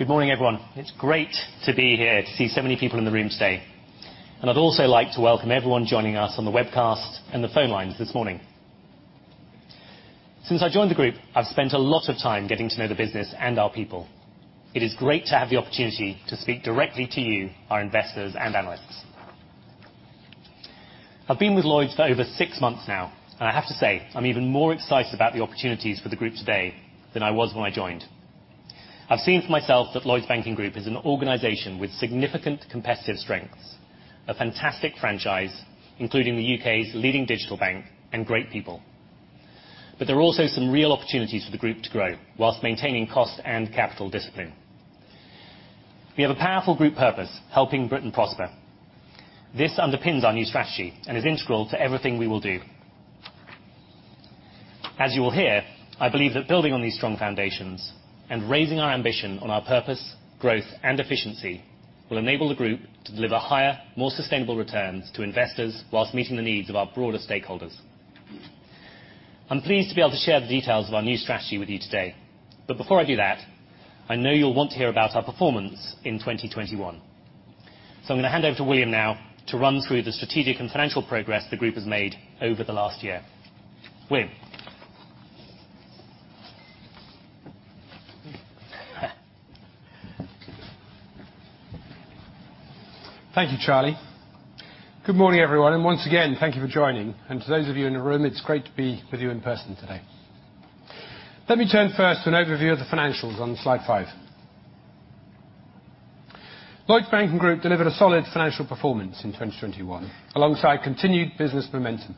Good morning, everyone. It's great to be here, to see so many people in the room today. I'd also like to welcome everyone joining us on the webcast and the phone lines this morning. Since I joined the group, I've spent a lot of time getting to know the business and our people. It is great to have the opportunity to speak directly to you, our investors and analysts. I've been with Lloyds for over six months now, and I have to say, I'm even more excited about the opportunities for the group today than I was when I joined. I've seen for myself that Lloyds Banking Group is an organization with significant competitive strengths, a fantastic franchise, including the U.K.'s leading digital bank and great people. There are also some real opportunities for the group to grow while maintaining cost and capital discipline. We have a powerful group purpose, helping Britain prosper. This underpins our new strategy and is integral to everything we will do. As you will hear, I believe that building on these strong foundations and raising our ambition on our purpose, growth, and efficiency will enable the group to deliver higher, more sustainable returns to investors while meeting the needs of our broader stakeholders. I'm pleased to be able to share the details of our new strategy with you today. Before I do that, I know you'll want to hear about our performance in 2021. I'm gonna hand over to William now to run through the strategic and financial progress the group has made over the last year. William. Thank you, Charlie. Good morning, everyone. Once again, thank you for joining. To those of you in the room, it's great to be with you in person today. Let me turn first to an overview of the financials on slide five. Lloyds Banking Group delivered a solid financial performance in 2021, alongside continued business momentum.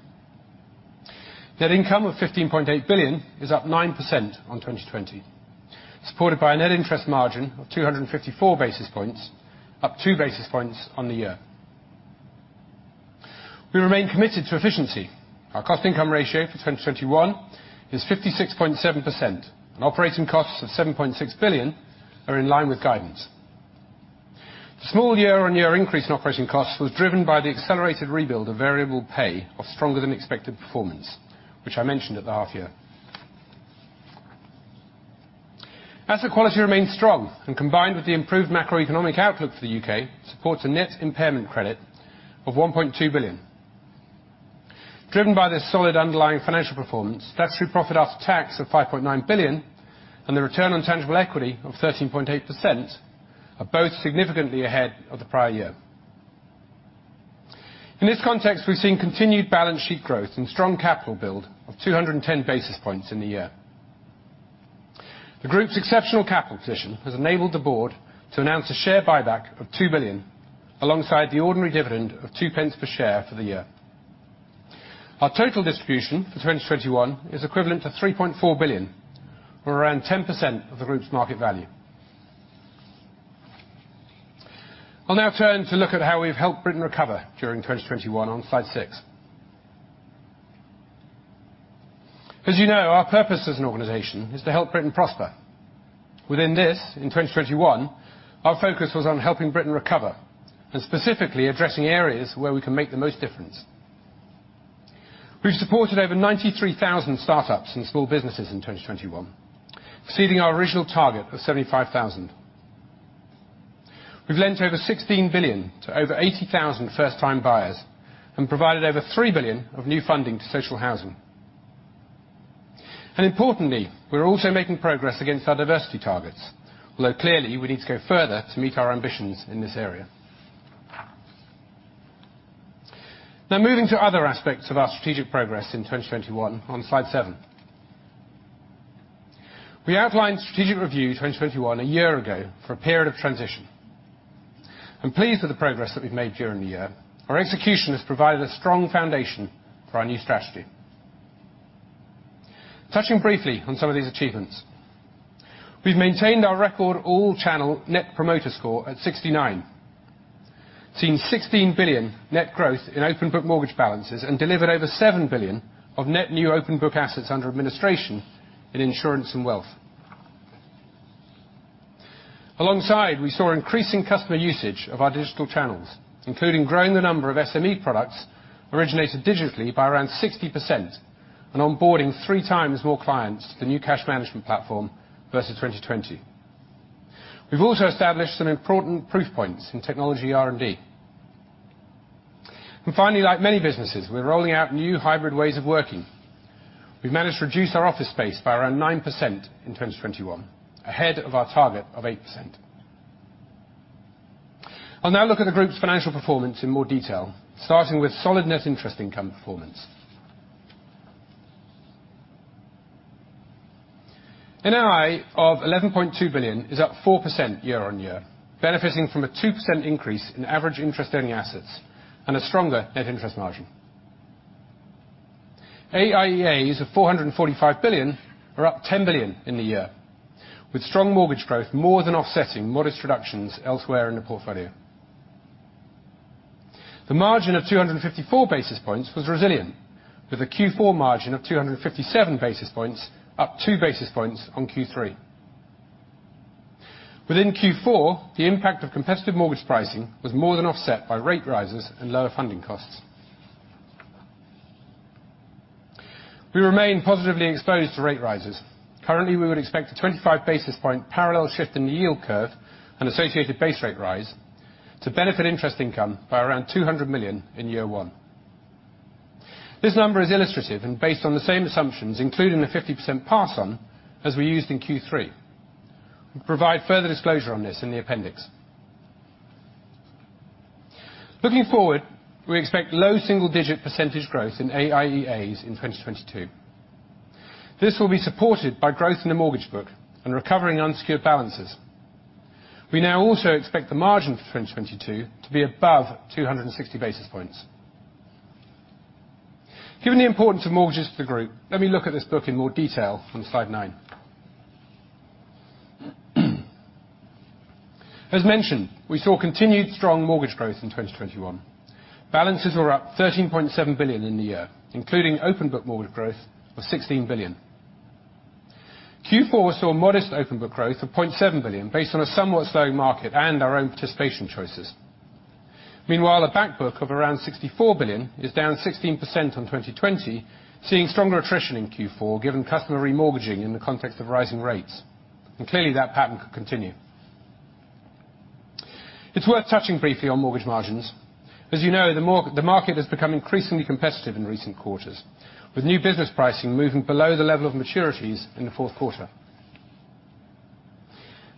Net income of 15.8 billion is up 9% on 2020, supported by a net interest margin of 254 basis points up 2 basis points on the year. We remain committed to efficiency. Our cost income ratio for 2021 is 56.7% and operating costs of 7.6 billion are in line with guidance. The small year-on-year increase in operating costs was driven by the accelerated rebuild of variable pay of stronger than expected performance which I mentioned at the half year. Asset quality remains strong and combined with the improved macroeconomic outlook for the U.K., supports a net impairment credit of 1.2 billion. Driven by this solid underlying financial performance, statutory profit after tax of 5.9 billion and the return on tangible equity of 13.8% are both significantly ahead of the prior year. In this context, we've seen continued balance sheet growth and strong capital build of 210 basis points in the year. The group's exceptional capital position has enabled the board to announce a share buyback of 2 billion alongside the ordinary dividend of 2 pence per share for the year. Our total distribution for 2021 is equivalent to 3.4 billion or around 10% of the group's market value. I'll now turn to look at how we've helped Britain recover during 2021 on slide six. As you know, our purpose as an organization is to help Britain prosper. Within this, in 2021, our focus was on helping Britain recover and specifically addressing areas where we can make the most difference. We've supported over 93,000 start-ups and small businesses in 2021, exceeding our original target of 75,000. We've lent over 16 billion to over 80,000 first time buyers and provided over 3 billion of new funding to social housing. Importantly, we're also making progress against our diversity targets, although clearly, we need to go further to meet our ambitions in this area. Now moving to other aspects of our strategic progress in 2021 on slide seven. We outlined Strategic Review 2021 a year ago for a period of transition. I'm pleased with the progress that we've made during the year. Our execution has provided a strong foundation for our new strategy. Touching briefly on some of these achievements, we've maintained our record all channel Net Promoter Score at 69. We've seen 16 billion net growth in open book mortgage balances and delivered over 7 billion of net new open book assets under administration in insurance and wealth. Alongside, we saw increasing customer usage of our digital channels including, growing the number of SME products originated digitally by around 60% and onboarding three times more clients to the new cash management platform versus 2020. We've also established some important proof points in technology R&D. Finally, like many businesses, we're rolling out new hybrid ways of working. We've managed to reduce our office space by around 9% in 2021 ahead of our target of 8%. I'll now look at the group's financial performance in more detail starting with solid net interest income performance. NII of 11.2 billion is up 4% year-on-year benefiting from a 2% increase in Average Interest Earning Assets and a stronger Net Interest Margin. AIEAs of 445 billion are up 10 billion in the year, with strong mortgage growth more than offsetting modest reductions elsewhere in the portfolio. The margin of 254 basis points was resilient with a Q4 margin of 257 basis points up 2 basis points on Q3. Within Q4, the impact of competitive mortgage pricing was more than offset by rate rises and lower funding costs. We remain positively exposed to rate rises. Currently, we would expect a 25 basis point parallel shift in the yield curve and associated base rate rise to benefit interest income by around 200 million in year one. This number is illustrative and based on the same assumptions including the 50% pass on, as we used in Q3. We provide further disclosure on this in the appendix. Looking forward, we expect low single-digit percentage growth in AIEAs in 2022. This will be supported by growth in the mortgage book and recovering unsecured balances. We now also expect the margin for 2022 to be above 260 basis points. Given the importance of mortgages to the group, let me look at this book in more detail on slide nine. As mentioned, we saw continued strong mortgage growth in 2021. Balances were up 13.7 billion in the year including, open book mortgage growth of 16 billion. Q4 saw modest open book growth of 0.7 billion based on a somewhat slowing market and our own participation choices. Meanwhile, a back book of around 64 billion is down 16% on 2020, seeing stronger attrition in Q4, given customer remortgaging in the context of rising rates. Clearly, that pattern could continue. It's worth touching briefly on mortgage margins. As you know, the market has become increasingly competitive in recent quarters with new business pricing moving below the level of maturities in the fourth quarter.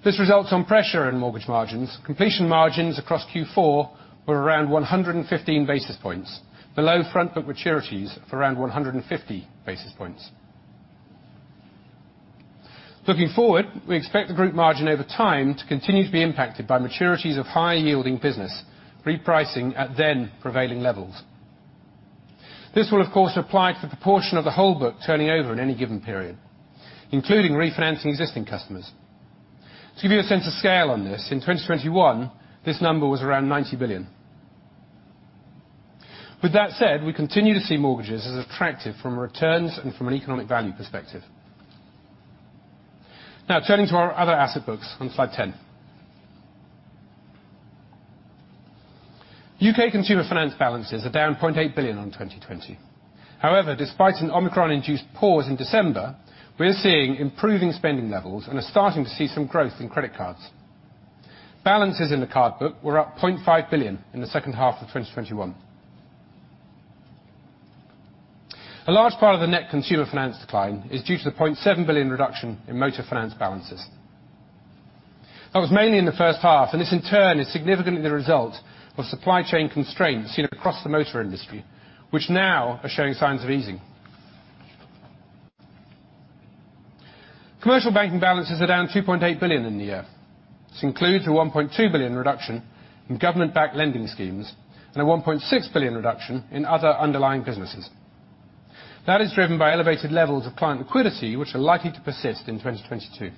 This results in pressure in mortgage margins. Completion margins across Q4 were around 115 basis points below front book maturities of around 150 basis points. Looking forward, we expect the group margin over time to continue to be impacted by maturities of high yielding business repricing at then prevailing levels. This will of course, apply to the proportion of the whole book turning over at any given period, including refinancing existing customers. To give you a sense of scale on this in 2021, this number was around 90 billion. With that said, we continue to see mortgages as attractive from a returns and from an economic value perspective. Now turning to our other asset books on slide 10. UK consumer finance balances are down 0.8 billion on 2020. However, despite an Omicron-induced pause in December, we are seeing improving spending levels and are starting to see some growth in credit cards. Balances in the card book were up 0.5 billion in the second half of 2021. A large part of the net consumer finance decline is due to the 0.7 billion reduction in motor finance balances. That was mainly in the first half and this in turn is significantly the result of supply chain constraints seen across the motor industry which now are showing signs of easing. Commercial banking balances are down 2.8 billion in the year. This includes a 1.2 billion reduction in government-backed lending schemes and a 1.6 billion reduction in other underlying businesses. That is driven by elevated levels of client liquidity which are likely to persist in 2022.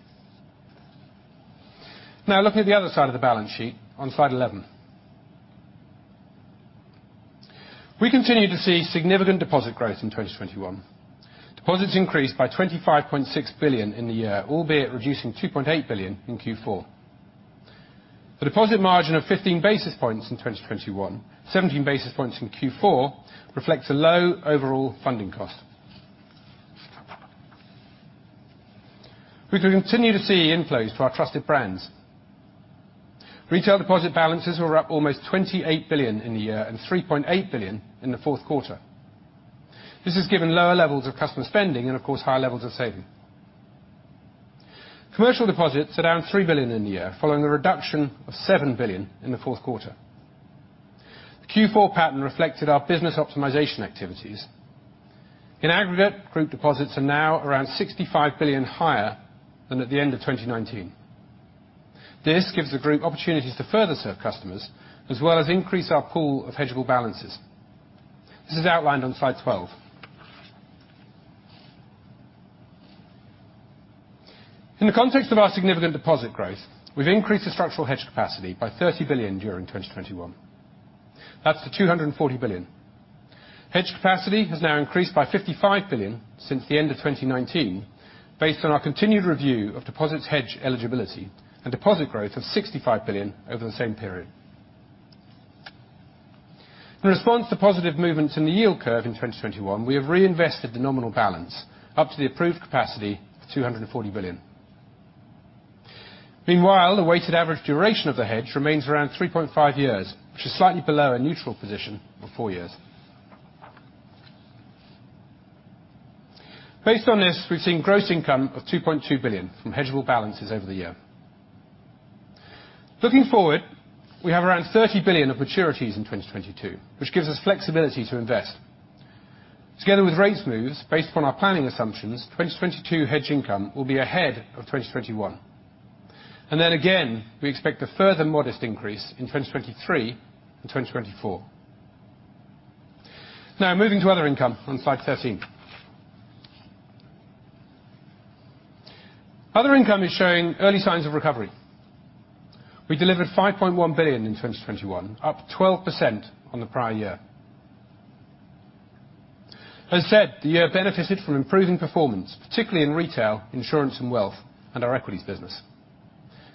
Now looking at the other side of the balance sheet on slide 11. We continue to see significant deposit growth in 2021. Deposits increased by 25.6 billion in the year albeit reducing 2.8 billion in Q4. The deposit margin of 15 basis points in 2021, 17 basis points in Q4 reflects a low overall funding cost. We continue to see inflows to our trusted brands. Retail deposit balances were up almost 28 billion in the year and 3.8 billion in the fourth quarter. This is given lower levels of customer spending and of course higher levels of saving. Commercial deposits are down 3 billion in the year following the reduction of 7 billion in the fourth quarter. The Q4 pattern reflected our business optimization activities. In aggregate, group deposits are now around 65 billion higher than at the end of 2019. This gives the group opportunities to further serve customers as well as increase our pool of hedgable balances. This is outlined on slide 12. In the context of our significant deposit growth, we've increased the structural hedge capacity by 30 billion during 2021. That's to 240 billion. Hedge capacity has now increased by 55 billion since the end of 2019 based on our continued review of deposits hedge eligibility and deposit growth of 65 billion over the same period. In response to positive movements in the yield curve in 2021, we have reinvested the nominal balance up to the approved capacity of 240 billion. Meanwhile, the weighted average duration of the hedge remains around three point five years which is slightly below a neutral position of four years. Based on this, we've seen gross income of 2.2 billion from hedgable balances over the year. Looking forward, we have around 30 billion of maturities in 2022 which gives us flexibility to invest. Together with rates moves based upon our planning assumptions, 2022 hedge income will be ahead of 2021. Then again, we expect a further modest increase in 2023 and 2024. Now moving to other income on slide 13. Other income is showing early signs of recovery. We delivered 5.1 billion in 2021 up 12% on the prior year. As said, the year benefited from improving performance particularly in retail, insurance and wealth and our equities business.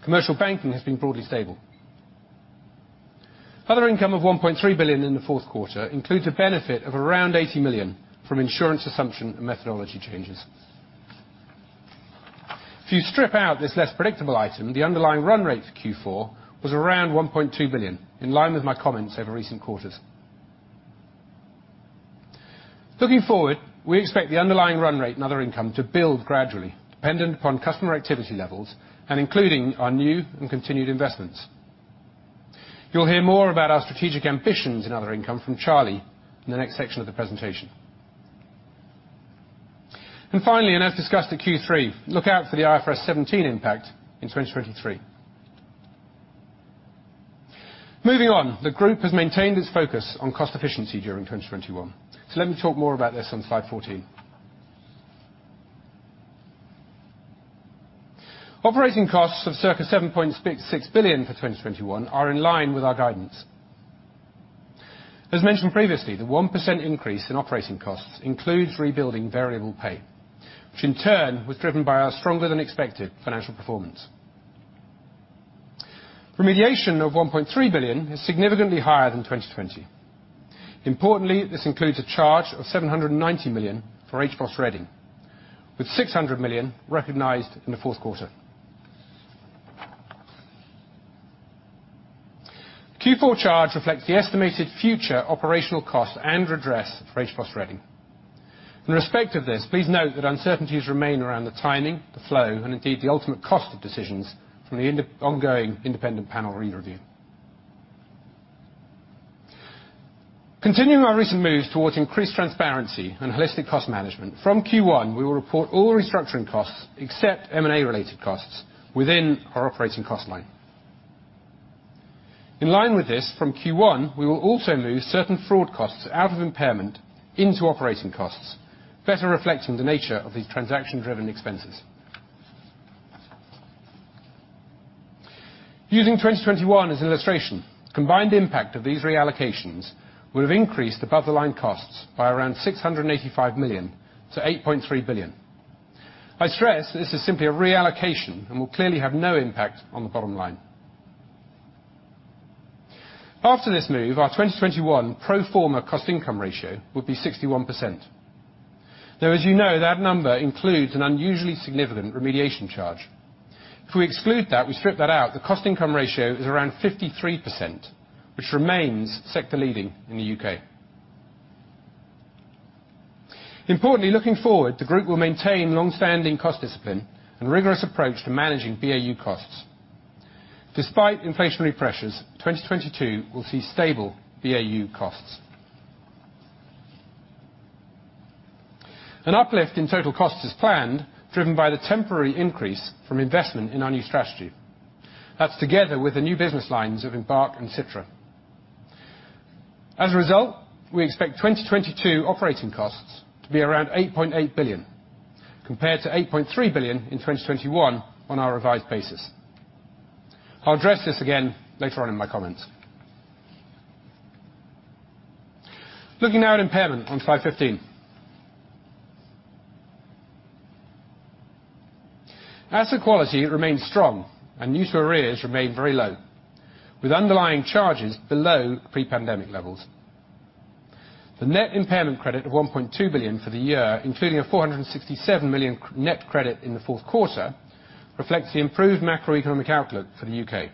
Commercial banking has been broadly stable. Other income of 1.3 billion in the fourth quarter includes a benefit of around 80 million from insurance assumption and methodology changes. If you strip out this less predictable item the underlying run rate for Q4 was around 1.2 billion in line with my comments over recent quarters. Looking forward, we expect the underlying run rate and other income to build gradually dependent upon customer activity levels and including our new and continued investments. You will hear more about our strategic ambitions in other income from Charlie in the next section of the presentation. Finally and as discussed at Q3, look out for the IFRS 17 impact in 2023. Moving on. The group has maintained its focus on cost efficiency during 2021. Let me talk more about this on slide 14. Operating costs of circa 7.6 billion for 2021 are in line with our guidance. As mentioned previously, the 1% increase in operating costs includes rebuilding variable pay, which in turn was driven by our stronger than expected financial performance. Remediation of 1.3 billion is significantly higher than 2020. Importantly, this includes a charge of 790 million for HBOS Reading with 600 million recognized in the fourth quarter. Q4 charge reflects the estimated future operational cost and redress for HBOS Reading. In respect of this, please note that uncertainties remain around the timing, the flow and indeed the ultimate cost of decisions from the ongoing independent panel re-review. Continuing our recent moves towards increased transparency and holistic cost management. From Q1, we will report all restructuring costs except M&A related costs within our operating cost line. In line with this, from Q1 we will also move certain fraud costs out of impairment into operating costs. Better reflecting the nature of these transaction-driven expenses. Using 2021 as an illustration, combined impact of these reallocations will have increased above the line costs by around 685 million-8.3 billion. I stress this is simply a reallocation and will clearly have no impact on the bottom line. After this move, our 2021 pro forma cost income ratio would be 61%. Though, as you know that number includes an unusually significant remediation charge. If we exclude that, we strip that out, the cost income ratio is around 53% which remains sector leading in the U.K. Importantly, looking forward, the group will maintain long-standing cost discipline and rigorous approach to managing BAU costs. Despite inflationary pressures, 2022 will see stable BAU costs. An uplift in total cost is planned driven by the temporary increase from investment in our new strategy. That's together with the new business lines of Embark and Citra. As a result, we expect 2022 operating costs to be around 8.8 billion, compared to 8.3 billion in 2021 on our revised basis. I'll address this again later on in my comments. Looking now at impairment on slide 15. Asset quality remains strong and new-to-arrears remain very low with underlying charges below pre-pandemic levels. The net impairment credit of 1.2 billion for the year including a 467 million net credit in the fourth quarter, reflects the improved macroeconomic outlook for the U.K.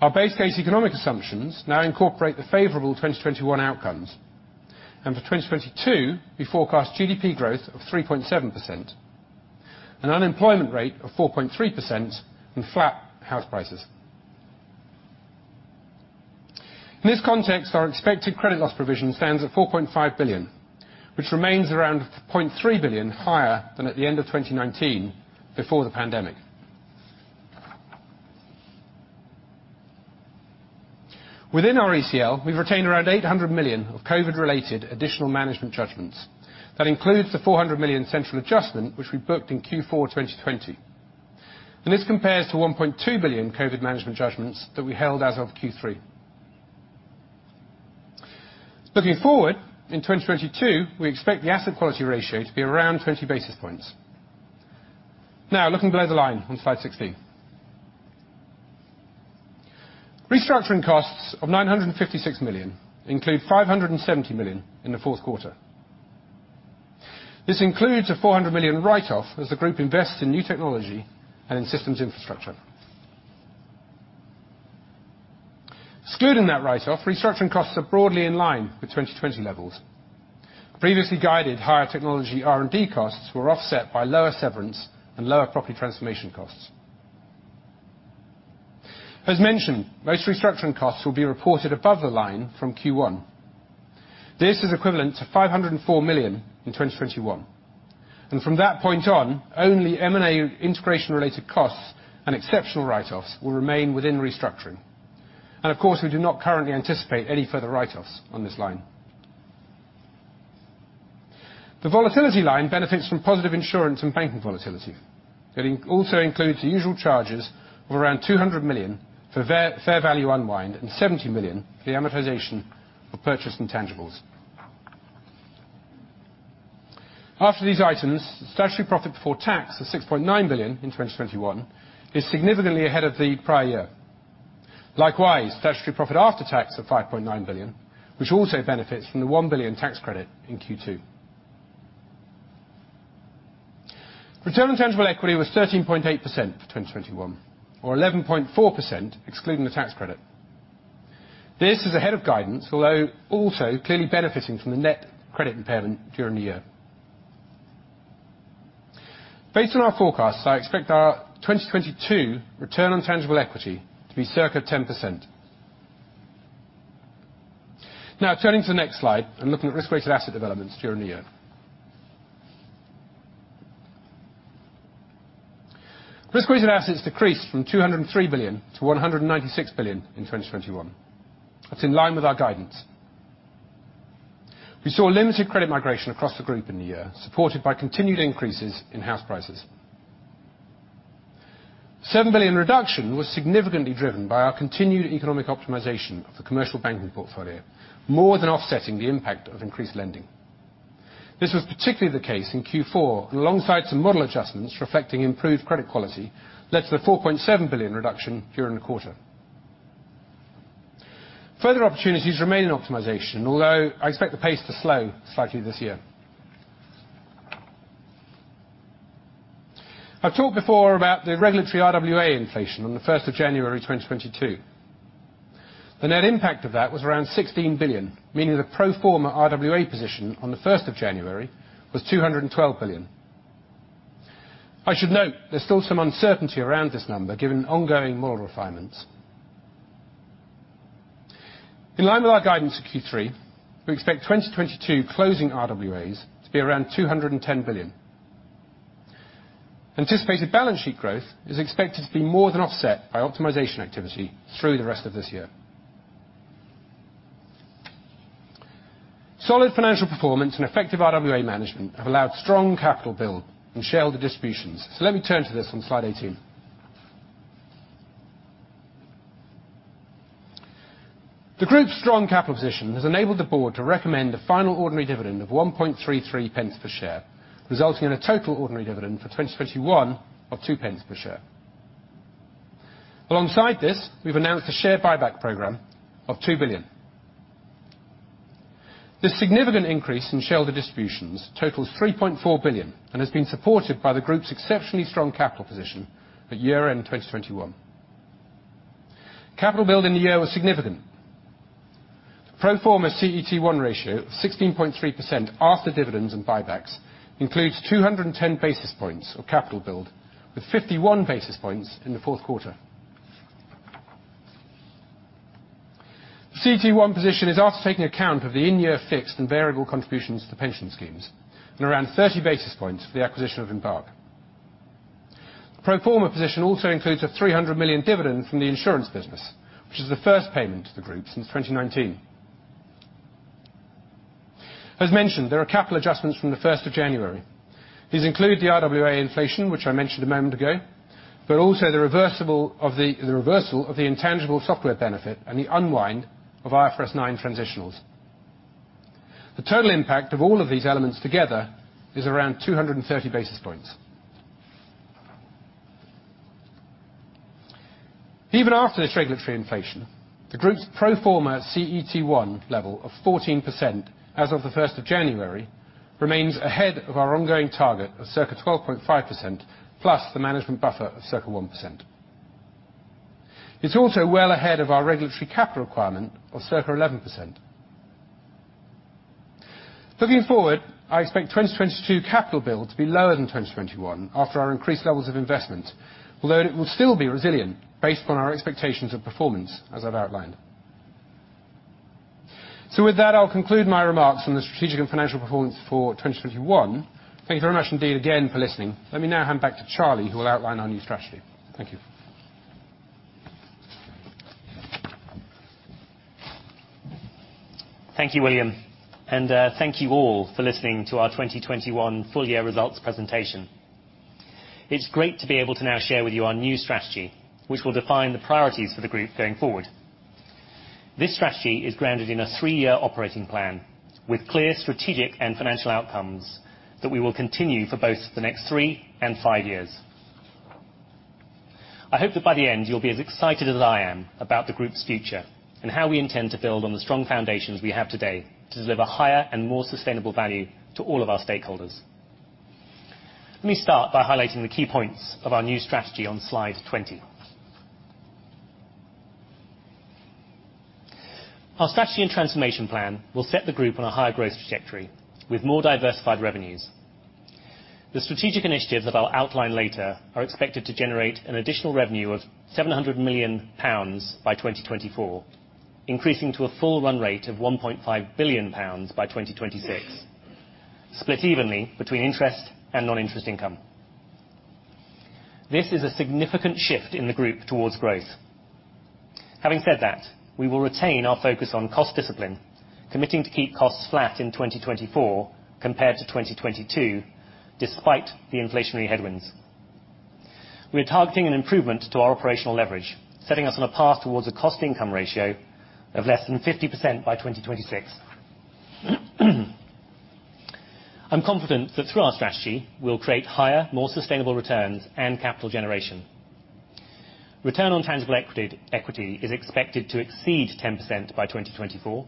Our base case economic assumptions now incorporate the favorable 2021 outcomes. For 2022, we forecast GDP growth of 3.7%, an unemployment rate of 4.3% and flat house prices. In this context, our expected credit loss provision stands at 4.5 billion which remains around 0.3 billion higher than at the end of 2019, before the pandemic. Within our ECL, we've retained around 800 million of COVID-related additional management judgments. That includes the 400 million central adjustment which we booked in Q4, 2020. This compares to 1.2 billion COVID management judgments to be held as of Q3. Looking forward in 2022, we expect the asset quality ratio to be around 20 basis points. Now looking below the line on slide 16. Restructuring costs of 956 million include 570 million in the fourth quarter. This includes a 400 million write-off as the group invests in new technology and in systems infrastructure. Excluding that write-off, restructuring costs are broadly in line with 2020 levels. Previously guided higher technology R&D costs were offset by lower severance and lower property transformation costs. As mentioned, most restructuring costs will be reported above the line from Q1. This is equivalent to 504 million in 2021. From that point on, only M&A integration related costs and exceptional write-offs will remain within restructuring. Of course, we do not currently anticipate any further write-offs on this line. The volatility line benefits from positive insurance and banking volatility. It also includes the usual charges of around 200 million for fair value unwind and 70 million for the amortization of purchase intangibles. After these items, statutory profit before tax of 6.9 billion in 2021 is significantly ahead of the prior year. Likewise, statutory profit after tax of 5.9 billion which also benefits from the 1 billion tax credit in Q2. Return on tangible equity was 13.8% for 2021 or 11.4% excluding the tax credit. This is ahead of guidance although also clearly benefiting from the net credit impairment during the year. Based on our forecasts, I expect our 2022 return on tangible equity to be circa 10%. Now turning to the next slide and looking at risk-weighted asset developments during the year. Risk-weighted assets decreased from 203 billion to 196 billion in 2021. That's in line with our guidance. We saw limited credit migration across the group in the year supported by continued increases in house prices. 7 billion reduction was significantly driven by our continued economic optimization of the commercial banking portfolio more than offsetting the impact of increased lending. This was particularly the case in Q4 alongside some model adjustments reflecting improved credit quality led to the 4.7 billion reduction during the quarter. Further opportunities remain in optimization, although I expect the pace to slow slightly this year. I've talked before about the regulatory RWA inflation on 1st January 2022. The net impact of that was around 16 billion meaning the pro forma RWA position on the 1st January was 212 billion. I should note there's still some uncertainty around this number given ongoing model refinements. In line with our guidance for Q3, we expect 2022 closing RWAs to be around 210 billion. Anticipated balance sheet growth is expected to be more than offset by optimization activity through the rest of this year. Solid financial performance and effective RWA management have allowed strong capital build and shareholder distributions. Let me turn to this on slide 18. The group's strong capital position has enabled the board to recommend a final ordinary dividend of 1.33 pence per share resulting in a total ordinary dividend for 2021 of 2 pence per share. Alongside this, we've announced a share buyback program of 2 billion. The significant increase in shareholder distributions totals 3.4 billion and has been supported by the group's exceptionally strong capital position at year-end 2021. Capital build in the year was significant. Pro forma CET1 ratio of 16.3% after dividends and buybacks includes 210 basis points of capital build with 51 basis points in the fourth quarter. The CET1 position is after taking account of the in-year fixed and variable contributions to the pension schemes and around 30 basis points for the acquisition of Embark. Pro forma position also includes a 300 million dividend from the insurance business which is the first payment to the group since 2019. As mentioned there are capital adjustments from the first of January. These include the RWA inflation which I mentioned a moment ago, but also the reversal of the intangible software benefit and the unwind of IFRS 9 transitional. The total impact of all of these elements together is around 230 basis points. Even after this regulatory inflation, the group's pro forma CET1 level of 14% as of the 1st of January remains ahead of our ongoing target of circa 12.5% plus the management buffer of circa 1%. It's also well ahead of our regulatory capital requirement of circa 11%. Looking forward, I expect 2022 capital build to be lower than 2021 after our increased levels of investment, although it will still be resilient based on our expectations of performance as I've outlined. With that I'll conclude my remarks on the strategic and financial performance for 2021. Thank you very much indeed again for listening. Let me now hand back to Charlie who will outline our new strategy. Thank you. Thank you William and thank you all for listening to our 2021 full year results presentation. It's great to be able to now share with you our new strategy which will define the priorities for the group going forward. This strategy is grounded in a three-year operating plan with clear strategic and financial outcomes that we will continue for both the next three and five years. I hope that by the end you'll be as excited as I am about the group's future and how we intend to build on the strong foundations we have today to deliver higher and more sustainable value to all of our stakeholders. Let me start by highlighting the key points of our new strategy on slide 20. Our strategy and transformation plan will set the group on a higher growth trajectory with more diversified revenues. The strategic initiatives that I'll outline later are expected to generate additional revenue of 700 million pounds by 2024 increasing to a full run rate of 1.5 billion pounds by 2026, split evenly between interest and non-interest income. This is a significant shift in the group towards growth. Having said that, we will retain our focus on cost discipline committing to keep costs flat in 2024 compared to 2022 despite the inflationary headwinds. We are targeting an improvement to our operational leverage setting us on a path towards a cost income ratio of less than 50% by 2026. I'm confident that through our strategy, we'll create higher more sustainable returns and capital generation. Return on tangible equity is expected to exceed 10% by 2024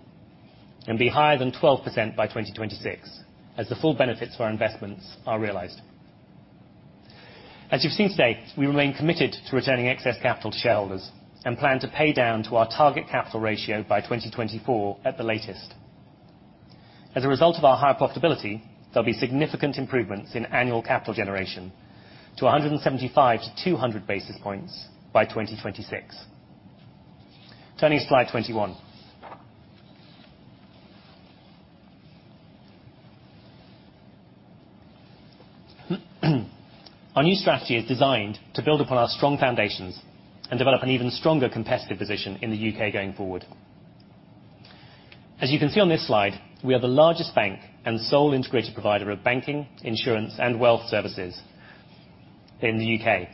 and be higher than 12% by 2026 as the full benefits to our investments are realized. As you've seen today, we remain committed to returning excess capital to shareholders and plan to pay down to our target capital ratio by 2024 at the latest. As a result of our high profitability, there'll be significant improvements in annual capital generation to 175-200 basis points by 2026. Turning to slide 21. Our new strategy is designed to build upon our strong foundations and develop an even stronger competitive position in the U.K. going forward. As you can see on this slide, we are the largest bank and sole integrated provider of banking, insurance and wealth services in the U.K.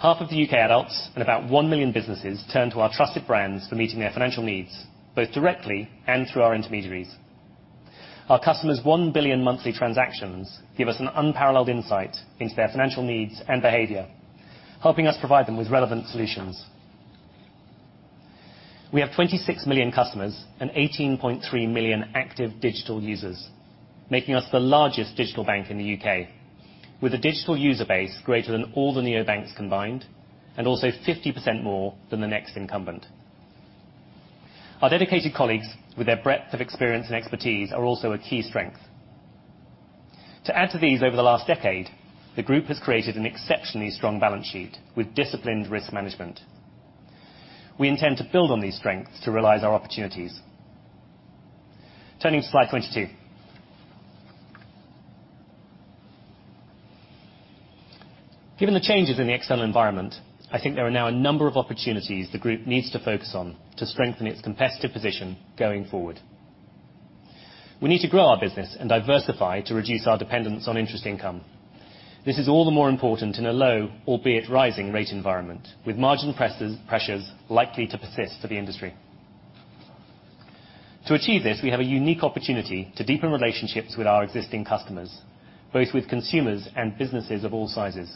Half of the U.K. adults and about 1 million businesses turn to our trusted brands for meeting their financial needs both directly and through our intermediaries. Our customers' 1 billion monthly transactions give us an unparalleled insight into their financial needs and behaviour, helping us provide them with relevant solutions. We have 26 million customers and 18.3 million active digital users making us the largest digital bank in the U.K., with a digital user base greater than all the Neobanks combined and also 50% more than the next incumbent. Our dedicated colleagues with their breadth of experience and expertise are also a key strength. To add to these over the last decade, the group has created an exceptionally strong balance sheet with disciplined risk management. We intend to build on these strengths to realize our opportunities. Turning to slide 22. Given the changes in the external environment, I think there are now a number of opportunities the group needs to focus on to strengthen its competitive position going forward. We need to grow our business and diversify to reduce our dependence on interest income. This is all the more important in a low albeit rising rate environment with margin pressures likely to persist for the industry. To achieve this, we have a unique opportunity to deepen relationships with our existing customers both with consumers and businesses of all sizes.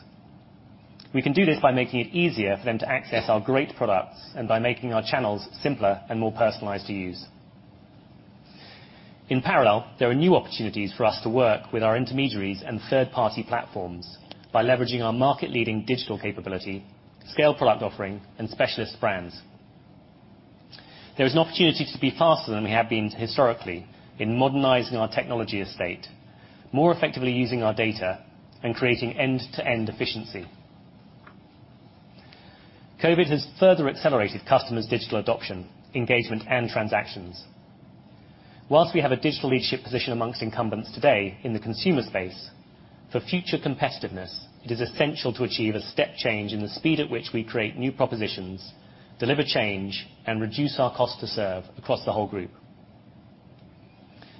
We can do this by making it easier for them to access our great products and by making our channels simpler and more personalized to use. In parallel, there are new opportunities for us to work with our intermediaries and third-party platforms by leveraging our market leading digital capability, scale product offering, and specialist brands. There is an opportunity to be faster than we have been historically in modernizing our technology estate more effectively using our data and creating end-to-end efficiency. COVID has further accelerated customers' digital adoption, engagement and transactions. While we have a digital leadership position amongst incumbents today in the consumer space, for future competitiveness, it is essential to achieve a step change in the speed at which we create new propositions, deliver change and reduce our cost to serve across the whole group.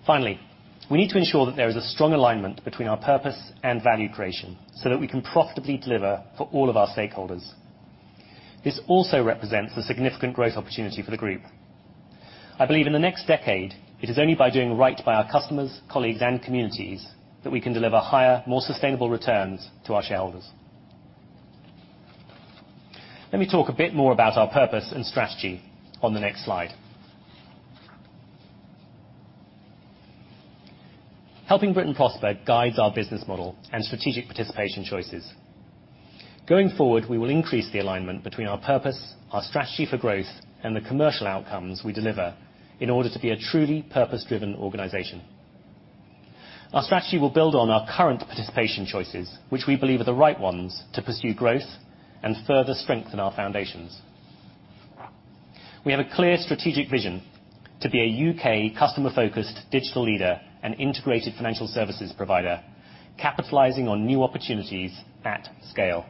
Finally, we need to ensure that there is a strong alignment between our purpose and value creation so that we can profitably deliver for all of our stakeholders. This also represents the significant growth opportunity for the group. I believe in the next decade, it is only by doing right by our customers, colleagues and communities that we can deliver higher more sustainable returns to our shareholders. Let me talk a bit more about our purpose and strategy on the next slide. Helping Britain Prosper guides our business model and strategic participation choices. Going forward, we will increase the alignment between our purpose, our strategy for growth and the commercial outcomes we deliver in order to be a truly purpose-driven organization. Our strategy will build on our current participation choices which we believe are the right ones to pursue growth and further strengthen our foundations. We have a clear strategic vision to be a U.K. customer-focused digital leader and integrated financial services provider capitalizing on new opportunities at scale.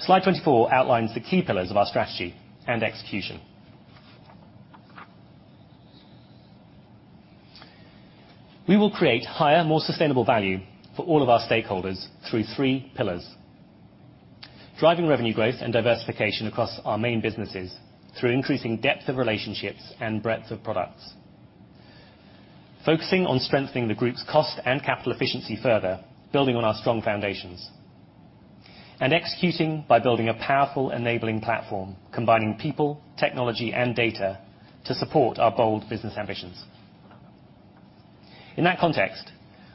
Slide 24 outlines the key pillars of our strategy and execution. We will create higher more sustainable value for all of our stakeholders through three pillars. Driving revenue growth and diversification across our main businesses through increasing depth of relationships and breadth of products. Focusing on strengthening the group's cost and capital efficiency further building on our strong foundations. Executing by building a powerful enabling platform, combining people, technology and data to support our bold business ambitions. In that context,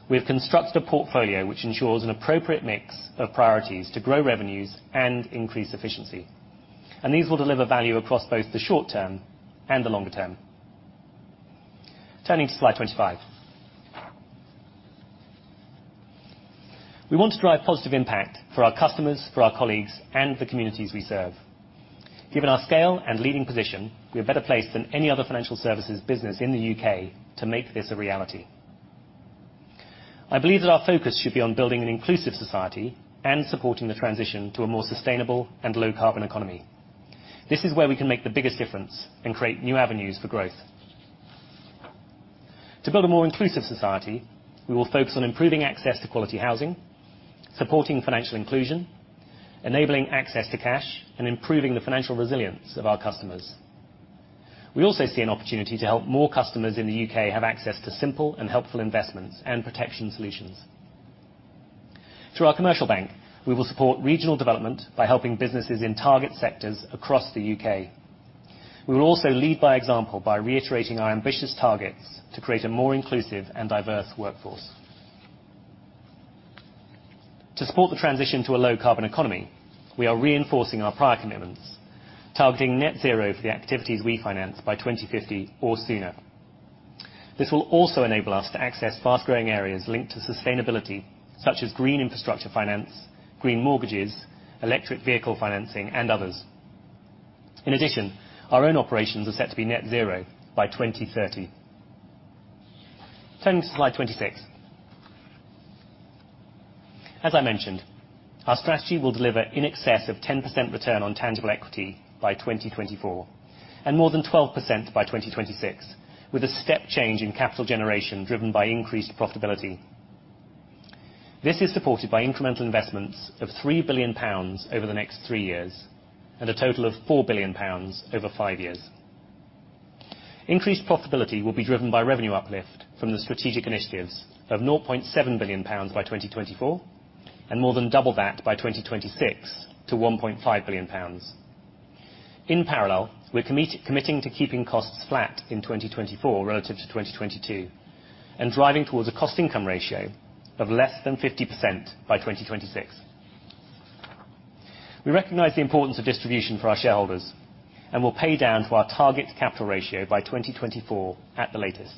we have constructed a portfolio which ensures an appropriate mix of priorities to grow revenues and increase efficiency. These will deliver value across both the short term and the longer term. Turning to slide 25. We want to drive positive impact for our customers, for our colleagues and the communities we serve. Given our scale and leading position, we are better placed than any other financial services business in the U.K. to make this a reality. I believe that our focus should be on building an inclusive society and supporting the transition to a more sustainable and low carbon economy. This is where we can make the biggest difference and create new avenues for growth. To build a more inclusive society, we will focus on improving access to quality housing, supporting financial inclusion, enabling access to cash and improving the financial resilience of our customers. We also see an opportunity to help more customers in the U.K. have access to simple and helpful investments and protection solutions. Through our commercial bank, we will support regional development by helping businesses in target sectors across the U.K. We will also lead by example by reiterating our ambitious targets to create a more inclusive and diverse workforce. To support the transition to a low carbon economy, we are reinforcing our prior commitments, targeting net zero for the activities we finance by 2050 or sooner. This will also enable us to access fast-growing areas linked to sustainability such as green infrastructure finance, green mortgages, electric vehicle financing and others. In addition, our own operations are set to be net zero by 2030. Turning to slide 26. As I mentioned, our strategy will deliver in excess of 10% return on tangible equity by 2024 and more than 12% by 2026 with a step change in capital generation driven by increased profitability. This is supported by incremental investments of 3 billion pounds over the next three years and a total of 4 billion pounds over five years. Increased profitability will be driven by revenue uplift from the strategic initiatives of 0.7 billion pounds by 2024 and more than double that by 2026 to 1.5 billion pounds. In parallel, we're committing to keeping costs flat in 2024 relative to 2022 and driving towards a cost-income ratio of less than 50% by 2026. We recognize the importance of distribution for our shareholders and will pay down to our target capital ratio by 2024 at the latest.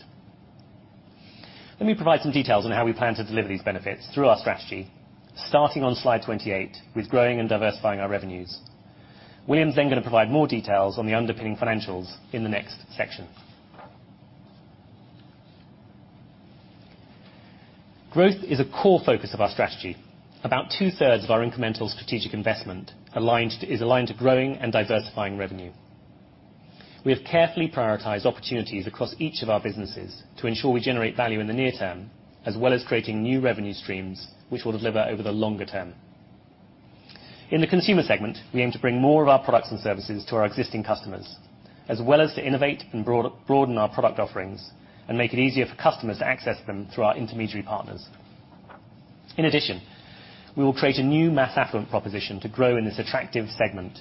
Let me provide some details on how we plan to deliver these benefits through our strategy. Starting on slide 28 with growing and diversifying our revenues. William's then gonna provide more details on the underpinning financials in the next section. Growth is a core focus of our strategy. About 2/3 of our incremental strategic investment is aligned to growing and diversifying revenue. We have carefully prioritized opportunities across each of our businesses to ensure we generate value in the near term as well as creating new revenue streams which will deliver over the longer term. In the consumer segment, we aim to bring more of our products and services to our existing customers as well as to innovate and broaden our product offerings and make it easier for customers to access them through our intermediary partners. In addition, we will create a new mass affluent proposition to grow in this attractive segment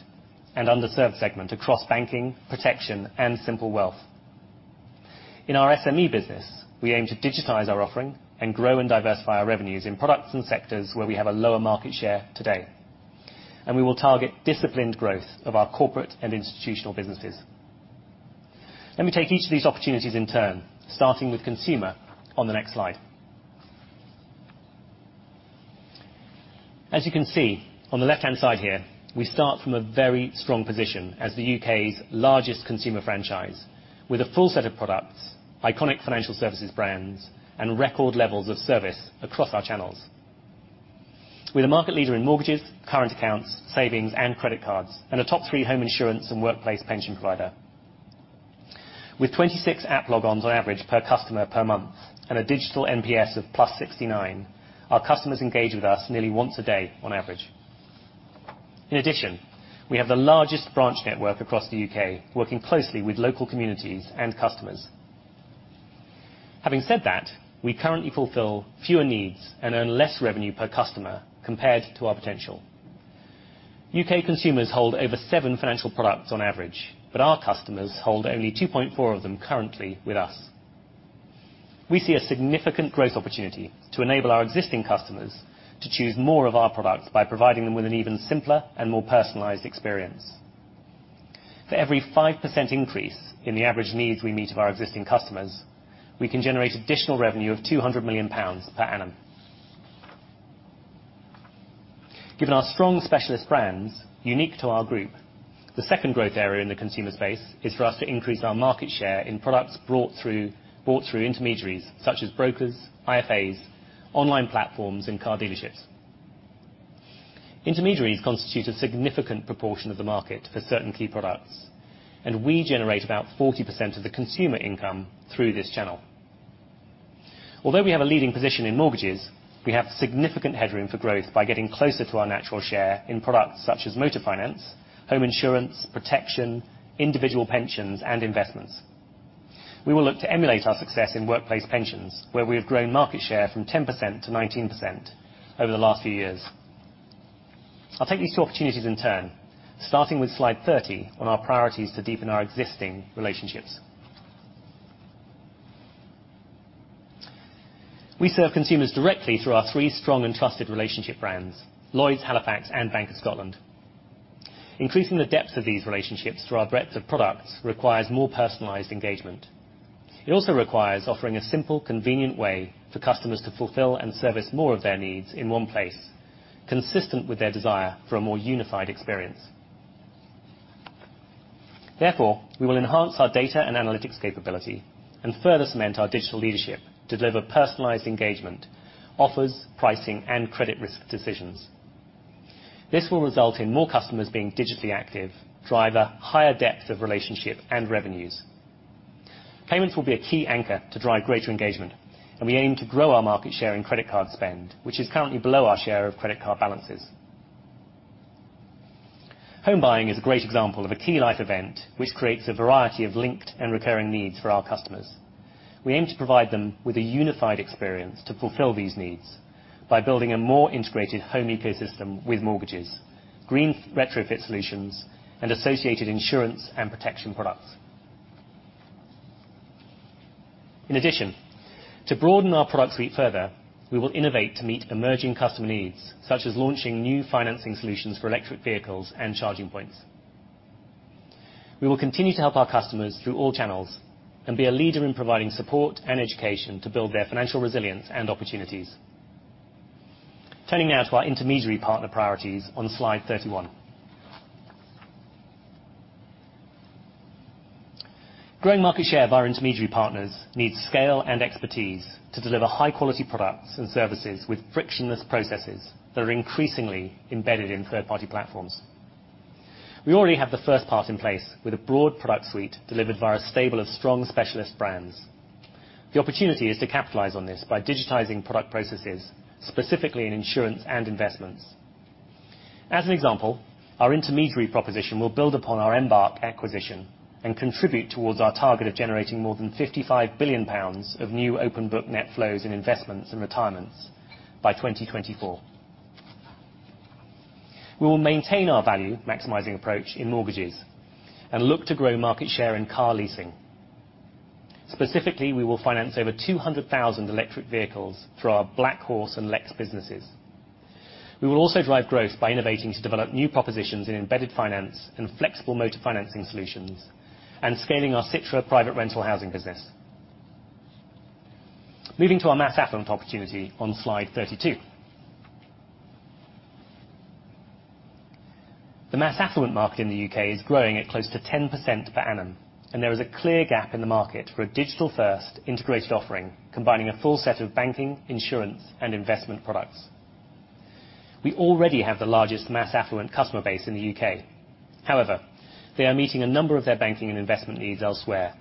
and underserved segment across banking, protection and simple wealth. In our SME business, we aim to digitize our offering and grow and diversify our revenues in products and sectors where we have a lower market share today and we will target disciplined growth of our corporate and institutional businesses. Let me take each of these opportunities in turn starting with consumer on the next slide. As you can see on the left-hand side here, we start from a very strong position as the U.K.'s largest consumer franchise with a full set of products, iconic financial services brands and record levels of service across our channels. We're a market leader in mortgages, current accounts, savings and credit cards and a top three home insurance and workplace pension provider. With 26 app logons on average per customer per month and a digital NPS of +69, our customers engage with us nearly once a day on average. In addition, we have the largest branch network across the U.K., working closely with local communities and customers. Having said that, we currently fulfil fewer needs and earn less revenue per customer compared to our potential. UK consumers hold over seven financial products on average but our customers hold only 2.4 of them currently with us. We see a significant growth opportunity to enable our existing customers to choose more of our products by providing them with an even simpler and more personalized experience. For every 5% increase in the average needs we meet of our existing customers we can generate additional revenue of 200 million pounds per annum. Given our strong specialist brands unique to our group, the second growth area in the consumer space is for us to increase our market share in products brought through intermediaries such as brokers, IFAs, online platforms, and car dealerships. Intermediaries constitute a significant proportion of the market for certain key products and we generate about 40% of the consumer income through this channel. Although we have a leading position in mortgages, we have significant headroom for growth by getting closer to our natural share in products such as motor finance, home insurance, protection, individual pensions and investments. We will look to emulate our success in workplace pensions where we have grown market share from 10% to 19% over the last few years. I'll take these two opportunities in turn, starting with slide 30 on our priorities to deepen our existing relationships. We serve consumers directly through our three strong and trusted relationship brands, Lloyds, Halifax and Bank of Scotland. Increasing the depth of these relationships through our breadth of products requires more personalized engagement. It also requires offering a simple, convenient way for customers to fulfil and service more of their needs in one place, consistent with their desire for a more unified experience. Therefore, we will enhance our data and analytics capability and further cement our digital leadership to deliver personalized engagement, offers, pricing and credit risk decisions. This will result in more customers being digitally active, drive a higher depth of relationship and revenues. Payments will be a key anchor to drive greater engagement and we aim to grow our market share in credit card spend which is currently below our share of credit card balances. Home buying is a great example of a key life event which creates a variety of linked and recurring needs for our customers. We aim to provide them with a unified experience to fulfil these needs by building a more integrated home ecosystem with mortgages, green retrofit solutions, and associated insurance and protection products. In addition, to broaden our product suite further, we will innovate to meet emerging customer needs such as launching new financing solutions for electric vehicles and charging points. We will continue to help our customers through all channels and be a leader in providing support and education to build their financial resilience and opportunities. Turning now to our intermediary partner priorities on slide 31. Growing market share of our intermediary partners needs scale and expertise to deliver high-quality products and services with frictionless processes that are increasingly embedded in third-party platforms. We already have the first part in place with a broad product suite delivered by our stable of strong specialist brands. The opportunity is to capitalize on this by digitizing product processes specifically in insurance and investments. As an example, our intermediary proposition will build upon our Embark acquisition and contribute towards our target of generating more than GBP 55 billion of new open book net flows in investments and retirements by 2024. We will maintain our value-maximizing approach in mortgages and look to grow market share in car leasing. Specifically, we will finance over 200,000 electric vehicles through our Black Horse and Lex businesses. We will also drive growth by innovating to develop new propositions in embedded finance and flexible motor financing solutions and scaling our Citra private rental housing business. Moving to our mass affluent opportunity on slide 32. The mass affluent market in the U.K. is growing at close to 10% per annum, and there is a clear gap in the market for a digital-first integrated offering combining a full set of banking, insurance and investment products. We already have the largest mass affluent customer base in the U.K. However, they are meeting a number of their banking and investment needs elsewhere.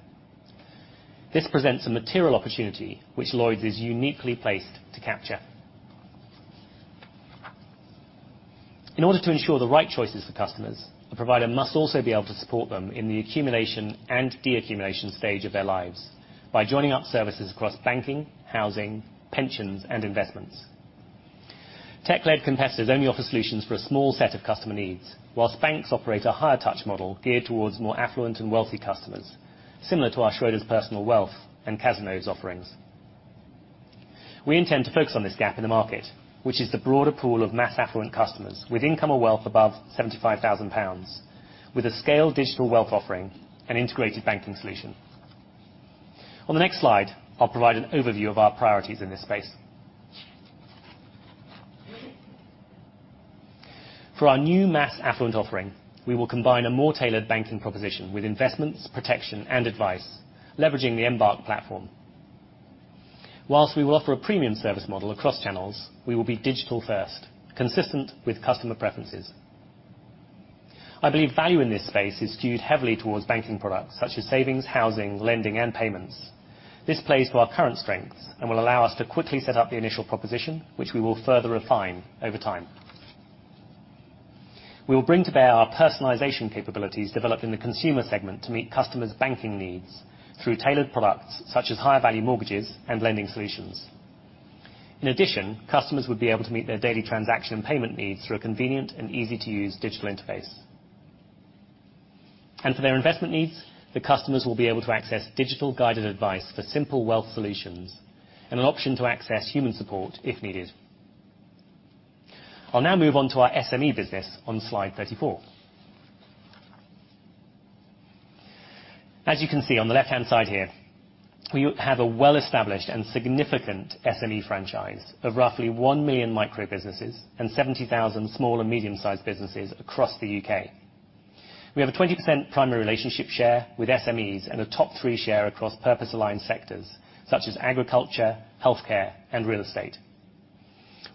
This presents a material opportunity which Lloyds is uniquely placed to capture. In order to ensure the right choices for customers, the provider must also be able to support them in the accumulation and de-accumulation stage of their lives by joining up services across banking, housing, pensions and investments. Tech-led competitors only offer solutions for a small set of customer needs while banks operate a higher touch model geared towards more affluent and wealthy customers similar to our Schroders Personal Wealth and Cazenove Capital offerings. We intend to focus on this gap in the market which is the broader pool of mass affluent customers with income or wealth above 75,000 pounds with a scaled digital wealth offering and integrated banking solution. On the next slide, I'll provide an overview of our priorities in this space. For our new mass affluent offering, we will combine a more tailored banking proposition with investments, protection and advice, leveraging the Embark platform. While we will offer a premium service model across channels, we will be digital first consistent with customer preferences. I believe value in this space is skewed heavily towards banking products such as savings, housing, lending and payments. This plays to our current strengths and will allow us to quickly set up the initial proposition which we will further refine over time. We will bring to bear our personalization capabilities developed in the consumer segment to meet customers' banking needs through tailored products such as higher value mortgages and lending solutions. In addition, customers would be able to meet their daily transaction and payment needs through a convenient and easy-to-use digital interface. For their investment needs, the customers will be able to access digital guided advice for simple wealth solutions and an option to access human support if needed. I'll now move on to our SME business on slide 34. As you can see on the left-hand side here, we have a well-established and significant SME franchise of roughly 1 million micro-businesses and 70,000 small and medium-sized businesses across the U.K. We have a 20% primary relationship share with SMEs and a top three share across purpose aligned sectors such as agriculture, healthcare and real estate.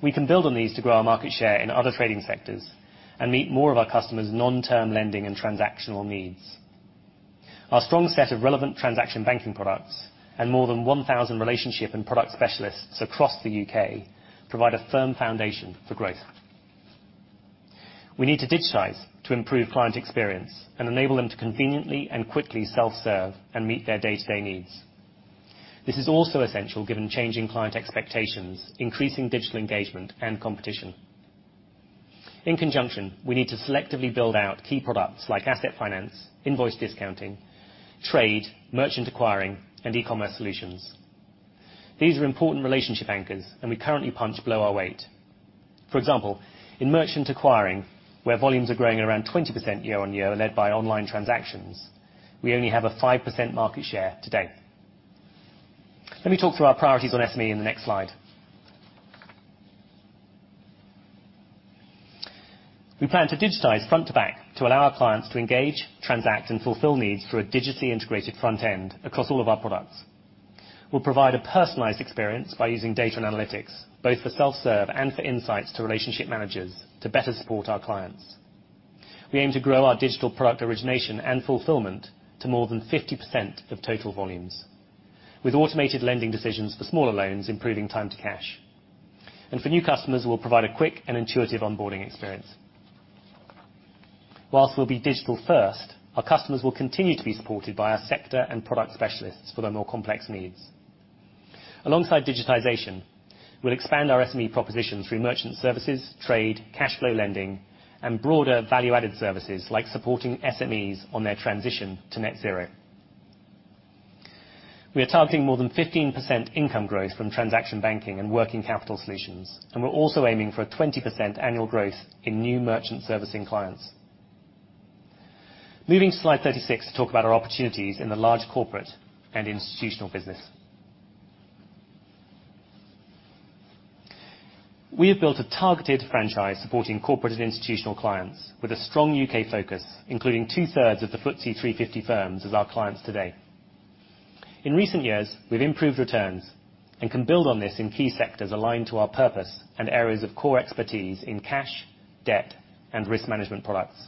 We can build on these to grow our market share in other trading sectors and meet more of our customers' non-term lending and transactional needs. Our strong set of relevant transaction banking products and more than 1,000 relationship and product specialists across the U.K. provide a firm foundation for growth. We need to digitize to improve client experience and enable them to conveniently and quickly self-serve and meet their day-to-day needs. This is also essential given changing client expectations, increasing digital engagement and competition. In conjunction, we need to selectively build out key products like asset finance, invoice discounting, trade, merchant acquiring and e-commerce solutions. These are important relationship anchors and we currently punch below our weight. For example, in merchant acquiring where volumes are growing around 20% year-on-year led by online transactions, we only have a 5% market share today. Let me talk through our priorities on SME in the next slide. We plan to digitize front to back to allow our clients to engage, transact and fulfil needs through a digitally integrated front end across all of our products. We'll provide a personalized experience by using data and analytics both for self-serve and for insights to relationship managers to better support our clients. We aim to grow our digital product origination and fulfilment to more than 50% of total volumes with automated lending decisions for smaller loans improving time to cash. For new customers we'll provide a quick and intuitive onboarding experience. Whilst we'll be digital first, our customers will continue to be supported by our sector and product specialists for their more complex needs. Alongside digitization, we'll expand our SME proposition through merchant services, trade, cash flow lending and broader value-added services like supporting SMEs on their transition to net zero. We are targeting more than 15% income growth from transaction banking and working capital solutions and we're also aiming for a 20% annual growth in new merchant servicing clients. Moving to slide 36 to talk about our opportunities in the large corporate and institutional business. We have built a targeted franchise supporting corporate institutional clients with a strong U.K. focus including 2/3 of the FTSE 350 firms as our clients today. In recent years, we've improved returns and can build on this in key sectors aligned to our purpose and areas of core expertise in cash, debt and risk management products.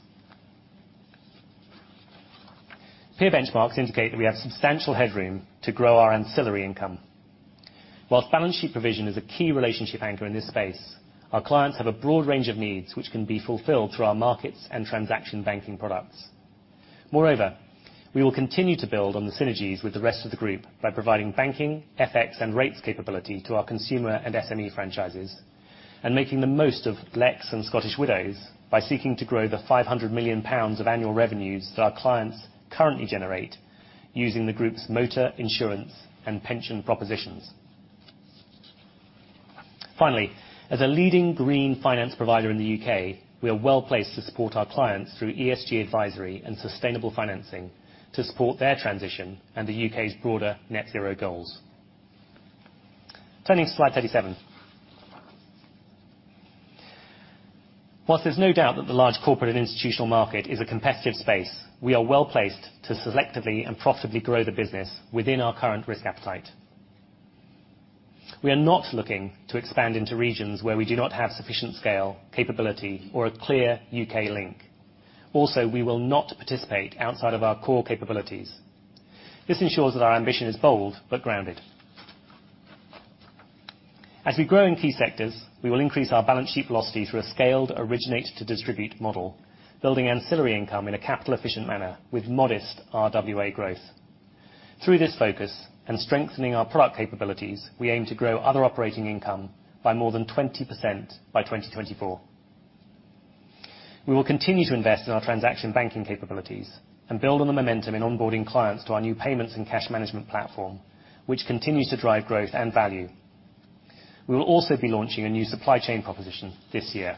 Peer benchmarks indicate that we have substantial headroom to grow our ancillary income. While balance sheet provision is a key relationship anchor in this space, our clients have a broad range of needs which can be fulfilled through our markets and transaction banking products. Moreover, we will continue to build on the synergies with the rest of the group by providing banking, FX and rates capability to our consumer and SME franchises and making the most of Lex and Scottish Widows by seeking to grow the 500 million pounds of annual revenues that our clients currently generate using the group's motor insurance and pension propositions. Finally, as a leading green finance provider in the U.K., we are well-placed to support our clients through ESG advisory and sustainable financing to support their transition and the UK broader net zero goals. Turning to slide 37. While there's no doubt that the large corporate and institutional market is a competitive space, we are well-placed to selectively and profitably grow the business within our current risk appetite. We are not looking to expand into regions where we do not have sufficient scale, capability, or a clear U.K. link. Also, we will not participate outside of our core capabilities. This ensures that our ambition is bold but grounded. As we grow in key sectors, we will increase our balance sheet velocity through a scaled originate to distribute model, building ancillary income in a capital-efficient manner with modest RWA growth. Through this focus and strengthening our product capabilities, we aim to grow other operating income by more than 20% by 2024. We will continue to invest in our transaction banking capabilities and build on the momentum in onboarding clients to our new payments and cash management platform which continues to drive growth and value. We will also be launching a new supply chain proposition this year.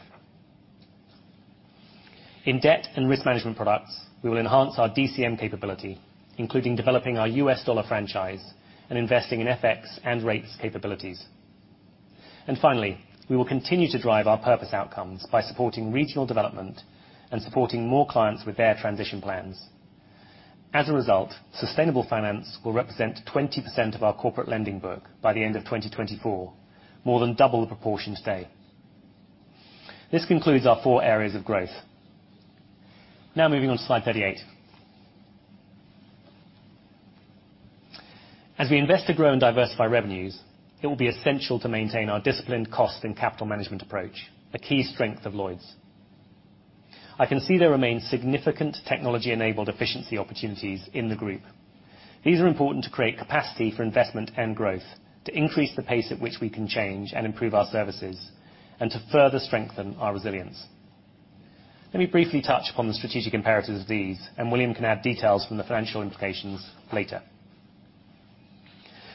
In debt and risk management products, we will enhance our DCM capability including developing our US dollar franchise and investing in FX and rates capabilities. Finally, we will continue to drive our purpose outcomes by supporting regional development and supporting more clients with their transition plans. As a result, sustainable finance will represent 20% of our corporate lending book by the end of 2024 more than double the proportion today. This concludes our four areas of growth. Now moving on to slide 38. As we invest to grow and diversify revenues, it will be essential to maintain our disciplined cost and capital management approach, a key strength of Lloyds. I can see there remains significant technology-enabled efficiency opportunities in the group. These are important to create capacity for investment and growth to increase the pace at which we can change and improve our services and to further strengthen our resilience. Let me briefly touch upon the strategic imperatives of these and William can add details from the financial implications later.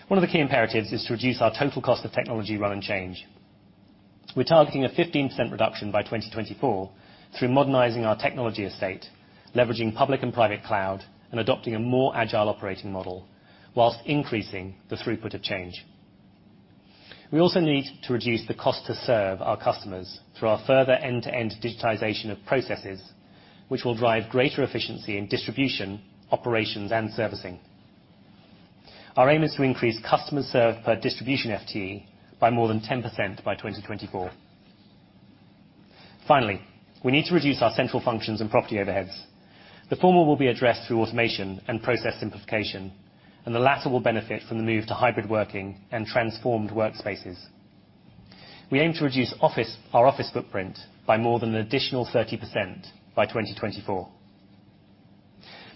One of the key imperatives is to reduce our total cost of technology run and change. We're targeting a 15% reduction by 2024 through modernizing our technology estate, leveraging public and private cloud, and adopting a more agile operating model while increasing the throughput of change. We also need to reduce the cost to serve our customers through our further end-to-end digitization of processes which will drive greater efficiency in distribution, operations, and servicing. Our aim is to increase customers served per distribution FTE by more than 10% by 2024. Finally, we need to reduce our central functions and property overheads. The former will be addressed through automation and process simplification and the latter will benefit from the move to hybrid working and transformed workspaces. We aim to reduce our office footprint by more than an additional 30% by 2024.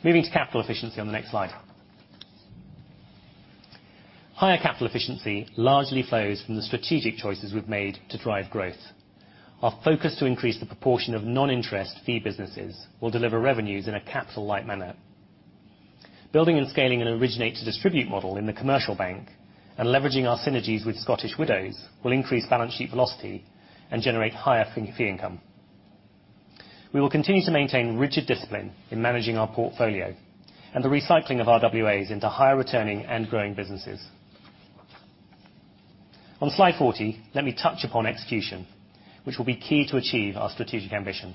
Moving to capital efficiency on the next slide. Higher capital efficiency largely flows from the strategic choices we've made to drive growth. Our focus to increase the proportion of non-interest fee businesses will deliver revenues in a capital-light manner. Building and scaling an originate to distribute model in the commercial bank and leveraging our synergies with Scottish Widows will increase balance sheet velocity and generate higher fee income. We will continue to maintain rigid discipline in managing our portfolio and the recycling of RWAs into higher returning and growing businesses. On slide 40, let me touch upon execution which will be key to achieve our strategic ambition.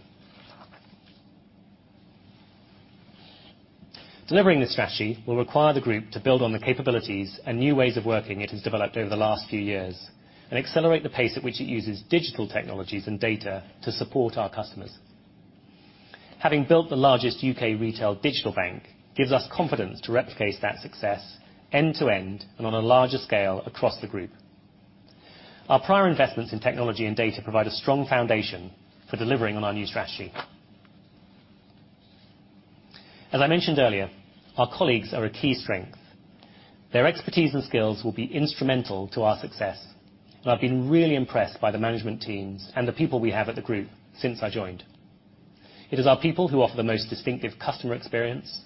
Delivering this strategy will require the group to build on the capabilities and new ways of working it has developed over the last few years and accelerate the pace at which it uses digital technologies and data to support our customers. Having built the largest U.K. retail digital bank gives us confidence to replicate that success end to end and on a larger scale across the group. Our prior investments in technology and data provide a strong foundation for delivering on our new strategy. As I mentioned earlier, our colleagues are a key strength. Their expertise and skills will be instrumental to our success and I've been really impressed by the management teams and the people we have at the group since I joined. It is our people who offer the most distinctive customer experience,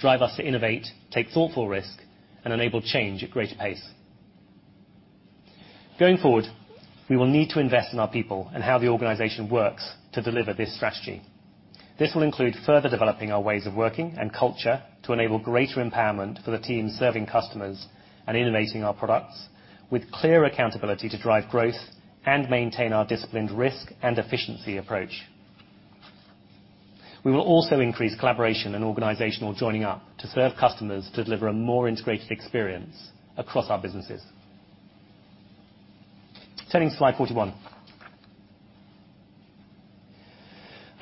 drive us to innovate, take thoughtful risk and enable change at greater pace. Going forward, we will need to invest in our people and how the organization works to deliver this strategy. This will include further developing our ways of working and culture to enable greater empowerment for the team serving customers and innovating our products with clear accountability to drive growth and maintain our disciplined risk and efficiency approach. We will also increase collaboration and organizational joining up to serve customers to deliver a more integrated experience across our businesses. Turning to slide 41.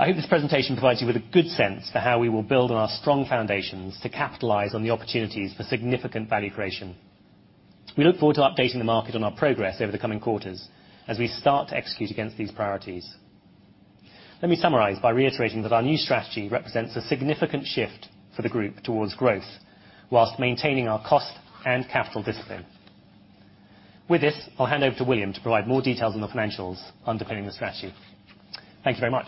I hope this presentation provides you with a good sense for how we will build on our strong foundations to capitalize on the opportunities for significant value creation. We look forward to updating the market on our progress over the coming quarters as we start to execute against these priorities. Let me summarize by reiterating that our new strategy represents a significant shift for the group towards growth while maintaining our cost and capital discipline. With this, I'll hand over to William to provide more details on the financials underpinning the strategy. Thank you very much.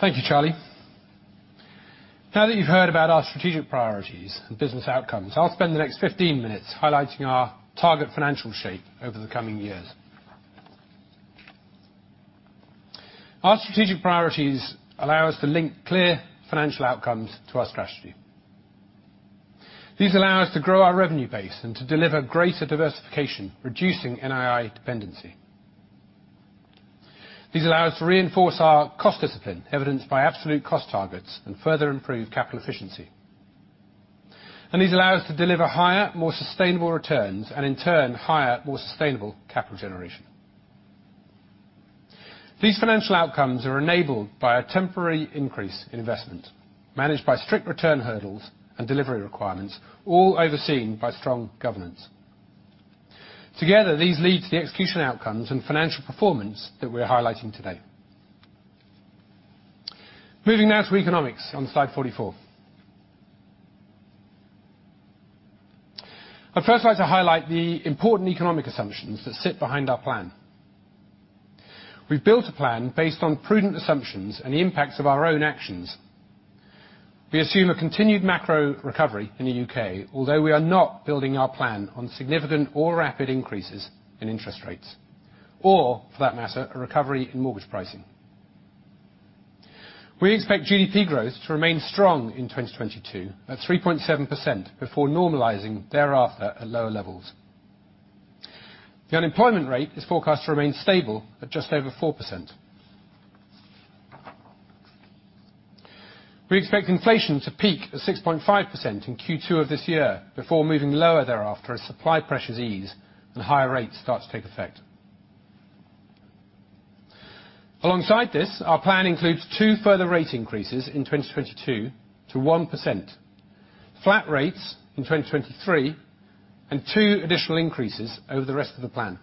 Thank you, Charlie. Now that you've heard about our strategic priorities and business outcomes, I'll spend the next 15 minutes highlighting our target financial shape over the coming years. Our strategic priorities allow us to link clear financial outcomes to our strategy. These allow us to grow our revenue base and to deliver greater diversification reducing NII dependency. These allow us to reinforce our cost discipline evidenced by absolute cost targets and further improve capital efficiency. These allow us to deliver higher more sustainable returns, and in turn, higher more sustainable capital generation. These financial outcomes are enabled by a temporary increase in investment managed by strict return hurdles and delivery requirements. All overseen by strong governance. Together, these lead to the execution outcomes and financial performance that we're highlighting today. Moving now to economics on slide 44. I'd first like to highlight the important economic assumptions that sit behind our plan. We've built a plan based on prudent assumptions and the impacts of our own actions. We assume a continued macro recovery in the U.K., although we are not building our plan on significant or rapid increases in interest rates, or for that matter, a recovery in mortgage pricing. We expect GDP growth to remain strong in 2022 at 3.7% before normalizing thereafter at lower levels. The unemployment rate is forecast to remain stable at just over 4%. We expect inflation to peak at 6.5% in Q2 of this year before moving lower thereafter as supply pressures ease and higher rates start to take effect. Alongside this, our plan includes two further rate increases in 2022 to 1%. Flat rates in 2023 and two additional increases over the rest of the plan.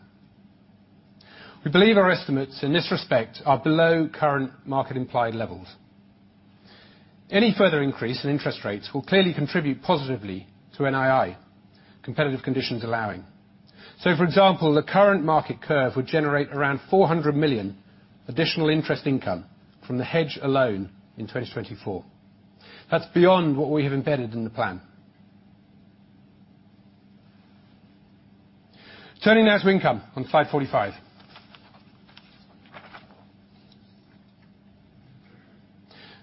We believe our estimates in this respect are below current market implied levels. Any further increase in interest rates will clearly contribute positively to NII, competitive conditions allowing. For example, the current market curve would generate around 400 million additional interest income from the hedge alone in 2024. That's beyond what we have embedded in the plan. Turning now to income on slide 45.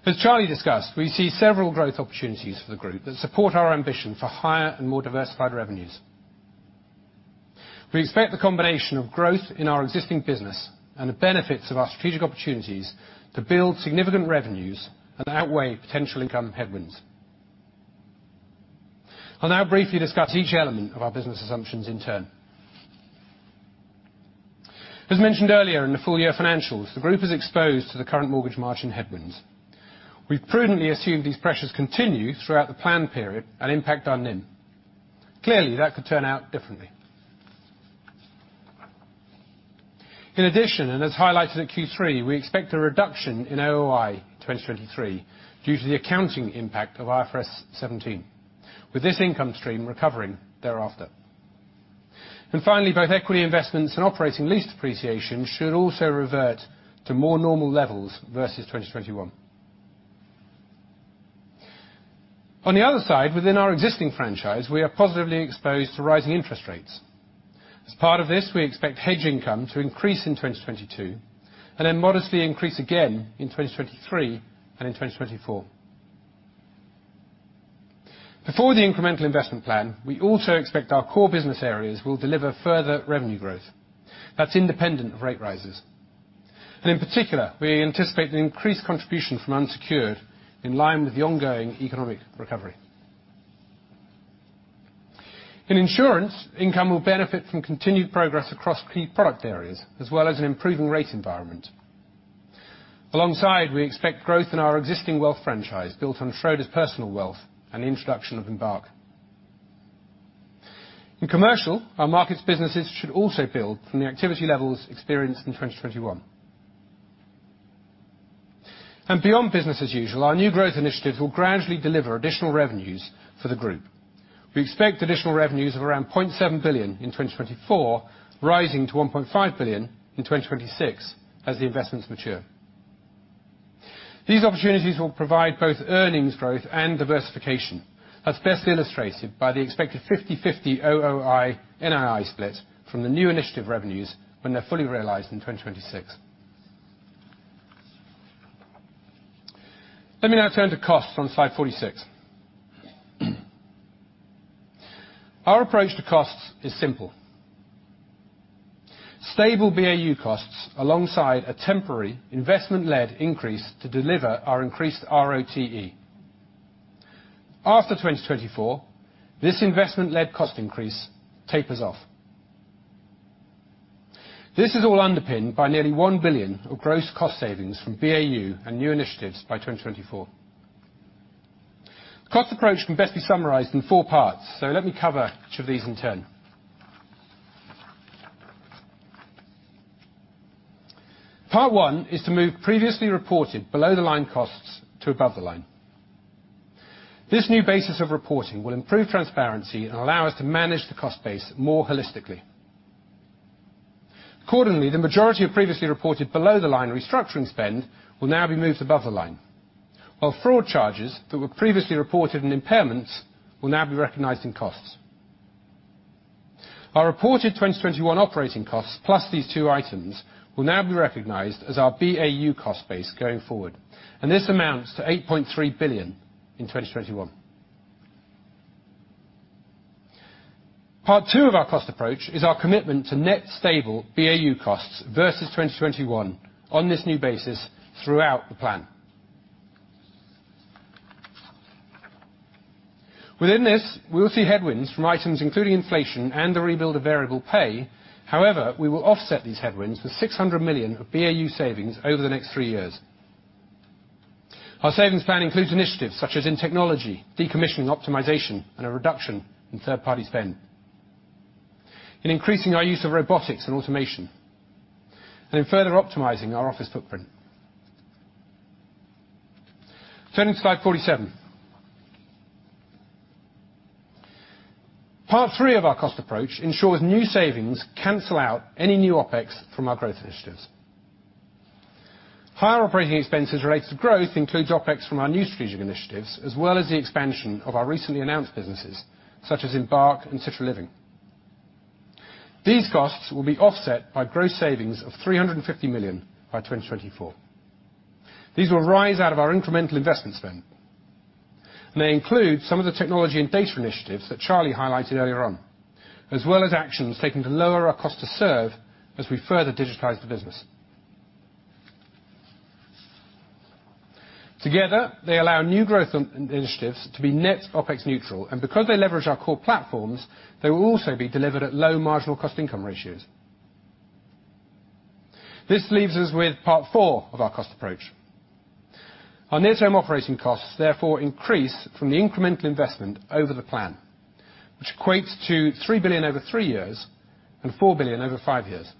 As Charlie discussed, we see several growth opportunities for the group that support our ambition for higher and more diversified revenues. We expect the combination of growth in our existing business and the benefits of our strategic opportunities to build significant revenues and outweigh potential income headwinds. I'll now briefly discuss each element of our business assumptions in turn. As mentioned earlier in the full year financials, the group is exposed to the current mortgage margin headwinds. We've prudently assumed these pressures continue throughout the plan period and impact our NIM. Clearly, that could turn out differently. In addition, as highlighted at Q3, we expect a reduction in OOI in 2023 due to the accounting impact of IFRS 17 with this income stream recovering thereafter. Finally, both equity investments and operating lease depreciation should also revert to more normal levels versus 2021. On the other side within our existing franchise, we are positively exposed to rising interest rates. As part of this, we expect hedge income to increase in 2022 and then modestly increase again in 2023 and in 2024. Before the incremental investment plan, we also expect our core business areas will deliver further revenue growth that's independent of rate rises. In particular, we anticipate an increased contribution from unsecured in line with the ongoing economic recovery. In insurance, income will benefit from continued progress across key product areas as well as an improving rate environment. Alongside, we expect growth in our existing wealth franchise built on Schroders Personal Wealth and the introduction of Embark. In commercial, our markets businesses should also build from the activity levels experienced in 2021. Beyond business as usual, our new growth initiatives will gradually deliver additional revenues for the group. We expect additional revenues of around 0.7 billion in 2024 rising to 1.5 billion in 2026 as the investments mature. These opportunities will provide both earnings growth and diversification. That's best illustrated by the expected 50/50 OOI/NII split from the new initiative revenues when they're fully realized in 2026. Let me now turn to costs on slide 46. Our approach to costs is simple. Stable BAU costs alongside a temporary investment-led increase to deliver our increased ROTE. After 2024, this investment-led cost increase tapers off. This is all underpinned by nearly 1 billion of gross cost savings from BAU and new initiatives by 2024. The cost approach can best be summarized in four parts so let me cover each of these in turn. Part one is to move previously reported below the line costs to above the line. This new basis of reporting will improve transparency and allow us to manage the cost base more holistically. Accordingly, the majority of previously reported below the line restructuring spend will now be moved above the line. While fraud charges that were previously reported in impairments will now be recognized in costs. Our reported 2021 operating costs plus these two items will now be recognized as our BAU cost base going forward, and this amounts to 8.3 billion in 2021. Part two of our cost approach is our commitment to net stable BAU costs versus 2021 on this new basis throughout the plan. Within this, we will see headwinds from items including inflation and the rebuild of variable pay. However, we will offset these headwinds with 600 million of BAU savings over the next three years. Our savings plan includes initiatives such as in technology, decommissioning, optimization and a reduction in third-party spend, in increasing our use of robotics and automation and in further optimizing our office footprint. Turning to slide 47. Part three of our cost approach ensures new savings cancel out any new OpEx from our growth initiatives. Higher operating expenses related to growth includes OpEx from our new strategic initiatives as well as the expansion of our recently announced businesses such as, Embark and Citra Living. These costs will be offset by gross savings of 350 million by 2024. These will arise out of our incremental investment spend. They include some of the technology and data initiatives that Charlie highlighted earlier on as well as actions taken to lower our cost to serve as we further digitize the business. Together, they allow new growth initiatives to be net OpEx neutral and because they leverage our core platforms, they will also be delivered at low marginal cost income ratios. This leaves us with part four of our cost approach. Our near-term operating costs therefore increase from the incremental investment over the plan which equates to 3 billion over three years and 4 billion over five years.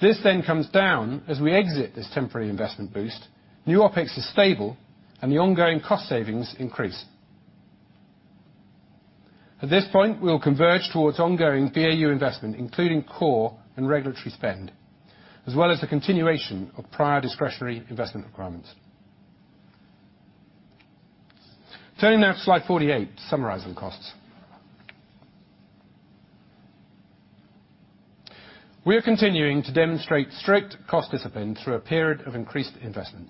This then comes down as we exit this temporary investment boost, new OpEx is stable and the ongoing cost savings increase. At this point, we will converge towards ongoing BAU investment including core and regulatory spend as well as the continuation of prior discretionary investment requirements. Turning now to slide 48, summarizing costs. We are continuing to demonstrate strict cost discipline through a period of increased investment.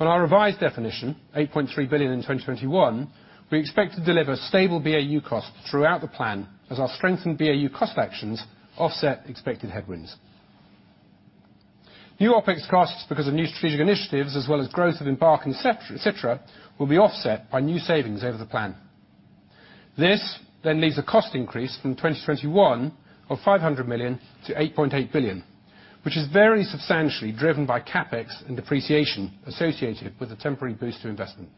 On our revised definition, 8.3 billion in 2021, we expect to deliver stable BAU cost throughout the plan as our strengthened BAU cost actions offset expected headwinds. New OpEx costs because of new strategic initiatives as well as growth of Embark and Citra, will be offset by new savings over the plan. This leaves a cost increase from 2021 of 500 million-8.8 billion which is very substantially driven by CapEx and depreciation associated with the temporary boost to investment.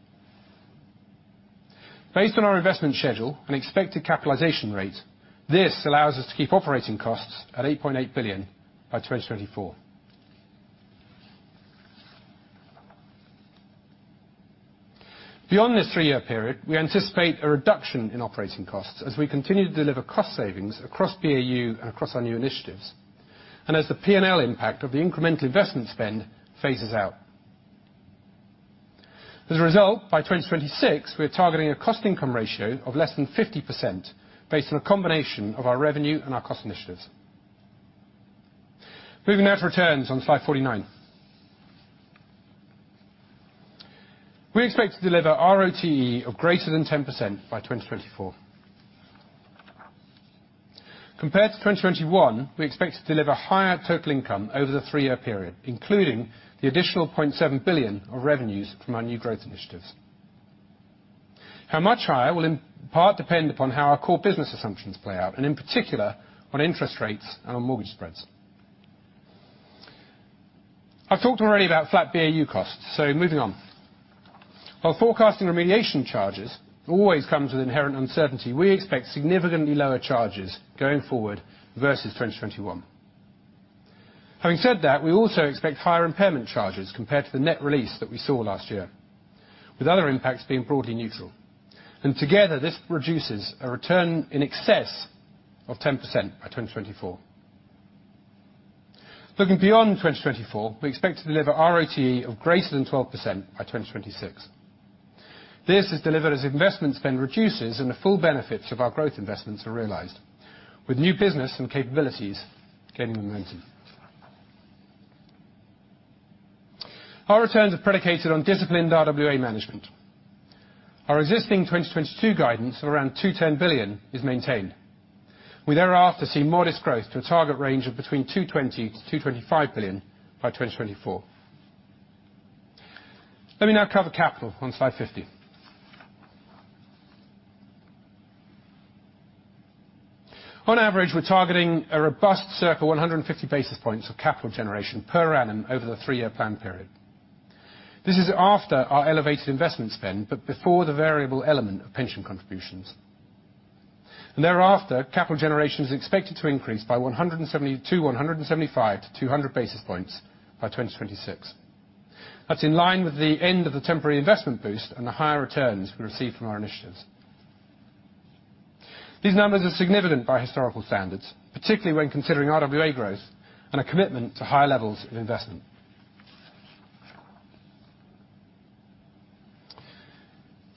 Based on our investment schedule and expected capitalization rate, this allows us to keep operating costs at 8.8 billion by 2024. Beyond this three-year period, we anticipate a reduction in operating costs as we continue to deliver cost savings across BAU and across our new initiatives and as the P&L impact of the incremental investment spend phases out. As a result, by 2026, we are targeting a cost income ratio of less than 50% based on a combination of our revenue and our cost initiatives. Moving now to returns on slide 49. We expect to deliver ROTE of greater than 10% by 2024. Compared to 2021, we expect to deliver higher total income over the three-year period, including the additional 0.7 billion of revenues from our new growth initiatives. How much higher will in part depend upon how our core business assumptions play out and in particular, on interest rates and on mortgage spreads. I've talked already about flat BAU costs so moving on. While forecasting remediation charges always comes with inherent uncertainty, we expect significantly lower charges going forward versus 2021. Having said that, we also expect higher impairment charges compared to the net release that we saw last year with other impacts being broadly neutral. Together, this produces a return in excess of 10% by 2024. Looking beyond 2024, we expect to deliver ROTE of greater than 12% by 2026. This is delivered as investment spend reduces and the full benefits of our growth investments are realized with new business and capabilities gaining momentum. Our returns are predicated on disciplined RWA management. Our existing 2022 guidance of around 210 billion is maintained. We thereafter see modest growth to a target range of between 220 billion-225 billion by 2024. Let me now cover capital on slide 50. On average, we're targeting a robust circa 150 basis points of capital generation per annum over the three-year plan period. This is after our elevated investment spend, but before the variable element of pension contributions. Thereafter, capital generation is expected to increase by 170 to 175 to 200 basis points by 2026. That's in line with the end of the temporary investment boost and the higher returns we receive from our initiatives. These numbers are significant by historical standards particularly, when considering RWA growth and a commitment to higher levels of investment.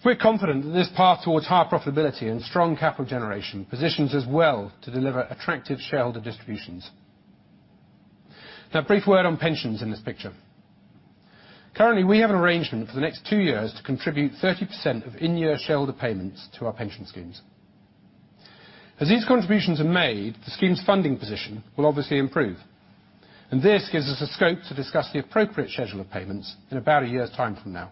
We're confident that this path towards higher profitability and strong capital generation positions us well to deliver attractive shareholder distributions. Now, a brief word on pensions in this picture. Currently, we have an arrangement for the next two years to contribute 30% of in-year shareholder payments to our pension schemes. As these contributions are made, the scheme's funding position will obviously improve and this gives us the scope to discuss the appropriate schedule of payments in about a year's time from now.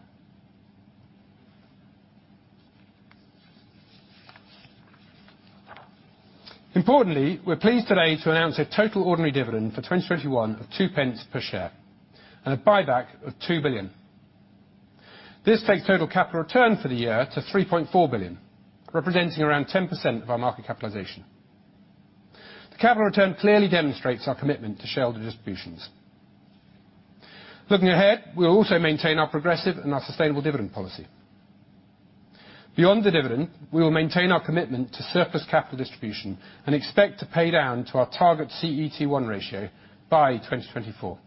Importantly, we're pleased today to announce a total ordinary dividend for 2021 of 2 pence per share and a buyback of 2 billion. This takes total capital return for the year to 3.4 billion, representing around 10% of our market capitalization. The capital return clearly demonstrates our commitment to shareholder distributions. Looking ahead, we'll also maintain our progressive and our sustainable dividend policy. Beyond the dividend, we will maintain our commitment to surplus capital distribution and expect to pay down to our target CET1 ratio by 2024.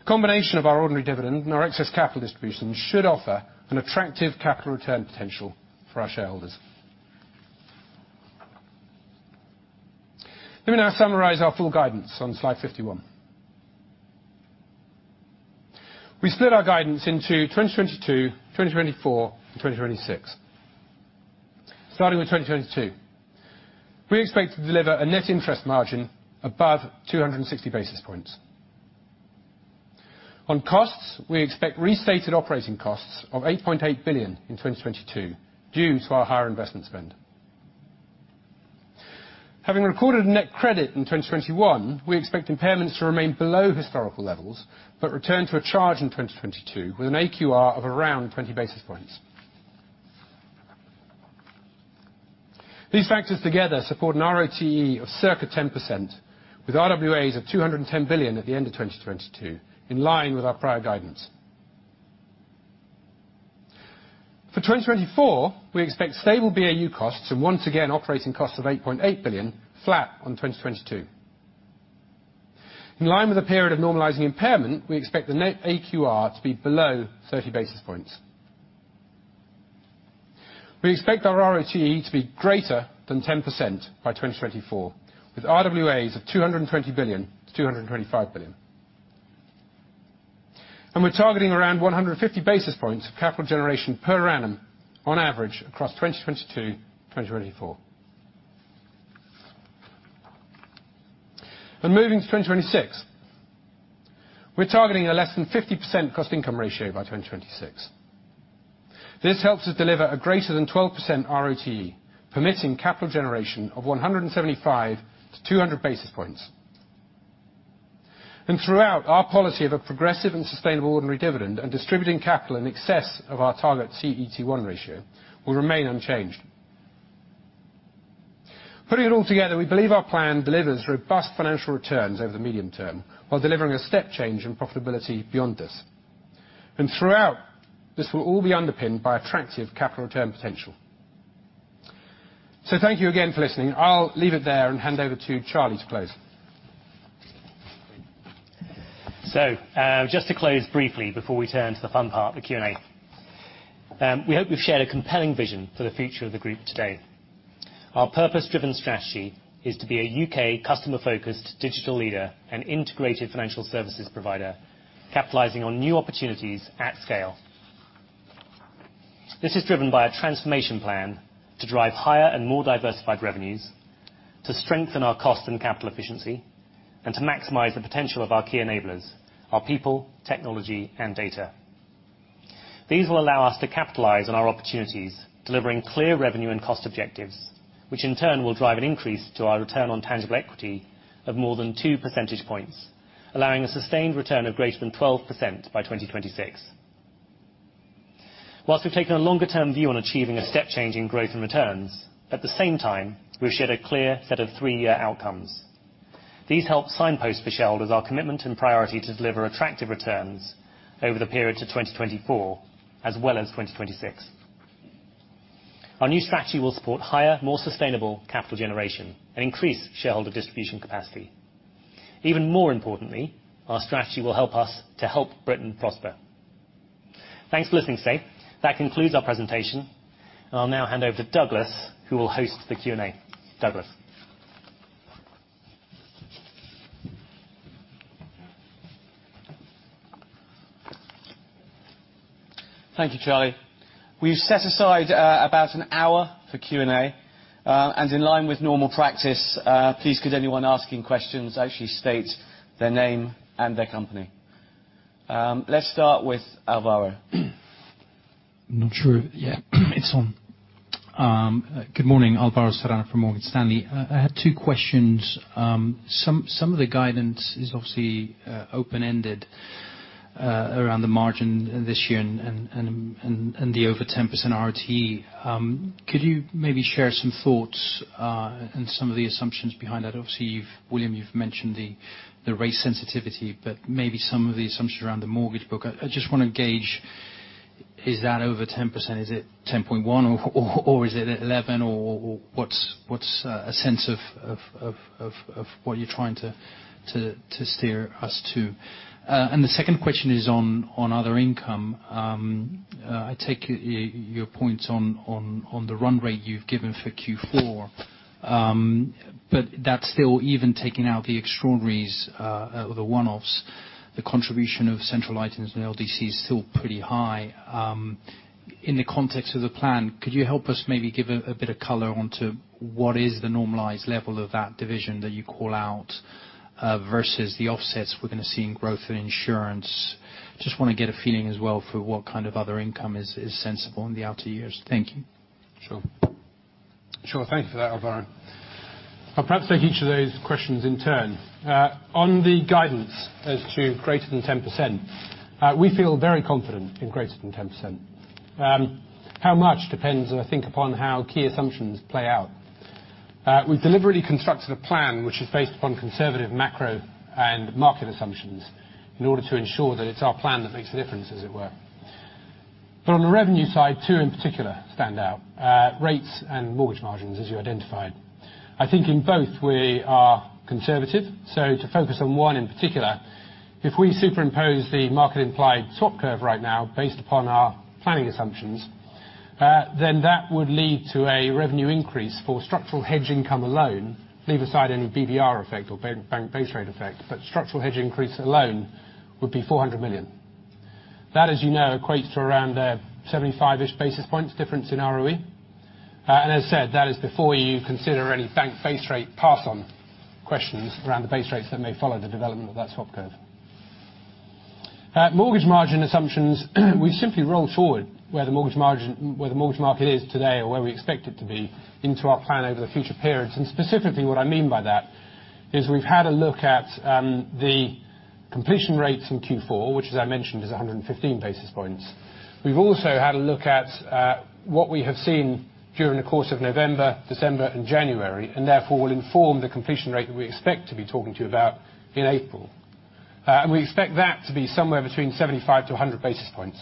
The combination of our ordinary dividend and our excess capital distribution should offer an attractive capital return potential for our shareholders. Let me now summarize our full guidance on slide 51. We split our guidance into 2022, 2024 and 2026. Starting with 2022. We expect to deliver a net interest margin above 260 basis points. On costs, we expect restated operating costs of 8.8 billion in 2022 due to our higher investment spend. Having recorded net credit in 2021, we expect impairments to remain below historical levels but return to a charge in 2022 with an AQR of around 20 basis points. These factors together support an ROTE of circa 10% with RWAs of 210 billion at the end of 2022 in line with our prior guidance. For 2024, we expect stable BAU costs and once again operating costs of 8.8 billion flat on 2022. In line with the period of normalizing impairment, we expect the net AQR to be below 30 basis points. We expect our ROTE to be greater than 10% by 2024, with RWAs of 220 billion-225 billion. We're targeting around 150 basis points of capital generation per annum on average across 2022 to 2024. Moving to 2026, we're targeting a less than 50% cost income ratio by 2026. This helps us deliver a greater than 12% ROTE permitting capital generation of 175 to 200 basis points. Throughout, our policy of a progressive and sustainable ordinary dividend and distributing capital in excess of our target CET1 ratio will remain unchanged. Putting it all together, we believe our plan delivers robust financial returns over the medium term while delivering a step change in profitability beyond this. Throughout, this will all be underpinned by attractive capital return potential. Thank you again for listening. I'll leave it there and hand over to Charlie to close. Just to close briefly before we turn to the fun part, the Q&A. We hope we've shared a compelling vision for the future of the group today. Our purpose-driven strategy is to be a U.K. customer focused digital leader and integrated financial services provider, capitalizing on new opportunities at scale. This is driven by a transformation plan to drive higher and more diversified revenues, to strengthen our cost and capital efficiency and to maximize the potential of our key enablers. Our people, technology and data. These will allow us to capitalize on our opportunities, delivering clear revenue and cost objectives which in turn will drive an increase to our return on tangible equity of more than two percentage points, allowing a sustained return of greater than 12% by 2026. While we've taken a longer-term view on achieving a step change in growth and returns, at the same time, we've shared a clear set of three-year outcomes. These help signpost for shareholders our commitment and priority to deliver attractive returns over the period to 2024 as well as 2026. Our new strategy will support higher more sustainable capital generation and increase shareholder distribution capacity. Even more importantly, our strategy will help us to help Britain prosper. Thanks for listening today. That concludes our presentation. I'll now hand over to Douglas, who will host the Q&A. Douglas. Thank you, Charlie. We've set aside about an hour for Q&A. In line with normal practice, please, could anyone asking questions actually state their name and their company. Let's start with Alvaro. Good morning. Alvaro Serrano from Morgan Stanley. I had two questions. Some of the guidance is obviously open-ended around the margin this year and the over 10% ROTE. Could you maybe share some thoughts and some of the assumptions behind that? Obviously, William you've mentioned the rate sensitivity but maybe some of the assumptions around the mortgage book. I just wanna gauge, is that over 10%? Is it 10.1% or is it 11% or what's a sense of, what you're trying to steer us to? The second question is on other income. I take your points on the run rate you've given for Q4. That's still even taking out the extra ordinaries or the one-offs. The contribution of central items and LDC is still pretty high. In the context of the plan, could you help us maybe give a bit of color onto what is the normalized level of that division that you call out versus the offsets we're gonna see in growth and insurance? Just wanna get a feeling as well for what other income is sensible in the outer years? Thank you. Sure. Thank you for that, Alvaro. I'll perhaps take each of those questions in turn. On the guidance as to greater than 10%, we feel very confident in greater than 10%. How much depends I think, upon how key assumptions play out. We've deliberately constructed a plan which is based upon conservative macro and market assumptions in order to ensure that it's our plan that makes a difference as it were but on the revenue side, two in particular stand out, rates and mortgage margins, as you identified. I think in both we are conservative so to focus on one in particular. If we superimpose the market implied swap curve right now based upon our planning assumptions, then that would lead to a revenue increase for structural hedge income alone. Leave aside any BBR effect or Bank Base Rate effect but structural hedge increase alone would be 400 million. That, as you know, equates to around 75-ish basis points difference in ROE. As said, that is before you consider any Bank Base Rate pass on questions around the base rates that may follow the development of that swap curve. Mortgage margin assumptions, we simply roll forward where the mortgage margin, where the mortgage market is today or where we expect it to be into our plan over the future periods. Specifically what I mean by that, is we've had a look at the completion rates in Q4 which as I mentioned, is 115 basis points. We've also had a look at what we have seen during the course of November, December and January and therefore will inform the completion rate that we expect to be talking to you about in April. We expect that to be somewhere between 75 to 100 basis points.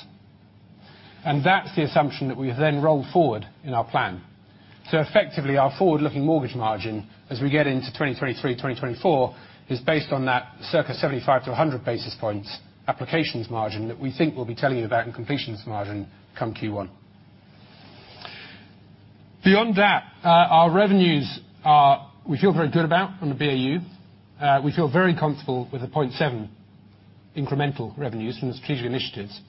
That's the assumption that we then roll forward in our plan. Effectively, our forward-looking mortgage margin as we get into 2023/2024, is based on that circa 75 to 100 basis points applications margin that we think we'll be telling you about in completions margin come Q1. Beyond that, our revenues, we feel very good about on the BAU. We feel very comfortable with the 0.7 incremental revenues from the strategic initiatives.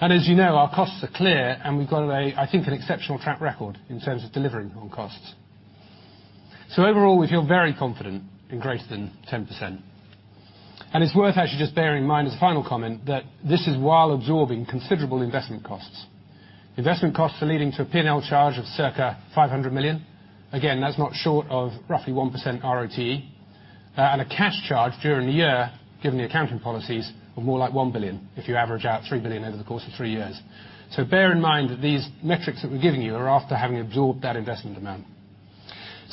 As you know, our costs are clear and we've got a, I think an exceptional track record in terms of delivering on costs. Overall, we feel very confident in greater than 10%. It's worth actually just bearing in mind as a final comment that this is while absorbing considerable investment costs. Investment costs are leading to a P&L charge of circa 500 million. Again, that's not short of roughly 1% ROTE. A cash charge during the year, given the accounting policies are more like 1 billion if you average out 3 billion over the course of three years. Bear in mind that these metrics that we're giving you are after having absorbed that investment amount.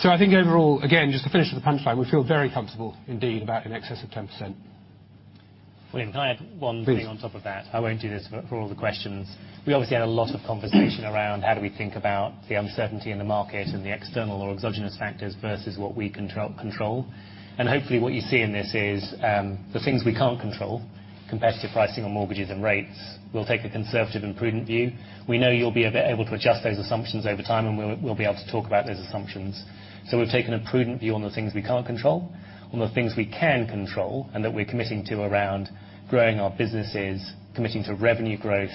I think overall, again, just to finish with the punchline, we feel very comfortable indeed about in excess of 10%. William, can I add one thing on top of that? Please. I won't do this for all the questions. We obviously had a lot of conversation around how do we think about the uncertainty in the market and the external or exogenous factors versus what we control. Hopefully what you see in this is the things we can't control, competitive pricing on mortgages and rates. We'll take a conservative and prudent view. We know you'll be able to adjust those assumptions over time and we'll be able to talk about those assumptions. We've taken a prudent view on the things we can't control over the things we can control and that we're committing to around growing our businesses, committing to revenue growth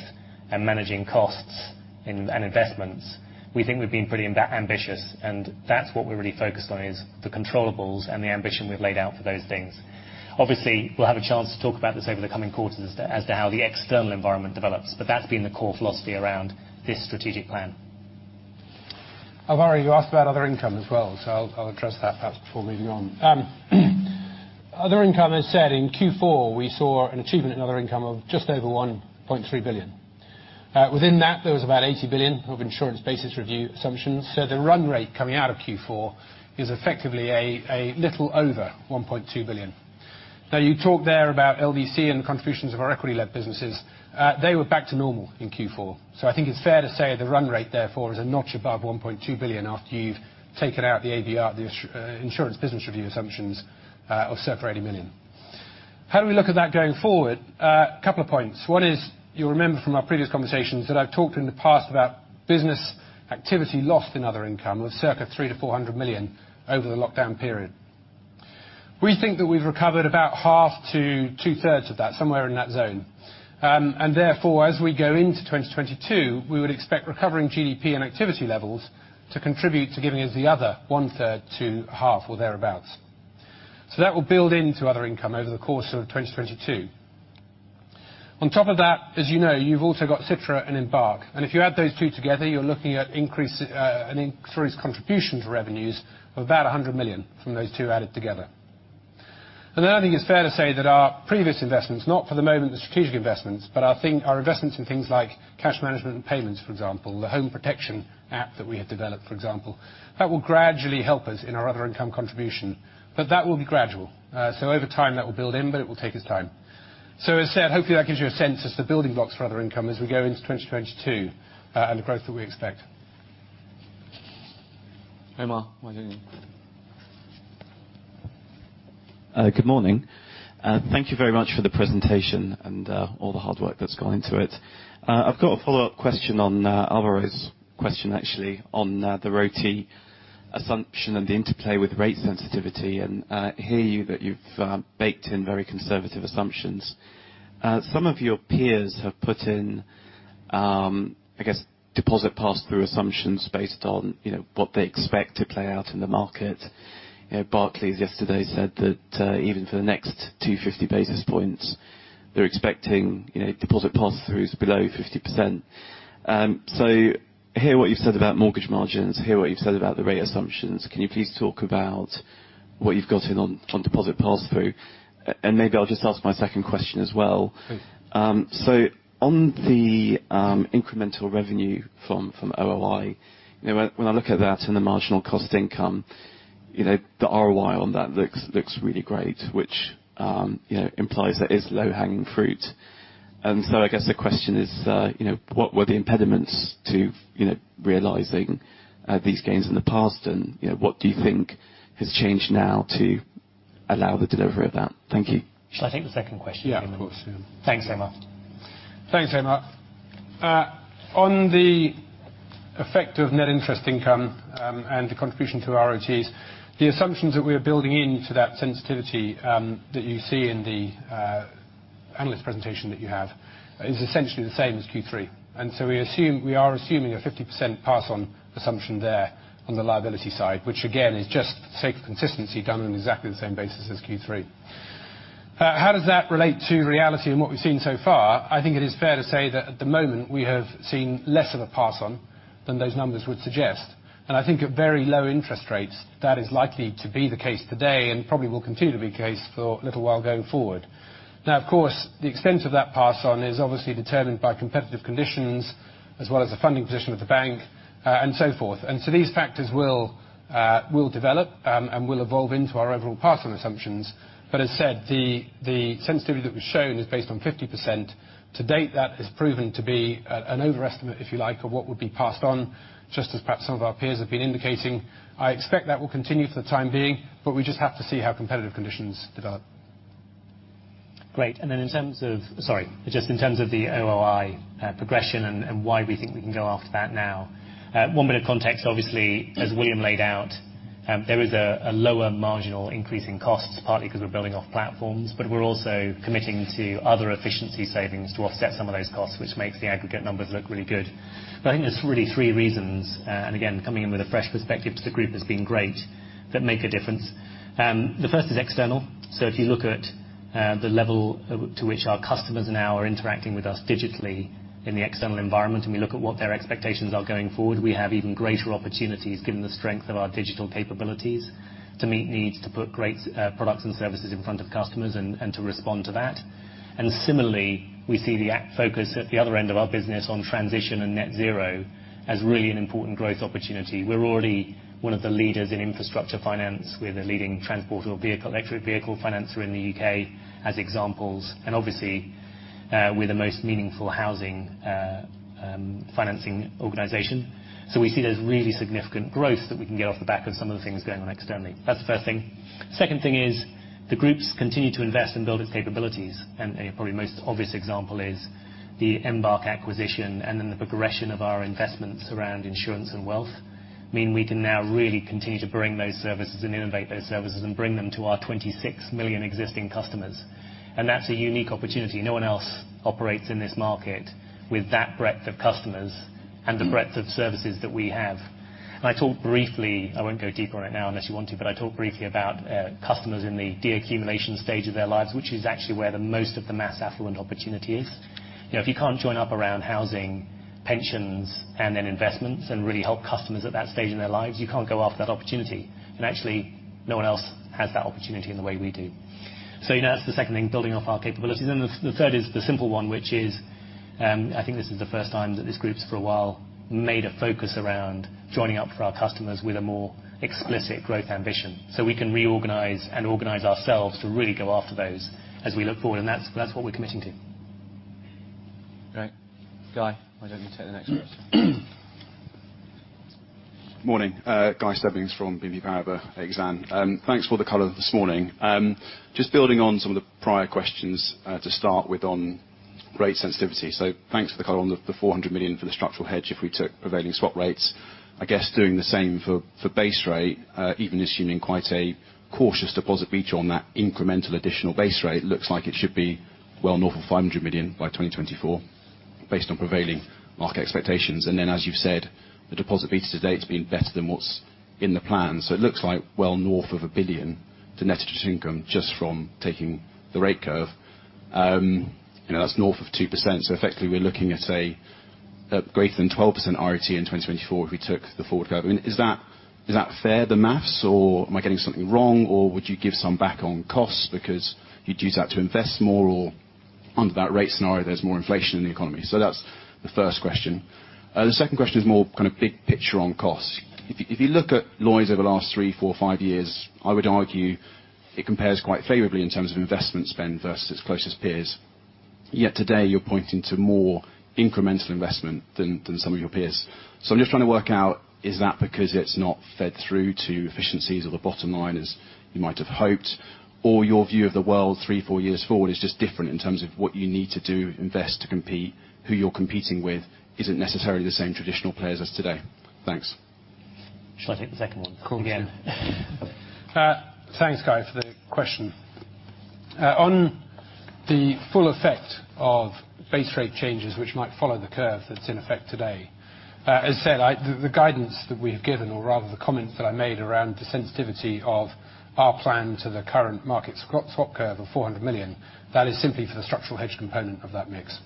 and managing costs in and investments. We think we've been pretty ambitious and that's what we're really focused on, is the controllables and the ambition we've laid out for those things. Obviously, we'll have a chance to talk about this over the coming quarters as to how the external environment develops but that's been the core philosophy around this strategic plan. Alvaro, you asked about other income as well, so I'll address that perhaps before moving on. Other income as said in Q4, we saw an achievement in other income of just over 1.3 billion. Within that, there was about 80 million of insurance basis review assumptions so the run rate coming out of Q4 is effectively a little over 1.2 billion. Now, you talk there about LDC and the contributions of our equity-led businesses. They were back to normal in Q4. I think it's fair to say the run rate therefore is a notch above 1.2 billion after you've taken out the ABR, the insurance basis review assumptions of circa 80 million. How do we look at that going forward? A couple of points. One is you'll remember from our previous conversations that I've talked in the past about business activity lost in other income of circa 300 million-400 million over the lockdown period. We think that we've recovered about half to two-thirds of that somewhere in that zone. Therefore, as we go into 2022, we would expect recovering GDP and activity levels to contribute to giving us the other one-third to half or thereabout. That will build into other income over the course of 2022. On top of that, as you know, you've also got Citra and Embark. If you add those two together, you're looking at an increased contribution to revenues of about 100 million from those two added together. I think it's fair to say that our previous investments, not for the moment the strategic investments but I think our investments in things like cash management and payments, for example, the home protection app that we have developed for example, that will gradually help us in our other income contribution but that will be gradual. Over time, that will build in, but it will take its time. As I said, hopefully that gives you a sense as to building blocks for other income as we go into 2022 and the growth that we expect. Emma, why don't you? Good morning. Thank you very much for the presentation and all the hard work that's gone into it. I've got a follow-up question on Alvaro's question, actually, on the ROTE assumption and the interplay with rate sensitivity. I hear you that you've baked in very conservative assumptions. Some of your peers have put in, I guess, deposit pass-through assumptions based on, you know, what they expect to play out in the market. Barclays yesterday said that even for the next 250 basis points, they're expecting, you know, deposit pass-throughs below 50%. I hear what you've said about mortgage margins. I hear what you've said about the rate assumptions. Can you please talk about what you've got in on deposit pass-through? And maybe I'll just ask my second question as well. Please. On the incremental revenue from OOI, you know, when I look at that and the marginal cost income, you know, the ROI on that looks really great, which you know implies that it's low-hanging fruit. I guess the question is, you know, what were the impediments to realizing these gains in the past and what do you think has changed now to allow the delivery of that? Thank you. Shall I take the second question, William? Yeah. Of course. Thanks, Emma. Thanks, Emma. On the effect of net interest income and the contribution to ROTEs, the assumptions that we are building into that sensitivity that you see in the analyst presentation that you have is essentially the same as Q3. We assume, we are assuming a 50% pass on assumption there on the liability side, which again is just for the sake of consistency done on exactly the same basis as Q3. How does that relate to reality and what we've seen so far? I think it is fair to say that at the moment we have seen less of a pass on than those numbers would suggest. I think at very low interest rates, that is likely to be the case today and probably will continue to be the case for a little while going forward. Now, of course, the extent of that pass on is obviously determined by competitive conditions as well as the funding position of the bank and so forth. These factors will develop and will evolve into our overall pass on assumptions. As said, the sensitivity that was shown is based on 50%. To date, that has proven to be an overestimate, if you like, of what would be passed on, just as perhaps some of our peers have been indicating. I expect that will continue for the time being but we just have to see how competitive conditions develop. Just in terms of the OOI progression and why we think we can go after that now. One bit of context, obviously, as William laid out, there is a lower marginal increase in costs partly because we're building off platforms but we're also committing to other efficiency savings to offset some of those costs which makes the aggregate numbers look really good. I think there's really three reasons and again, coming in with a fresh perspective to the group has been great, that make a difference. The first is external. If you look at the level to which our customers now are interacting with us digitally in the external environment and we look at what their expectations are going forward, we have even greater opportunities given the strength of our digital capabilities to meet needs to put great products and services in front of customers and to respond to that. Similarly, we see the act focus at the other end of our business on transition and net zero as really an important growth opportunity. We're already one of the leaders in infrastructure finance. We're the leading transporter vehicle, electric vehicle financer in the U.K. as examples. Obviously, we're the most meaningful housing financing organization. We see there's really significant growth that we can get off the back of some of the things going on externally. That's the first thing. Second thing is. The group continues to invest and build its capabilities. Probably the most obvious example is the Embark acquisition and then the progression of our investments around insurance and wealth means we can now really continue to bring those services and innovate those services and bring them to our 26 million existing customers. That's a unique opportunity. No one else operates in this market with that breadth of customers and the breadth of services that we have. I talked briefly. I won't go deeper right now unless you want to but I talked briefly about customers in the deaccumulation stage of their lives, which is actually where most of the mass affluent opportunity is. You know, if you can't join up around housing, pensions and then investments and really help customers at that stage in their lives, you can't go after that opportunity. Actually, no one else has that opportunity in the way we do. You know, that's the second thing, building off our capabilities. The third is the simple one which is, I think this is the first time that this group for a while made a focus around joining up for our customers with a more explicit growth ambition, so we can reorganize and organize ourselves to really go after those as we look forward. That's what we're committing to. Great. Guy, why don't you take the next question? Morning. Guy Stebbings from BNP Paribas Exane. Thanks for the color this morning. Just building on some of the prior questions, to start with on rate sensitivity. Thanks for the color on the 400 million for the structural hedge if we took prevailing swap rates. I guess doing the same for base rate even assuming quite a cautious deposit beta on that incremental additional base rate, looks like it should be well north of 500 million by 2024 based on prevailing market expectations. As you've said, the deposit beta to date's been better than what's in the plan. It looks like well north of 1 billion to net interest income just from taking the rate curve. You know, that's north of 2%, so effectively we're looking at a greater than 12% ROTE in 2024 if we took the forward curve. I mean, is that, is that fair, the math? Am I getting something wrong or would you give some back on costs because you'd use that to invest more or under that rate scenario, there's more inflation in the economy? That's the first question. The second question is more kind of big picture on costs. If you look at Lloyds over the last three, four, five years, I would argue it compares quite favorably in terms of investment spend versus closest peers. Yet today, you're pointing to more incremental investment than some of your peers. I'm just trying to work out, is that because it's not fed through to efficiencies or the bottom line as you might have hoped or your view of the world three, four years forward is just different in terms of what you need to do, invest to compete, who you're competing with isn't necessarily the same traditional players as today? Thanks. Should I take the second one? Go Again. Thanks, Guy, for the question. On the full effect of base rate changes which might follow the curve that's in effect today, as said, the guidance that we have given, or rather the comments that I made around the sensitivity of our plan to the current market swap curve of 400 million, that is simply for the structural hedge component of that mix.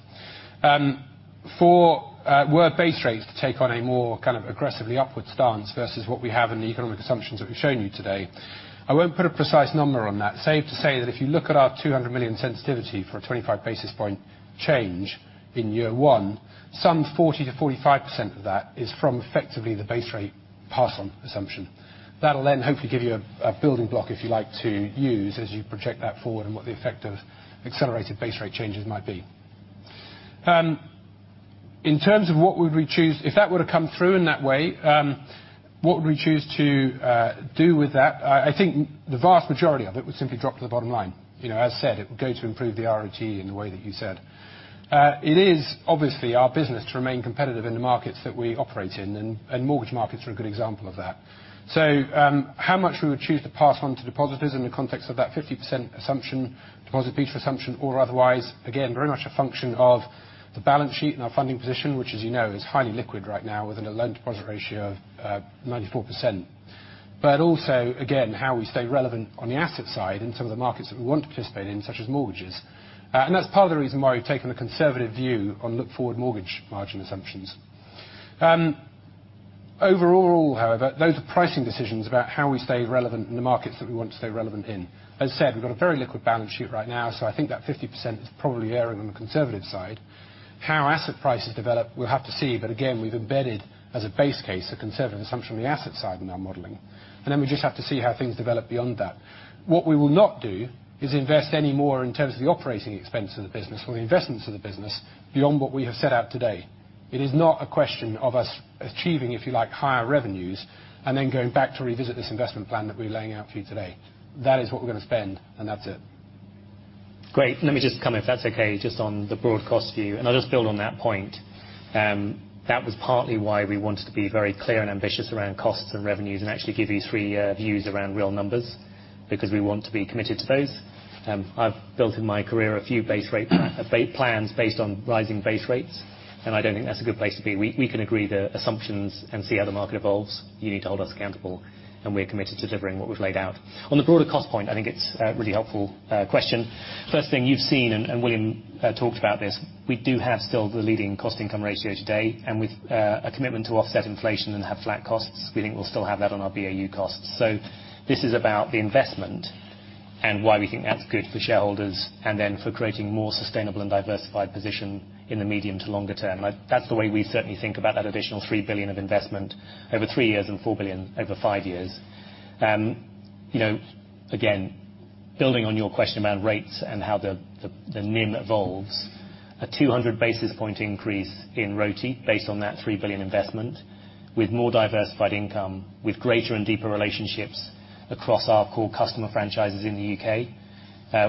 If base rates were to take on a more kind of aggressively upward stance versus what we have in the economic assumptions that we've shown you today, I won't put a precise number on that. Safe to say that if you look at our 200 million sensitivity for a 25 basis point change in year one, some 40% to 45% of that is from effectively the base rate pass-on assumption. That'll then hopefully give you a building block, if you like to use as you project that forward and what the effect of accelerated base rate changes might be. In terms of, if that were to come through in that way, what would we choose to do with that? I think the vast majority of it would simply drop to the bottom line. You know, as said, it would go to improve the ROTE in the way that you said. It is obviously our business to remain competitive in the markets that we operate in and mortgage markets are a good example of that. How much we would choose to pass on to depositors in the context of that 50% assumption, deposit beta assumption or otherwise? Again, very much a function of the balance sheet and our funding position which as you know, is highly liquid right now with a loan deposit ratio of 94%. Also, again, how we stay relevant on the asset side in some of the markets that we want to participate in such as mortgages. That's part of the reason why we've taken a conservative view on forward-looking mortgage margin assumptions. Overall, however, those are pricing decisions about how we stay relevant in the markets that we want to stay relevant in. As said, we've got a very liquid balance sheet right now, so I think that 50% is probably erring on the conservative side. How asset prices develop? We'll have to see. Again, we've embedded as a base case, a conservative assumption on the asset side in our modelling. Then we just have to see how things develop beyond that. What we will not do is invest any more in terms of the operating expenses of the business or the investments of the business beyond what we have set out today. It is not a question of us achieving, if you like, higher revenues and then going back to revisit this investment plan that we're laying out for you today. That is what we're gonna spend and that's it. Great. Let me just come in, if that's okay, just on the broad cost view and I'll just build on that point. That was partly why we wanted to be very clear and ambitious around costs and revenues and actually give you three-year views around real numbers because we want to be committed to those. I've built in my career a few base rate plans based on rising base rates and I don't think that's a good place to be. We can agree the assumptions and see how the market evolves. You need to hold us accountable and we're committed to delivering what we've laid out. On the broader cost point, I think it's a really helpful question. First thing you've seen and William talked about this, we do have still the leading cost income ratio today and with a commitment to offset inflation and have flat costs, we think we'll still have that on our BAU costs. This is about the investment and why we think that's good for shareholders and then for creating more sustainable and diversified position in the medium to longer term. Like, that's the way we certainly think about that additional 3 billion of investment over three years and 4 billion over five years. You know, again, building on your question about rates and how the NIM evolves. A 200 basis point increase in ROTE based on that 3 billion investment, with more diversified income, with greater and deeper relationships across our core customer franchises in the U.K.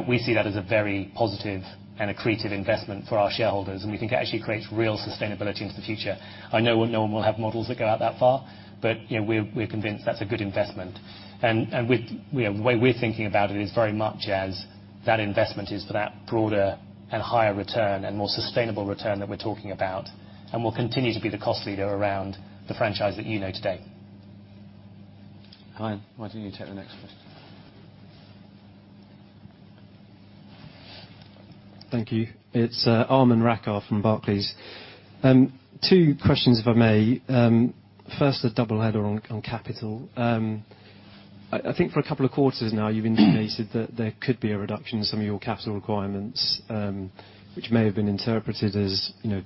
We see that as a very positive and accretive investment for our shareholders and we think it actually creates real sustainability into the future. I know no one will have models that go out that far but we're convinced that's a good investment. The way we're thinking about it is very much as that investment is for that broader and higher return and more sustainable return that we're talking about and will continue to be the cost leader around the franchise that you know today. Aman, why don't you take the next question? Thank you. It's Aman Rakkar from Barclays. Two questions, if I may. First a double header on capital. I think for a couple of quarters now, you've indicated that there could be a reduction in some of your capital requirements which may have been interpreted as, you know,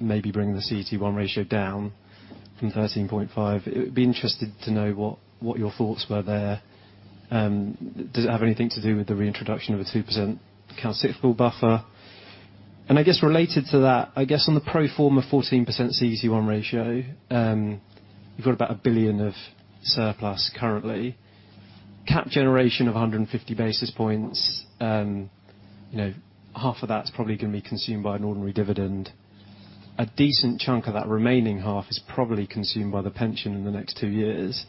maybe bringing the CET1 ratio down from 13.5%. It would be interesting to know what your thoughts were there. Does it have anything to do with the reintroduction of a 2% countercyclical buffer? And I guess related to that, on the pro forma 14% CET1 ratio, you've got about 1 billion of surplus currently. Capital generation of 150 basis points, you know, half of that's probably gonna be consumed by an ordinary dividend. A decent chunk of that remaining half is probably consumed by the pension in the next two years.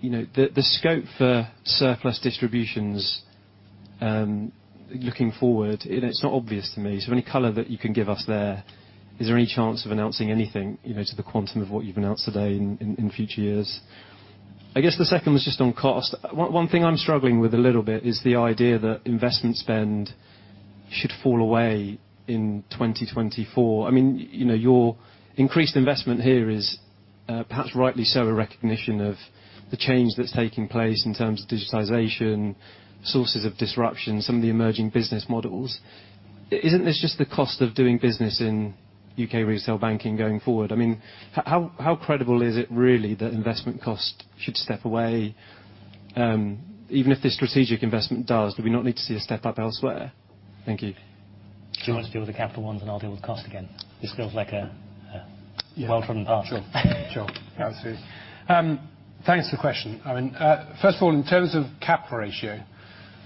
You know, the scope for surplus distributions, looking forward, it's not obvious to me. So any color that you can give us there? Is there any chance of announcing anything, you know, to the quantum of what you've announced today in future years? I guess the second was just on cost. One thing I'm struggling with a little bit is the idea that investment spend should fall away in 2024. I mean, you know, your increased investment here is perhaps rightly so, a recognition of the change that's taking place in terms of digitization, sources of disruption, some of the emerging business models. Isn't this just the cost of doing business in U.K. retail banking going forward? I mean, how credible is it really that investment cost should step away even if this strategic investment does, do we not need to see a step-up elsewhere? Thank you. Do you want to deal with the capital ones and I'll deal with cost again? This feels like a well-trodden path. Sure. Absolutely. Thanks for the question. I mean, first of all, in terms of Cap ratio,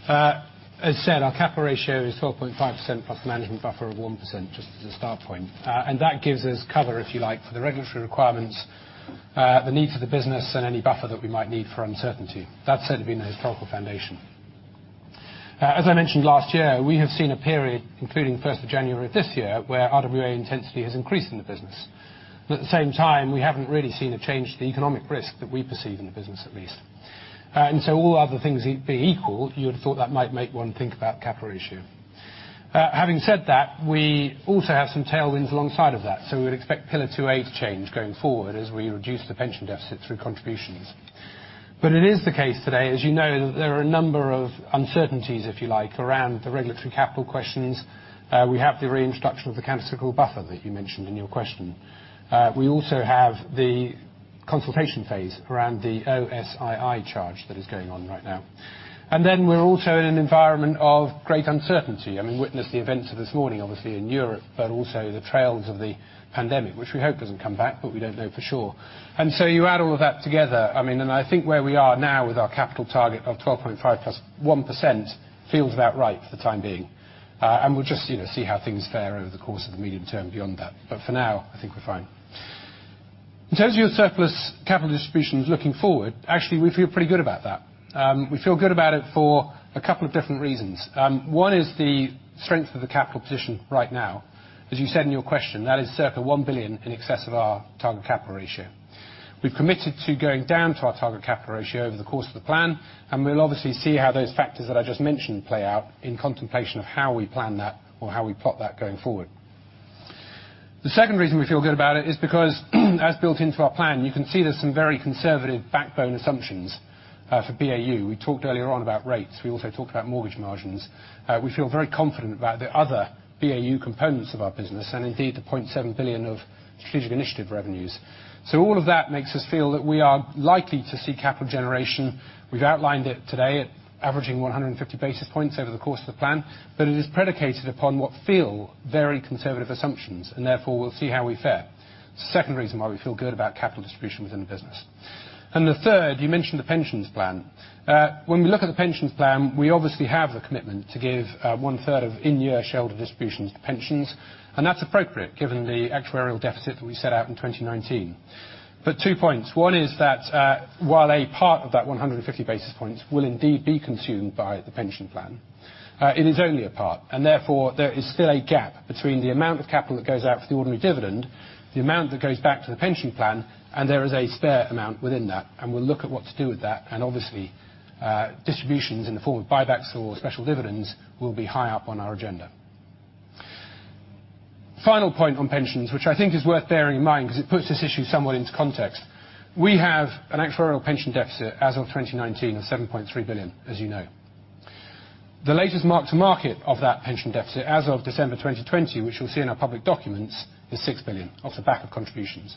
as said, our Cap ratio is 12.5% plus management buffer of 1% just as a start point. That gives us cover, if you like, for the regulatory requirements, the needs of the business and any buffer that we might need for uncertainty. That's said to be in a historical foundation. As I mentioned last year, we have seen a period including 1st of January this year where RWA intensity has increased in the business. At the same time, we haven't really seen a change to the economic risk that we perceive in the business at least. All other things being equal, you'd have thought that might make one think about Cap ratio. Having said that, we also have some tailwinds alongside of that so, we would expect Pillar 2A change going forward as we reduce the pension deficit through contributions. It is the case today, as you know, that there are a number of uncertainties, if you like, around the regulatory capital questions. We have the reintroduction of the countercyclical buffer that you mentioned in your question. We also have the consultation phase around the O-SII charge that is going on right now. Then we're also in an environment of great uncertainty. I mean, witness the events of this morning obviously, in Europe but also the tails of the pandemic which we hope doesn't come back but we don't know for sure. You add all of that together, I mean, and I think where we are now with our capital target of 12.5% plus 1% feels about right for the time being. We'll just, you know, see how things fare over the course of the medium term beyond that. For now, I think we're fine. In terms of your surplus capital distributions looking forward, actually, we feel pretty good about that. We feel good about it for a couple of different reasons. One is the strength of the capital position right now. As you said in your question, that is circa 1 billion in excess of our target capital ratio. We've committed to going down to our target capital ratio over the course of the plan, and we'll obviously see how those factors that I just mentioned play out in contemplation of how we plan that or how we plot that going forward. The second reason we feel good about it is because as built into our plan, you can see there's some very conservative backbone assumptions for BAU. We talked earlier on about rates. We also talked about mortgage margins. We feel very confident about the other BAU components of our business and indeed the 0.7 billion of strategic initiative revenues. All of that makes us feel that we are likely to see capital generation. We've outlined it today at averaging 150 basis points over the course of the plan, but it is predicated upon what feel very conservative assumptions and therefore we'll see how we fare. Second reason why we feel good about capital distribution within the business. The third, you mentioned the pensions plan. When we look at the pensions plan, we obviously have the commitment to give 1/3 of in-year shareholder distributions to pensions and that's appropriate given the actuarial deficit that we set out in 2019. Two points. One is that, while a part of that 150 basis points will indeed be consumed by the pension plan, it is only a part and therefore there is still a gap between the amount of capital that goes out for the ordinary dividend, the amount that goes back to the pension plan and there is a spare amount within that and we'll look at what to do with that and obviously, distributions in the form of buybacks or special dividends will be high up on our agenda. Final point on pensions, which I think is worth bearing in mind because it puts this issue somewhat into context. We have an actuarial pension deficit as of 2019 of 7.3 billion, as you know. The latest mark to market of that pension deficit as of December 2020, which we'll see in our public documents, is 6 billion, off the back of contributions.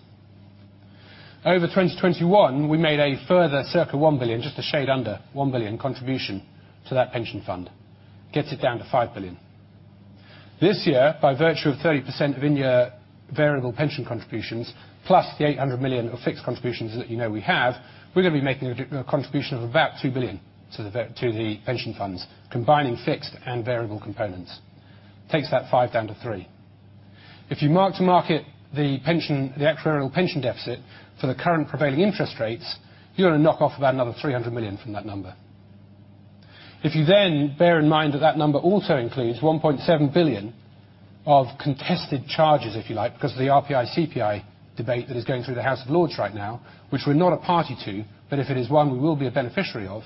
Over 2021, we made a further circa 1 billion just a shade under 1 billion contribution to that pension fund. Gets it down to 5 billion. This year, by virtue of 30% of in-year variable pension contributions, plus the 800 million of fixed contributions that you know we have, we're gonna be making a contribution of about 2 billion to the pension funds, combining fixed and variable components. Takes that 5 billion down to 3 billion. If you mark-to-market the pension, the actuarial pension deficit for the current prevailing interest rates, you're gonna knock off about another 300 million from that number. If you then bear in mind that that number also includes 1.7 billion of contested charges, if you like, because of the RPI/CPI debate that is going through the House of Lords right now, which we're not a party to but if it is won, we will be a beneficiary of,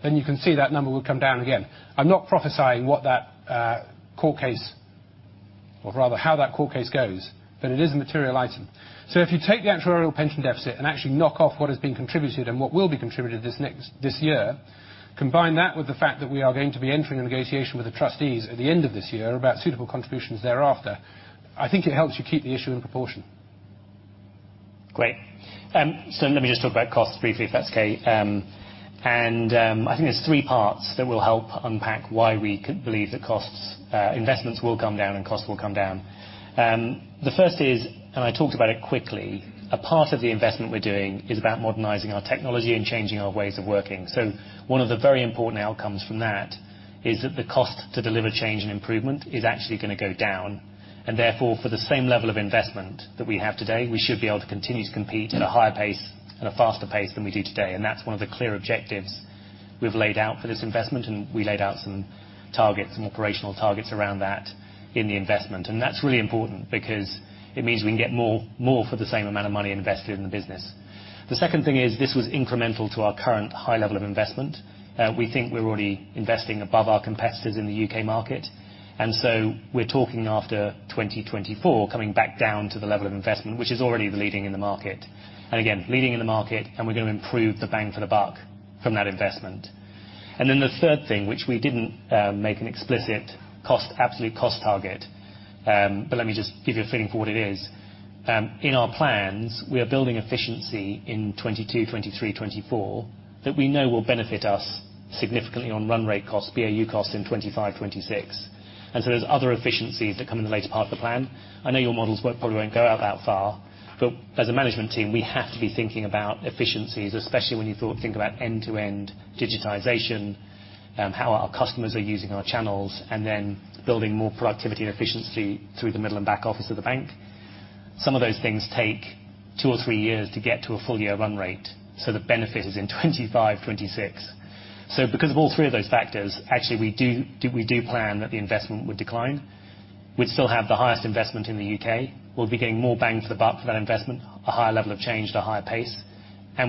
then you can see that number will come down again. I'm not prophesying what that court case or rather how that court case goes but it is a materialising. If you take the actuarial pension deficit and actually knock off what has been contributed and what will be contributed this next, this year, combine that with the fact that we are going to be entering a negotiation with the trustees at the end of this year about suitable contributions thereafter, I think it helps you keep the issue in proportion. Great. Let me just talk about costs briefly, if that's okay. I think there's three parts that will help unpack why we believe that costs, investments will come down and costs will come down. The first is. I talked about it quickly. A part of the investment we're doing is about modernizing our technology and changing our ways of working. One of the very important outcomes from that is that the cost to deliver change and improvement is actually gonna go down. Therefore, for the same level of investment that we have today, we should be able to continue to compete at a higher pace and a faster pace than we do today. That's one of the clear objectives we've laid out for this investment and we laid out some targets, some operational targets around that in the investment. That's really important because it means we can get more for the same amount of money invested in the business. The second thing is this was incremental to our current high level of investment. We think we're already investing above our competitors in the U.K. market. We're talking after 2024, coming back down to the level of investment which is already leading in the market. Again, leading in the market and we're gonna improve the bang for the buck from that investment. Then the third thing, which we didn't make an explicit cost, absolute cost target but let me just give you a feeling for what it is. In our plans, we are building efficiency in 2022, 2023, 2024 that we know will benefit us significantly on run rate cost, BAU costs in 2025, 2026. There's other efficiencies that come in the later part of the plan. I know your models probably won't go out that far but as a management team, we have to be thinking about efficiencies especially, when you think about end-to-end digitization and how our customers are using our channels and then building more productivity and efficiency through the middle and back office of the bank. Some of those things take two or three years to get to a full year run rate. The benefit is in 2025, 2026. Because of all three of those factors, actually we do plan that the investment would decline. We'd still have the highest investment in the U.K. We'll be getting more bang for the buck for that investment, a higher level of change at a higher pace.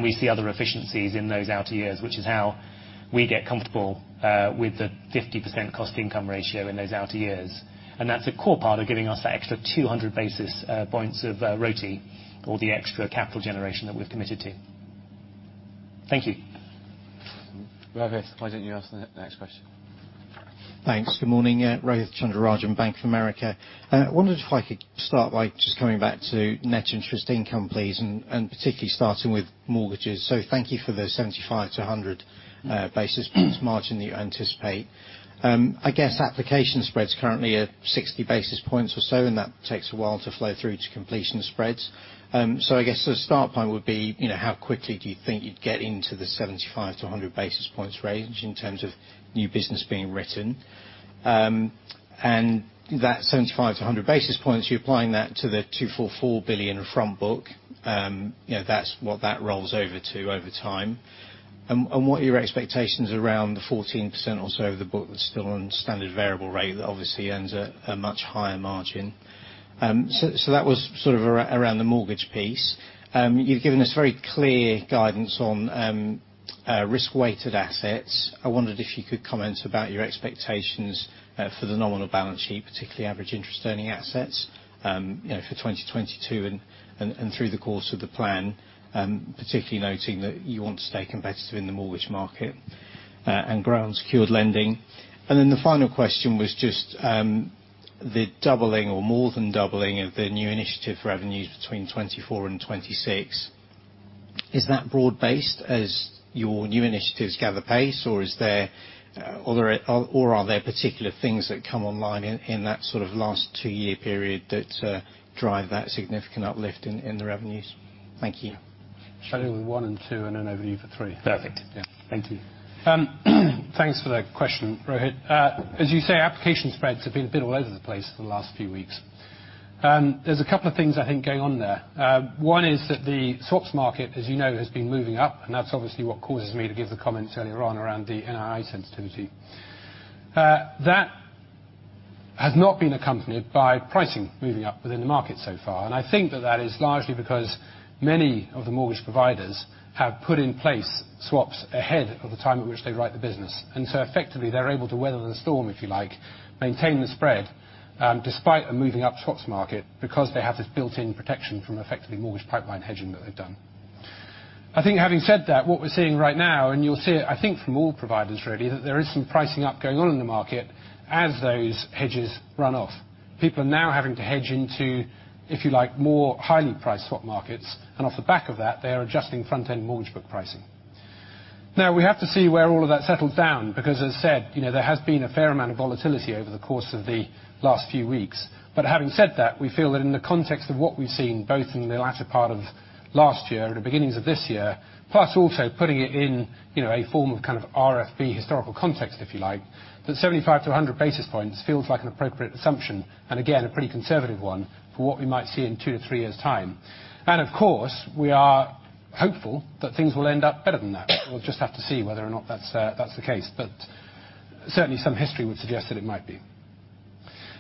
We see other efficiencies in those outer years, which is how we get comfortable with the 50% cost income ratio in those outer years. That's a core part of giving us that extra 200 basis points of ROTE or the extra capital generation that we've committed to. Thank you. Rohith, why don't you ask the next question? Thanks. Good morning. Rohith Chandra-Rajan, Bank of America. Wondered if I could start by just coming back to net interest income please, and particularly starting with mortgages. Thank you for the 75 to 100 basis points margin that you anticipate. I guess application spreads currently are 60 basis points or so, and that takes a while to flow through to completion spreads. I guess the start point would be, you know, how quickly do you think you'd get into the 75 to 100 basis points range in terms of new business being written? That 75 to 100 basis points, you're applying that to the 244 billion front book. You know, that's what that rolls over to over time. What are your expectations around the 14% or so of the book that's still on standard variable rate that obviously earns a much higher margin? That was sort of around the mortgage piece. You've given us very clear guidance on risk-weighted assets. I wondered if you could comment about your expectations for the nominal balance sheet, particularly average interest earning assets for 2022 and through the course of the plan, particularly noting that you want to stay competitive in the mortgage market and grow unsecured lending. Then the final question was just the doubling or more than doubling of the new initiative revenues between 2024 and 2026. Is that broad-based as your new initiatives gather pace or are there particular things that come online in that sort of last two-year period that drive that significant uplift in the revenues? Thank you. Charlie view one and two, and then I'll view for three. Perfect. Yeah. Thank you. Thanks for the question, Rohit. As you say, application spreads have been all over the place for the last few weeks. There's a couple of things I think going on there. One is that the swaps market, as you know, has been moving up and that's obviously what causes me to give the comments earlier on around the NII sensitivity. That has not been accompanied by pricing moving up within the market so far. I think that that is largely because many of the mortgage providers have put in place swaps ahead of the time at which they write the business. Effectively, they're able to weather the storm if you like, maintain the spread despite a moving up swaps market because they have this built-in protection from effectively mortgage pipeline hedging that they've done. I think having said that, what we're seeing right now and you'll see it, I think from all providers ready, there is some pricing up going on in the market as those hedges run off. People are now having to hedge into, if you like, more highly priced swap markets and off the back of that, they are adjusting front-end mortgage book pricing. Now we have to see where all of that settles down because as I said, you know, there has been a fair amount of volatility over the course of the last few weeks. Having said that, we feel that in the context of what we've seen both in the latter part of last year and the beginnings of this year plus also putting it in, you know, a form of kind of RFB historical context if you like, that 75 to 100 basis points feels like an appropriate assumption and again, a pretty conservative one for what we might see in two, three years' time. Of course, we are hopeful that things will end up better than that. We'll just have to see whether or not that's the case. Certainly some history would suggest that it might be.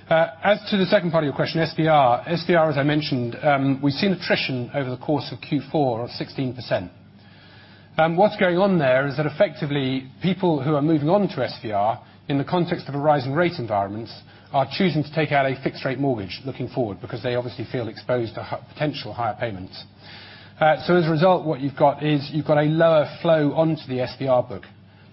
As to the second part of your question, SVR. SVR, as I mentioned, we've seen attrition over the course of Q4 of 16%. What's going on there is that effectively people who are moving on to SVR in the context of a rising rate environments are choosing to take out a fixed rate mortgage looking forward, because they obviously feel exposed to potential higher payments. As a result, what you've got is a lower flow onto the SVR book.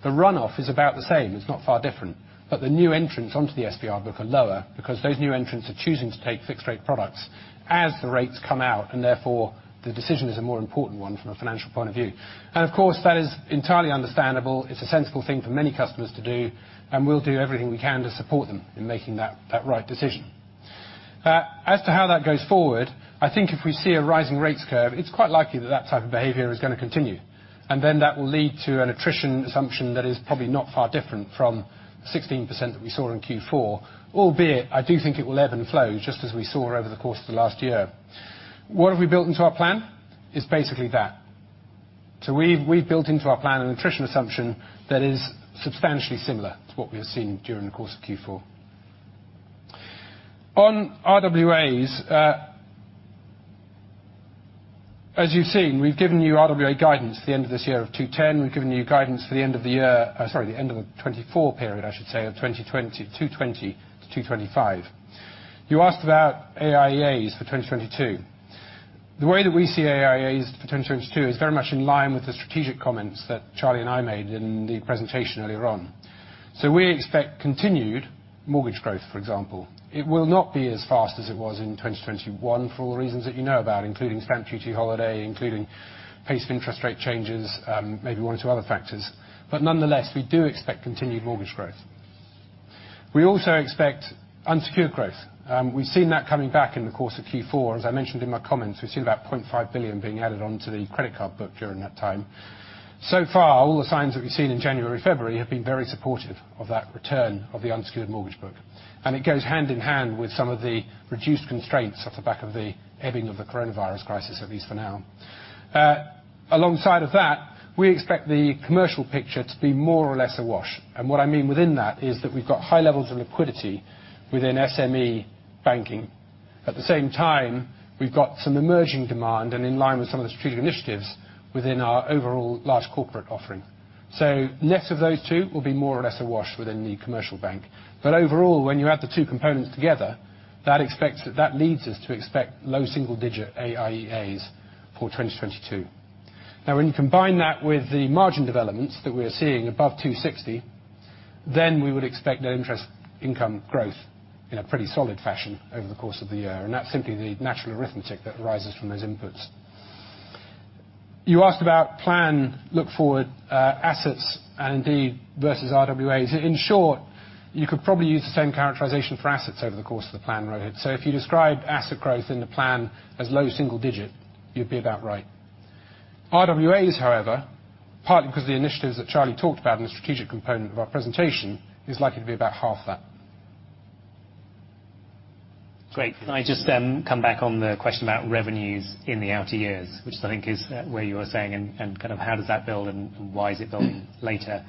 The runoff is about the same. It's not far different but the new entrants onto the SVR book are lower because those new entrants are choosing to take fixed rate products as the rates come outand therefore the decision is a more important one from a financial point of view. Of course, that is entirely understandable. It's a sensible thing for many customers to do, and we'll do everything we can to support them in making that right decision. As to how that goes forward, I think if we see a rising rates curve, it's quite likely that that type of behaviour is gonna continue and then that will lead to an attrition assumption that is probably not far different from 16% that we saw in Q4. Albeit I do think it will ebb and flow just as we saw over the course of the last year. What have we built into our plan? It's basically that. We've built into our plan an attrition assumption that is substantially similar to what we have seen during the course of Q4. On RWAs, as you've seen, we've given you RWA guidance at the end of this year of [210]. We've given you guidance for the end of the year. Sorry, the end of the 2024 period, I should say, of 2022 to 2025. You asked about AIEAs for 2022. The way that we see AIEAs for 2022 is very much in line with the strategic comments that Charlie and I made in the presentation earlier on. We expect continued mortgage growth for example. It will not be as fast as it was in 2021 for all the reasons that you know about including stamp duty holiday, including pace of interest rate changes, maybe one or two other factors. Nonetheless, we do expect continued mortgage growth. We also expect unsecured growth. We've seen that coming back in the course of Q4. As I mentioned in my comments, we've seen about 0.5 billion being added onto the credit card book during that time. So far, all the signs that we've seen in January, February have been very supportive of that return of the unsecured mortgage book and it goes hand in hand with some of the reduced constraints off the back of the ebbing of the coronavirus crisis at least for now. Alongside of that, we expect the commercial picture to be more or less a wash. What I mean within that is that we've got high levels of liquidity within SME banking. At the same time, we've got some emerging demand and in line with some of the strategic initiatives within our overall large corporate offering. Net of those two will be more or less a wash within the commercial bank. Overall, when you add the two components together, that leads us to expect low single digit AIEAs for 2022. Now when you combine that with the margin developments that we're seeing above 2.60%, then we would expect net interest income growth in a pretty solid fashion over the course of the year and that's simply the natural arithmetic that arises from those inputs. You asked about plan, looking forward, assets and indeed versus RWAs. In short, you could probably use the same characterization for assets over the course of the plan, Rohit. If you describe asset growth in the plan as low single-digit, you'd be about right. RWAs, however, partly because of the initiatives that Charlie talked about in the strategic component of our presentation, is likely to be about half that. Great. Can I just come back on the question about revenues in the outer years which I think is where you were saying and kind of how does that build and why is it building later?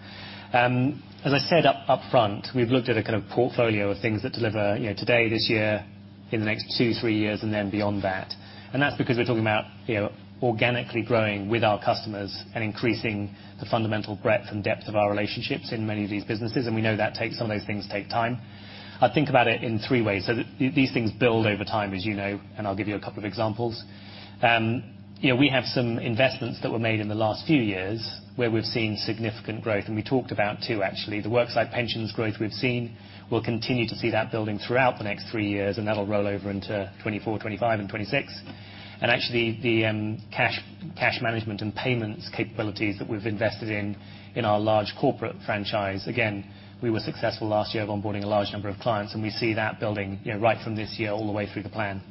As I said up front, we've looked at a kind of portfolio of things that deliver, you know, today, this year, in the next two, three years and then beyond that. That's because we're talking about, you know, organically growing with our customers and increasing the fundamental breadth and depth of our relationships in many of these businesses and we know that some of those things take time. I think about it in three ways. These things build over time, as you know, and I'll give you a couple of examples. You know, we have some investments that were made in the last few years where we've seen significant growth and we talked about two actually. The worksite pensions growth we've seen, we'll continue to see that building throughout the next three years and that'll roll over into 2024, 2025 and 2026. Actually, the cash management and payments capabilities that we've invested in our large corporate franchise. Again, we were successful last year of onboarding a large number of clients and we see that building, you know, right from this year all the way through the plan.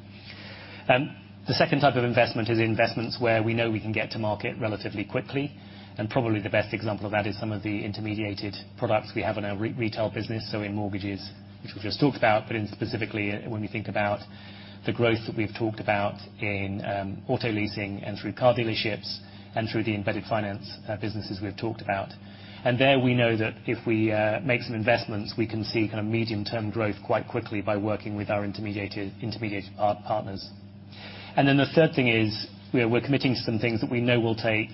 The second type of investment is investments where we know we can get to market relatively quickly. Probably the best example of that is some of the intermediated products we have in our retail business so in mortgages, which we've just talked about. In specifically when we think about the growth that we've talked about in auto leasing and through car dealerships and through the embedded finance businesses we've talked about. There we know that if we make some investments, we can see kind of medium-term growth quite quickly by working with our intermediated partners. Then the third thing is, we're committing to some things that we know will take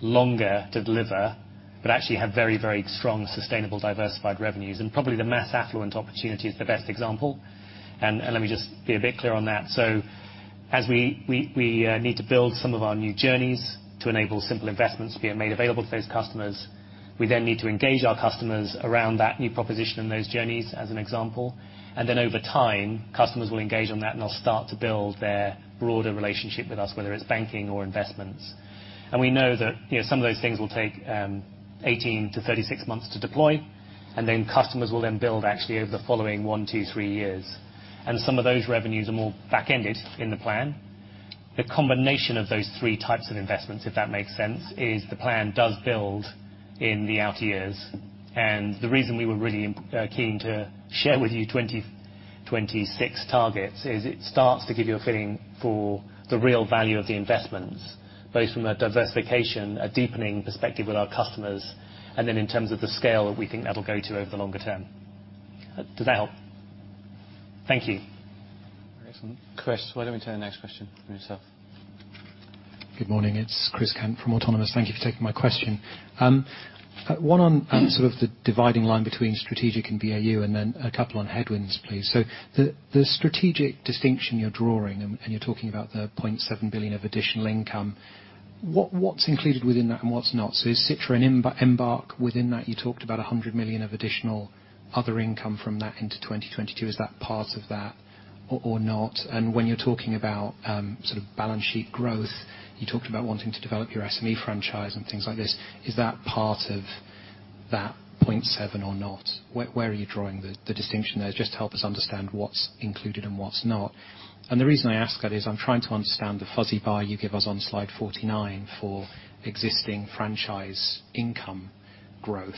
longer to deliver but actually have very, very strong sustainable diversified revenues. Probably the mass affluent opportunity is the best example. Let me just be a bit clear on that. As we need to build some of our new journeys to enable simple investments being made available to those customers, we then need to engage our customers around that new proposition and those journeys as an example. Over time, customers will engage on that and they'll start to build their broader relationship with us whether it's banking or investments. We know that, you know, some of those things will take 18 to 36 months to deploy. Customers will build actually over the following one, two, three years. Some of those revenues are more back-ended in the plan. The combination of those three types of investments if that makes sense, is the plan does build in the outer years. The reason we were really keen to share with you 2026 targets is it starts to give you a feeling for the real value of the investments both from a diversification, a deepening perspective with our customers and then in terms of the scale that we think that'll go to over the longer term. Does that help? Thank you. Excellent. Chris, why don't we turn to the next question from yourself? Good morning. It's Christopher Cant from Autonomous. Thank you for taking my question. One on sort of the dividing line between strategic and BAU and then a couple on headwinds, please. The strategic distinction you're drawing and you're talking about the 0.7 billion of additional income, what's included within that and what's not? Is Citra and Embark within that? You talked about 100 million of additional other income from that into 2022. Is that part of that or not? When you're talking about sort of balance sheet growth, you talked about wanting to develop your SME franchise and things like this. Is that part of that 0.7 billion or not? Where are you drawing the distinction there? Just help us understand what's included and what's not? The reason I ask that is I'm trying to understand the fuzzy bar you give us on slide 49 for existing franchise income growth.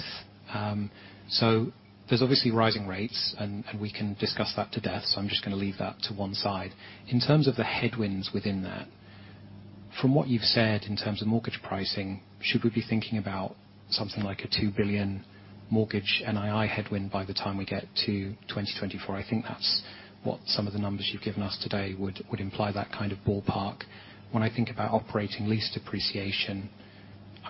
So there's obviously rising rates, and we can discuss that to death, so I'm just gonna leave that to one side. In terms of the headwinds within that. From what you've said in terms of mortgage pricing, should we be thinking about something like a 2 billion mortgage NII headwind by the time we get to 2024? I think that's what some of the numbers you've given us today would imply that kind of ballpark. When I think about operating lease depreciation,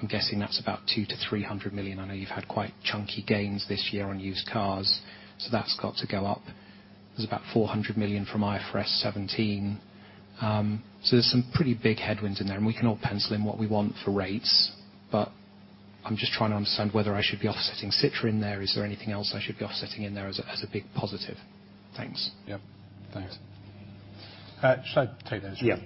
I'm guessing that's about 200 million-300 million. I know you've had quite chunky gains this year on used cars, so that's got to go up. There's about 400 million from IFRS 17. There's some pretty big headwinds in there and we can all pencil in what we want for rates. I'm just trying to understand whether I should be offsetting Citra in there. Is there anything else I should be offsetting in there as a big positive? Thanks. Yeah. Thanks. Should I take those? Yeah.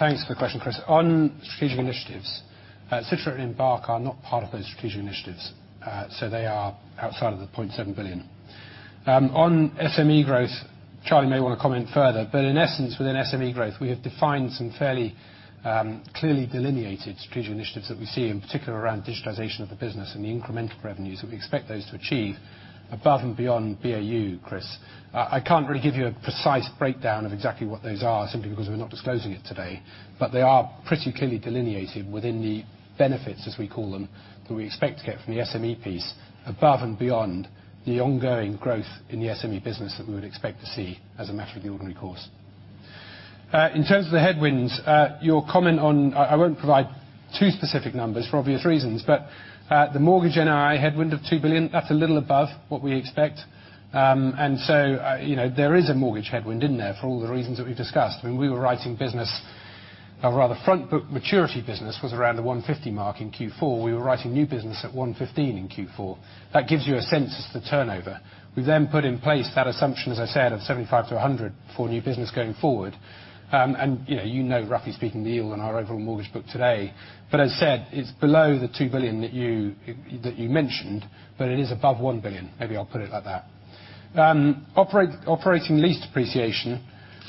Thanks for the question, Chris. On strategic initiatives, Citra and Embark are not part of those strategic initiatives. They are outside of the 0.7 billion. On SME growth, Charlie may wanna comment further but in essence, within SME growth, we have defined some fairly, clearly delineated strategic initiatives that we see in particular around digitization of the business and the incremental revenues that we expect those to achieve above and beyond BAU, Chris. I can't really give you a precise breakdown of exactly what those are simply because we're not disclosing it today. They are pretty clearly delineated within the benefits as we call them that we expect to get from the SME piece above and beyond the ongoing growth in the SME business that we would expect to see as a matter of the ordinary course. In terms of the headwinds, your comment on I won't provide two specific numbers for obvious reasons but the mortgage NII headwind of 2 billion, that's a little above what we expect. You know, there is a mortgage headwind in there for all the reasons that we've discussed. When we were writing business, our rather front book maturity business was around the 150 mark in Q4. We were writing new business at 115 in Q4. That gives you a sense as to the turnover. We then put in place that assumption, as I said, of 75 to 100 basis point for new business going forward. You know roughly speaking the yield on our overall mortgage book today but as said, it's below the 2 billion that you mentioned but it is above 1 billion. Maybe I'll put it like that. Operating lease depreciation.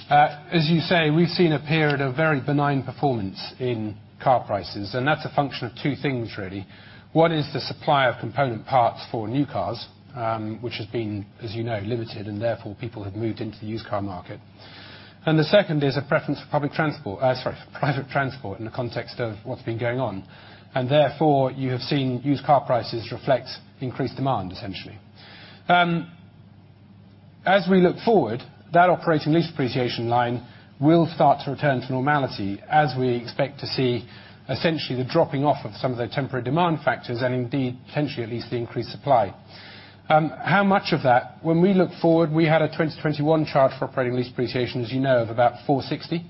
As you say, we've seen a period of very benign performance in car prices and that's a function of two things really. One is the supply of component parts for new cars which has been, as you know, limited and therefore people have moved into the used car market. The second is a preference for public transport, sorry, for private transport in the context of what's been going on. Therefore you have seen used car prices reflect increased demand essentially. As we look forward, that operating lease depreciation line will start to return to normality as we expect to see essentially the dropping off of some of the temporary demand factors and indeed potentially at least the increased supply. How much of that? When we look forward, we had a 2021 charge for operating lease depreciation as you know, of about 460 million.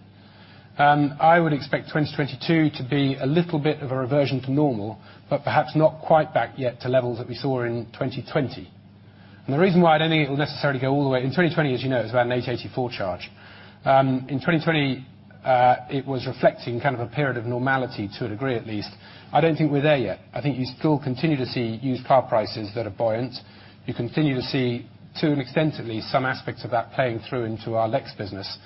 I would expect 2022 to be a little bit of a reversion to normal but perhaps not quite back yet to levels that we saw in 2020. The reason why I don't think it will necessarily go all the way in 2020, as you know, it was around a 884 million charge. In 2020, it was reflecting kind of a period of normality to a degree at least. I don't think we're there yet. I think you still continue to see used car prices that are buoyant. You continue to see to an extent at least some aspects of that playing through into our Lex business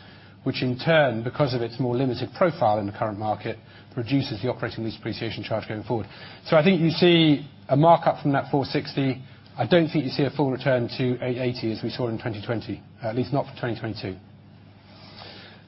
which in turn, because of its more limited profile in the current market, reduces the operating lease depreciation charge going forward. I think you see a mark-up from that 460. I don't think you see a full return to 880 as we saw in 2020, at least not for 2022.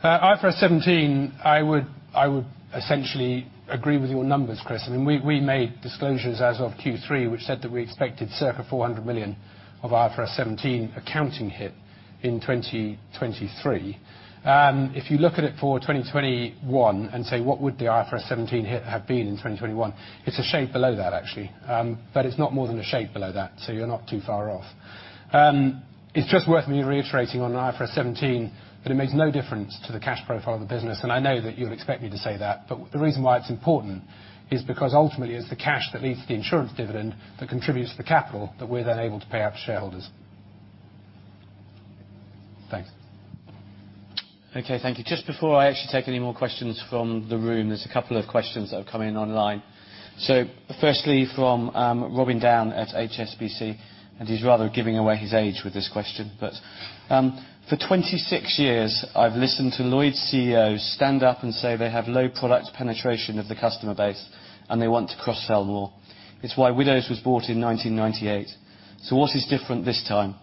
IFRS 17, I would essentially agree with your numbers, Chris. I mean, we made disclosures as of Q3, which said that we expected circa 400 million of IFRS 17 accounting hit in 2023. If you look at it for 2021 and say, what would the IFRS 17 hit have been in 2021? It's a shade below that, actually. It's not more than a shade below that so you're not too far off. It's just worth me reiterating on IFRS 17 that it makes no difference to the cash profile of the business and I know that you'll expect me to say that. The reason why it's important is because ultimately, it's the cash that leads to the insurance dividend that contributes to the capital that we're then able to pay out to shareholders. Thanks. Okay, thank you. Just before I actually take any more questions from the room, there's a couple of questions that are coming online. Firstly from Robin Down at HSBC, and he's rather giving away his age with this question. For 26 years, I've listened to Lloyds CEOs stand up and say they have low product penetration of the customer base and they want to cross-sell more. It's why Widows was bought in 1998. What is different this time?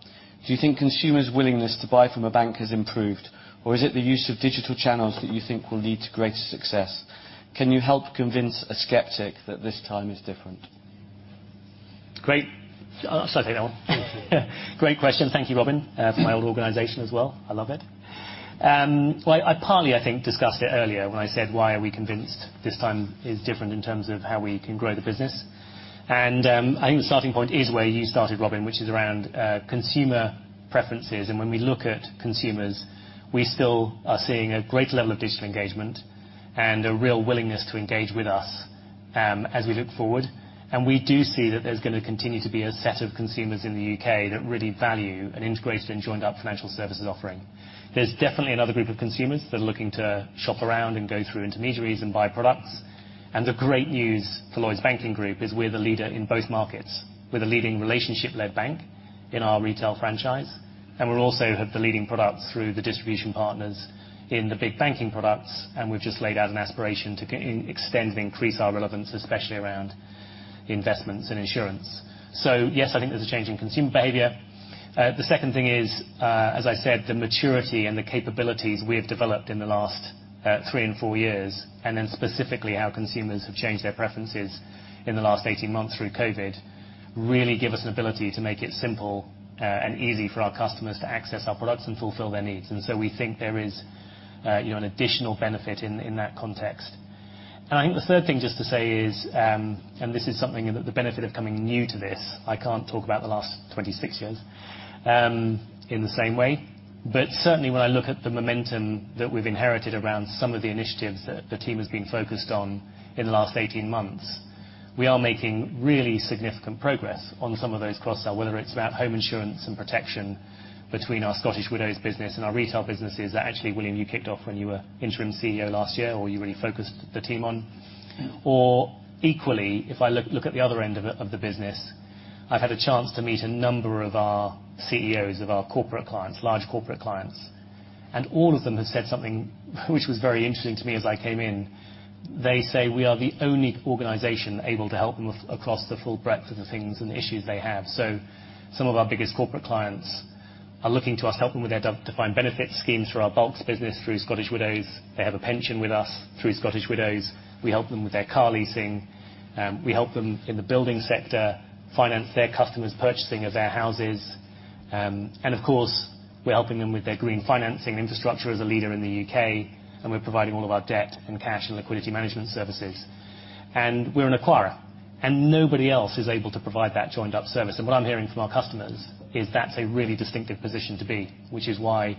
Do you think consumers' willingness to buy from a bank has improved or is it the use of digital channels that you think will lead to greater success? Can you help convince a skeptic that this time is different? Great. I'll start taking that one. Great question. Thank you, Robin. From my old organization as well. I love it. Well, I partly, I think, discussed it earlier when I said why are we convinced this time is different in terms of how we can grow the business. I think the starting point is where you started Robin, which is around consumer preferences. When we look at consumers, we still are seeing a great level of digital engagement and a real willingness to engage with us as we look forward. We do see that there's gonna continue to be a set of consumers in the U.K. that really value an integrated and joined-up financial services offering. There's definitely another group of consumers that are looking to shop around and go through intermediaries and buy products. The great news for Lloyds Banking Group is we're the leader in both markets. We're the leading relationship-led bank in our retail franchise and we also have the leading products through the distribution partners in the big banking products and we've just laid out an aspiration to extend and increase our relevance especially around investments and insurance. Yes, I think there's a change in consumer behaviour. The second thing is, as I said, the maturity and the capabilities we have developed in the last three and four years, and then specifically how consumers have changed their preferences in the last 18 months through COVID, really give us an ability to make it simple and easy for our customers to access our products and fulfil their needs. We think there is, you know, an additional benefit in that context. I think the third thing just to say is, and this is something that the benefit of coming new to this, I can't talk about the last 26 years in the same way but certainly when I look at the momentum that we've inherited around some of the initiatives that the team has been focused on in the last 18 months, we are making really significant progress on some of those cross-sell, whether it's about home insurance and protection between our Scottish Widows business and our retail businesses that actually, William, you kicked off when you were interim CEO last year or you really focused the team on or equally, if I look at the other end of the business, I've had a chance to meet a number of our CEOs of our corporate clients, large corporate clients. All of them have said something which was very interesting to me as I came in. They say we are the only organization able to help them with across the full breadth of the things and issues they have. Some of our biggest corporate clients are looking to us to help them with their defined benefit schemes through our bulk business, through Scottish Widows. They have a pension with us through Scottish Widows. We help them with their car leasing. We help them in the building sector finance their customers purchasing of their houses. Of course, we're helping them with their green financing infrastructure as a leader in the U.K., and we're providing all of our debt and cash and liquidity management services. We're an acquirer and nobody else is able to provide that joined-up service. What I'm hearing from our customers is that's a really distinctive position to be, which is why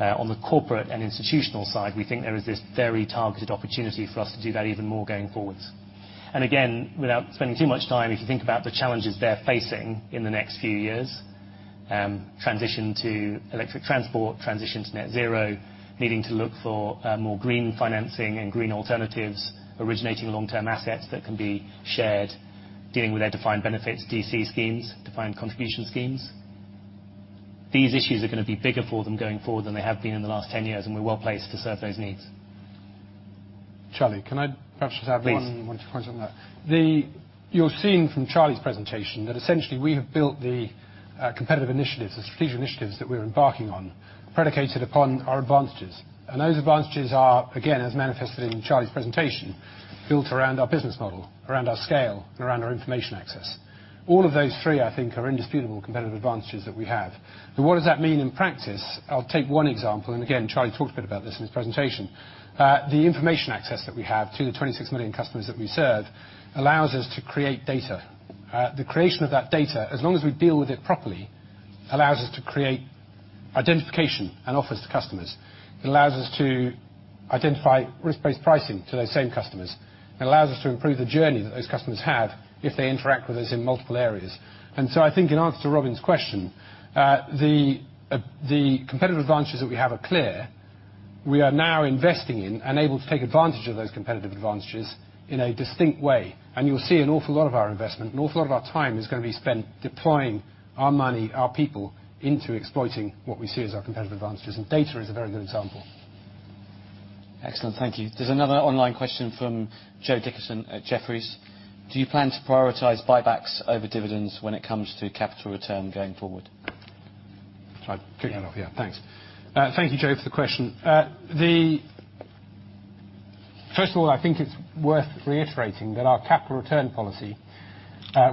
on the corporate and institutional side, we think there is this very targeted opportunity for us to do that even more going forward. Again, without spending too much time, if you think about the challenges they're facing in the next few years, transition to electric transport, transition to net zero, needing to look for more green financing and green alternatives, originating long-term assets that can be shared, dealing with their defined benefits, DC schemes, defined contribution schemes. These issues are gonna be bigger for them going forward than they have been in the last 10 years, and we're well placed to serve those needs. Charlie, can I perhaps just add one. Please. One point on that. You're seeing from Charlie's presentation that essentially we have built the competitive initiatives, the strategic initiatives that we're embarking on predicated upon our advantages. Those advantages are, again, as manifested in Charlie's presentation, built around our business model, around our scale and around our information access. All of those three, I think, are indisputable competitive advantages that we have. What does that mean in practice? I'll take one example and again, Charlie talked a bit about this in his presentation. The information access that we have to the 26 million customers that we serve allows us to create data. The creation of that data, as long as we deal with it properly, allows us to create identification and offers to customers. It allows us to identify risk-based pricing to those same customers. It allows us to improve the journey that those customers have if they interact with us in multiple areas. I think in answer to Robin Down's question, the competitive advantages that we have are clear. We are now investing in and able to take advantage of those competitive advantages in a distinct way. You'll see an awful lot of our investment, an awful lot of our time is gonna be spent deploying our money, our people into exploiting what we see as our competitive advantages. Data is a very good example. Excellent. Thank you. There's another online question from Joe Dickerson at Jefferies. Do you plan to prioritize buybacks over dividends when it comes to capital return going forward? Shall I kick that off? Yeah, thanks. Thank you, Joe, for the question. First of all, I think it's worth reiterating that our capital return policy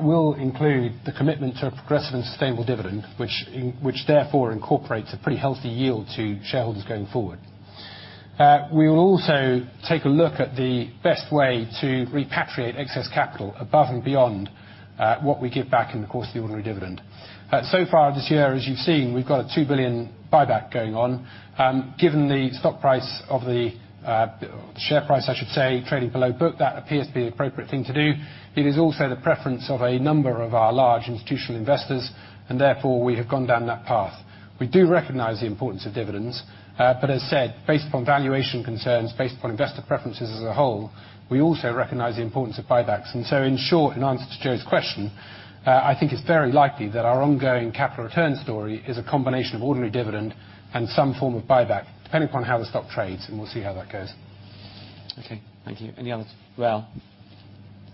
will include the commitment to a progressive and sustainable dividend which therefore incorporates a pretty healthy yield to shareholders going forward. We will also take a look at the best way to repatriate excess capital above and beyond what we give back in the course of the ordinary dividend. So far this year, as you've seen, we've got a 2 billion buyback going on. Given the share price, I should say, trading below book that appears to be the appropriate thing to do. It is also the preference of a number of our large institutional investors and therefore we have gone down that path. We do recognize the importance of dividends but as said, based upon valuation concerns, based upon investor preferences as a whole, we also recognize the importance of buybacks. In short, in answer to Joe's question, I think it's very likely that our ongoing capital return story is a combination of ordinary dividend and some form of buyback depending upon how the stock trades, and we'll see how that goes. Okay, thank you. Any others? Raul.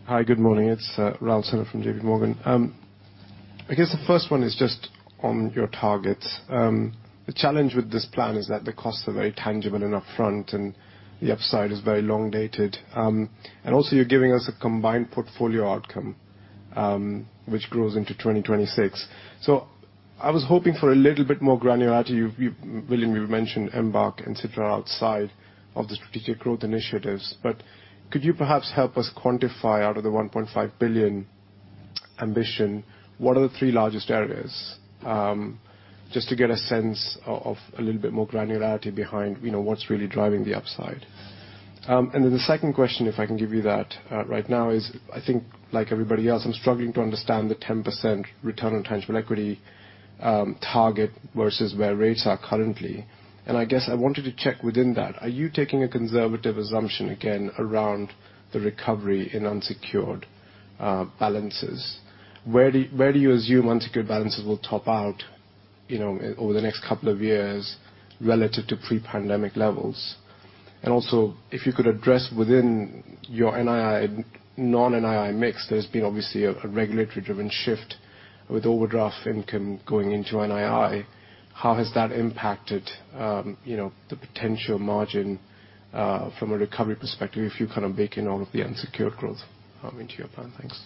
Hi, good morning. It's Raul Sinha from JP Morgan. I guess the first one is just on your targets. The challenge with this plan is that the costs are very tangible and upfront and the upside is very long-dated. You're giving us a combined portfolio outcome which grows into 2026. I was hoping for a little bit more granularity. William, you've mentioned Embark and Citra Living are outside of the strategic growth initiatives. Could you perhaps help us quantify out of the 1.5 billion ambition, what are the three largest areas? Just to get a sense of a little bit more granularity behind, you know, what's really driving the upside. The second question, if I can give you that, right now is, I think like everybody else, I'm struggling to understand the 10% return on tangible equity target versus where rates are currently. I guess I wanted to check within that. Are you taking a conservative assumption again around the recovery in unsecured balances? Where do you assume unsecured balances will top out, you know, over the next couple of years relative to pre-pandemic levels? Also if you could address within your NII, non-NII mix, there's been obviously a regulatory driven shift with overdraft income going into NII. How has that impacted, you know, the potential margin from a recovery perspective if you kind of bake in all of the unsecured growth into your plan? Thanks.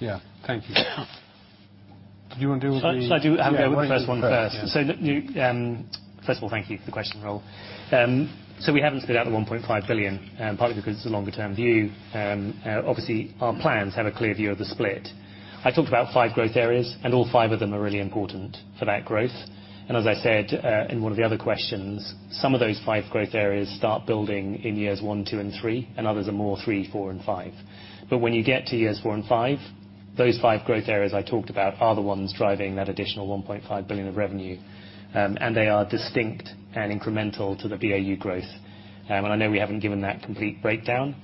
Yeah. Thank you. Do you wanna deal with the- Shall I deal with the first one first? Yeah, why don't you do the first, yeah. First of all, thank you for the question, Raul. We haven't spit out the 1.5 billion, partly because it's a longer term view. Obviously our plans have a clear view of the split. I talked about five growth areas, and all five of them are really important for that growth. As I said, in one of the other questions, some of those five growth areas start building in years one, two and three and others are more three, four and five. When you get to years four and five, those five growth areas I talked about are the ones driving that additional 1.5 billion of revenue. They are distinct and incremental to the BAU growth. I know we haven't given that complete breakdown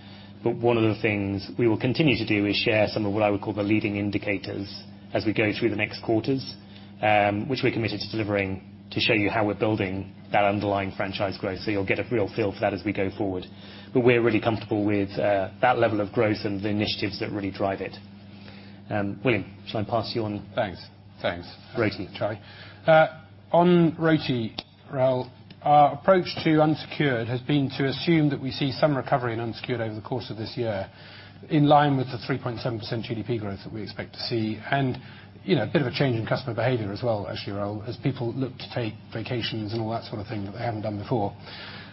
but one of the things we will continue to do is share some of what I would call the leading indicators as we go through the next quarters, which we're committed to delivering to show you how we're building that underlying franchise growth. You'll get a real feel for that as we go forward. We're really comfortable with that level of growth and the initiatives that really drive it. William, shall I pass you on? Thanks. ROTE. On ROTE, Raul, our approach to unsecured has been to assume that we see some recovery in unsecured over the course of this year, in line with the 3.7% GDP growth that we expect to see. You know, a bit of a change in customer behaviour as well, actually, Raul. As people look to take vacations and all that sort of thing that they haven't done before.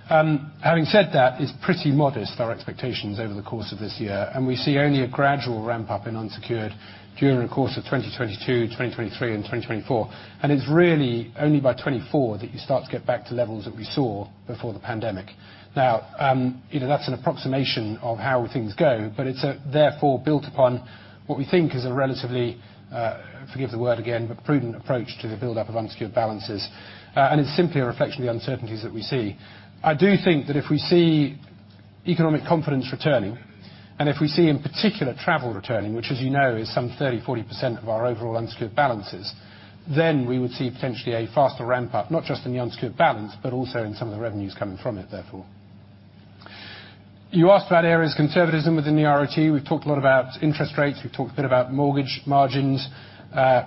Having said that, it's pretty modest, our expectations over the course of this year and we see only a gradual ramp up in unsecured during the course of 2022, 2023 and 2024. It's really only by 2024 that you start to get back to levels that we saw before the pandemic. Now, you know, that's an approximation of how things go but it's therefore built upon what we think is a relatively, forgive the word again, but prudent approach to the build-up of unsecured balances. It's simply a reflection of the uncertainties that we see. I do think that if we see economic confidence returning and if we see in particular travel returning which as you know, is some 30%-40% of our overall unsecured balances, then we would see potentially a faster ramp up, not just in the unsecured balance but also in some of the revenues coming from it, therefore. You asked about areas of conservatism within the ROTE. We've talked a lot about interest rates. We've talked a bit about mortgage margins.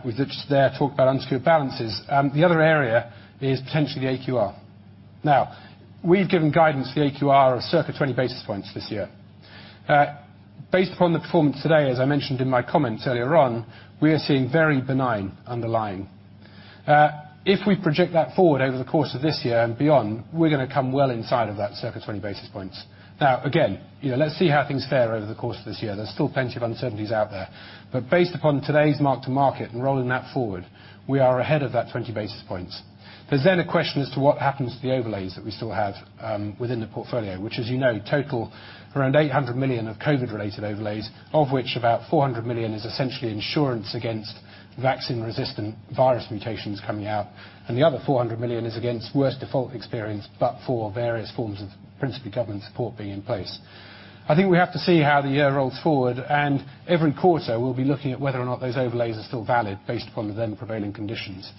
We've just talked about unsecured balances. The other area is potentially the AQR. Now, we've given guidance for the AQR of circa 20 basis points this year. Based upon the performance today, as I mentioned in my comments earlier on, we are seeing very benign underlying. If we project that forward over the course of this year and beyond, we're gonna come well inside of that circa 20 basis points. Now again, you know, let's see how things fare over the course of this year. There's still plenty of uncertainties out there. Based upon today's mark to market and rolling that forward, we are ahead of that 20 basis points. There's a question as to what happens to the overlays that we still have within the portfolio which as you know, total around 800 million of COVID-related overlays of which about 400 million is essentially insurance against vaccine-resistant virus mutations coming out and the other 400 million is against worst default experience but for various forms of principally government support being in place. I think we have to see how the year rolls forward and every quarter we'll be looking at whether or not those overlays are still valid based upon the then prevailing conditions.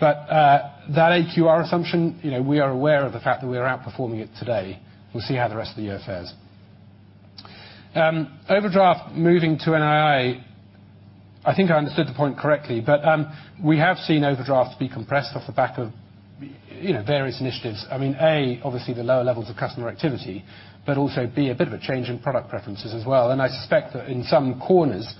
That AQR assumption, you know, we are aware of the fact that we are outperforming it today. We'll see how the rest of the year fairs. Overdraft, moving to NII. I think I understood the point correctly but we have seen overdraft be compressed off the back of, you know, various initiatives. I mean, A, obviously the lower levels of customer activity but also B, a bit of a change in product preferences as well. I suspect that in some corners,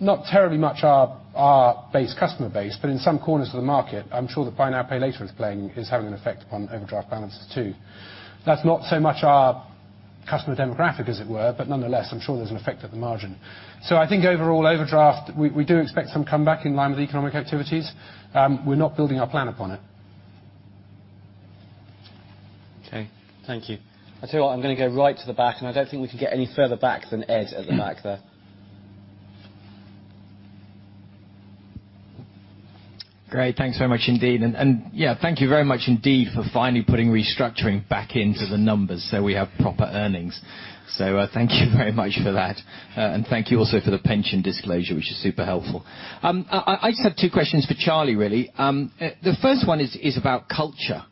not terribly much our base customer base but in some corners of the market, I'm sure the buy now, pay later is playing, is having an effect upon overdraft balances too. That's not so much our customer demographic as it were, but nonetheless, I'm sure there's an effect at the margin. I think overall overdraft, we do expect some comeback in line with the economic activities. We're not building our plan upon it. Okay, thank you. I tell you what, I'm gonna go right to the back and I don't think we can get any further back than Ed at the back there. Great. Thanks very much indeed. Yeah, thank you very much indeed for finally putting restructuring back into the numbers so we have proper earnings. Thank you very much for that. Thank you also for the pension disclosure which is super helpful. I just have two questions for Charlie, really. The first one is about Culture.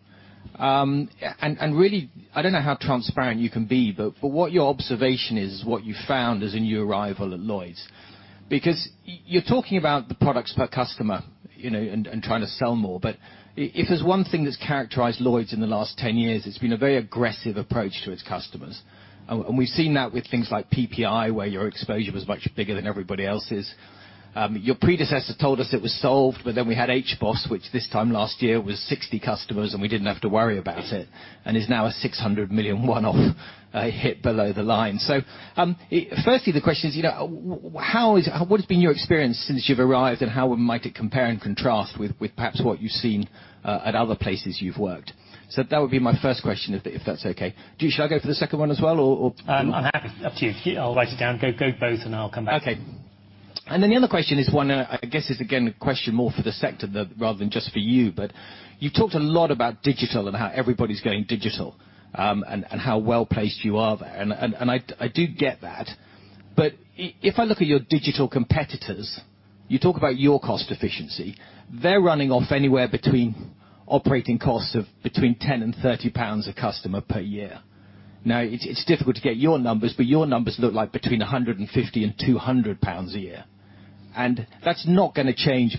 Really, I don't know how transparent you can be but what your observation is, what you found as a new arrival at Lloyds because you're talking about the products per customer, you know, and trying to sell more. If there's one thing that's characterized Lloyds in the last 10 years, it's been a very aggressive approach to its customers. We've seen that with things like PPI, where your exposure was much bigger than everybody else's. Your predecessor told us it was solved, but then we had HBOS, which this time last year was 60 customers and we didn't have to worry about it and is now a 600 million one-off I hit below the line. Firstly the question is, you know, what has been your experience since you've arrived and how might it compare and contrast with perhaps what you've seen at other places you've worked? That would be my first question if that's okay. Shall I go for the second one as well, or? I'm happy. Up to you. I'll write it down. Go both and I'll come back. Okay. The other question is one I guess is again a question more for the sector rather than just for you but you've talked a lot about digital and how everybody's going digital and I do get that. If I look at your digital competitors, you talk about your cost efficiency. They're running at operating costs anywhere between 10 and 30 pounds a customer per year. Now, it's difficult to get your numbers but your numbers look like between 150 and 200 pounds a year. That's not gonna change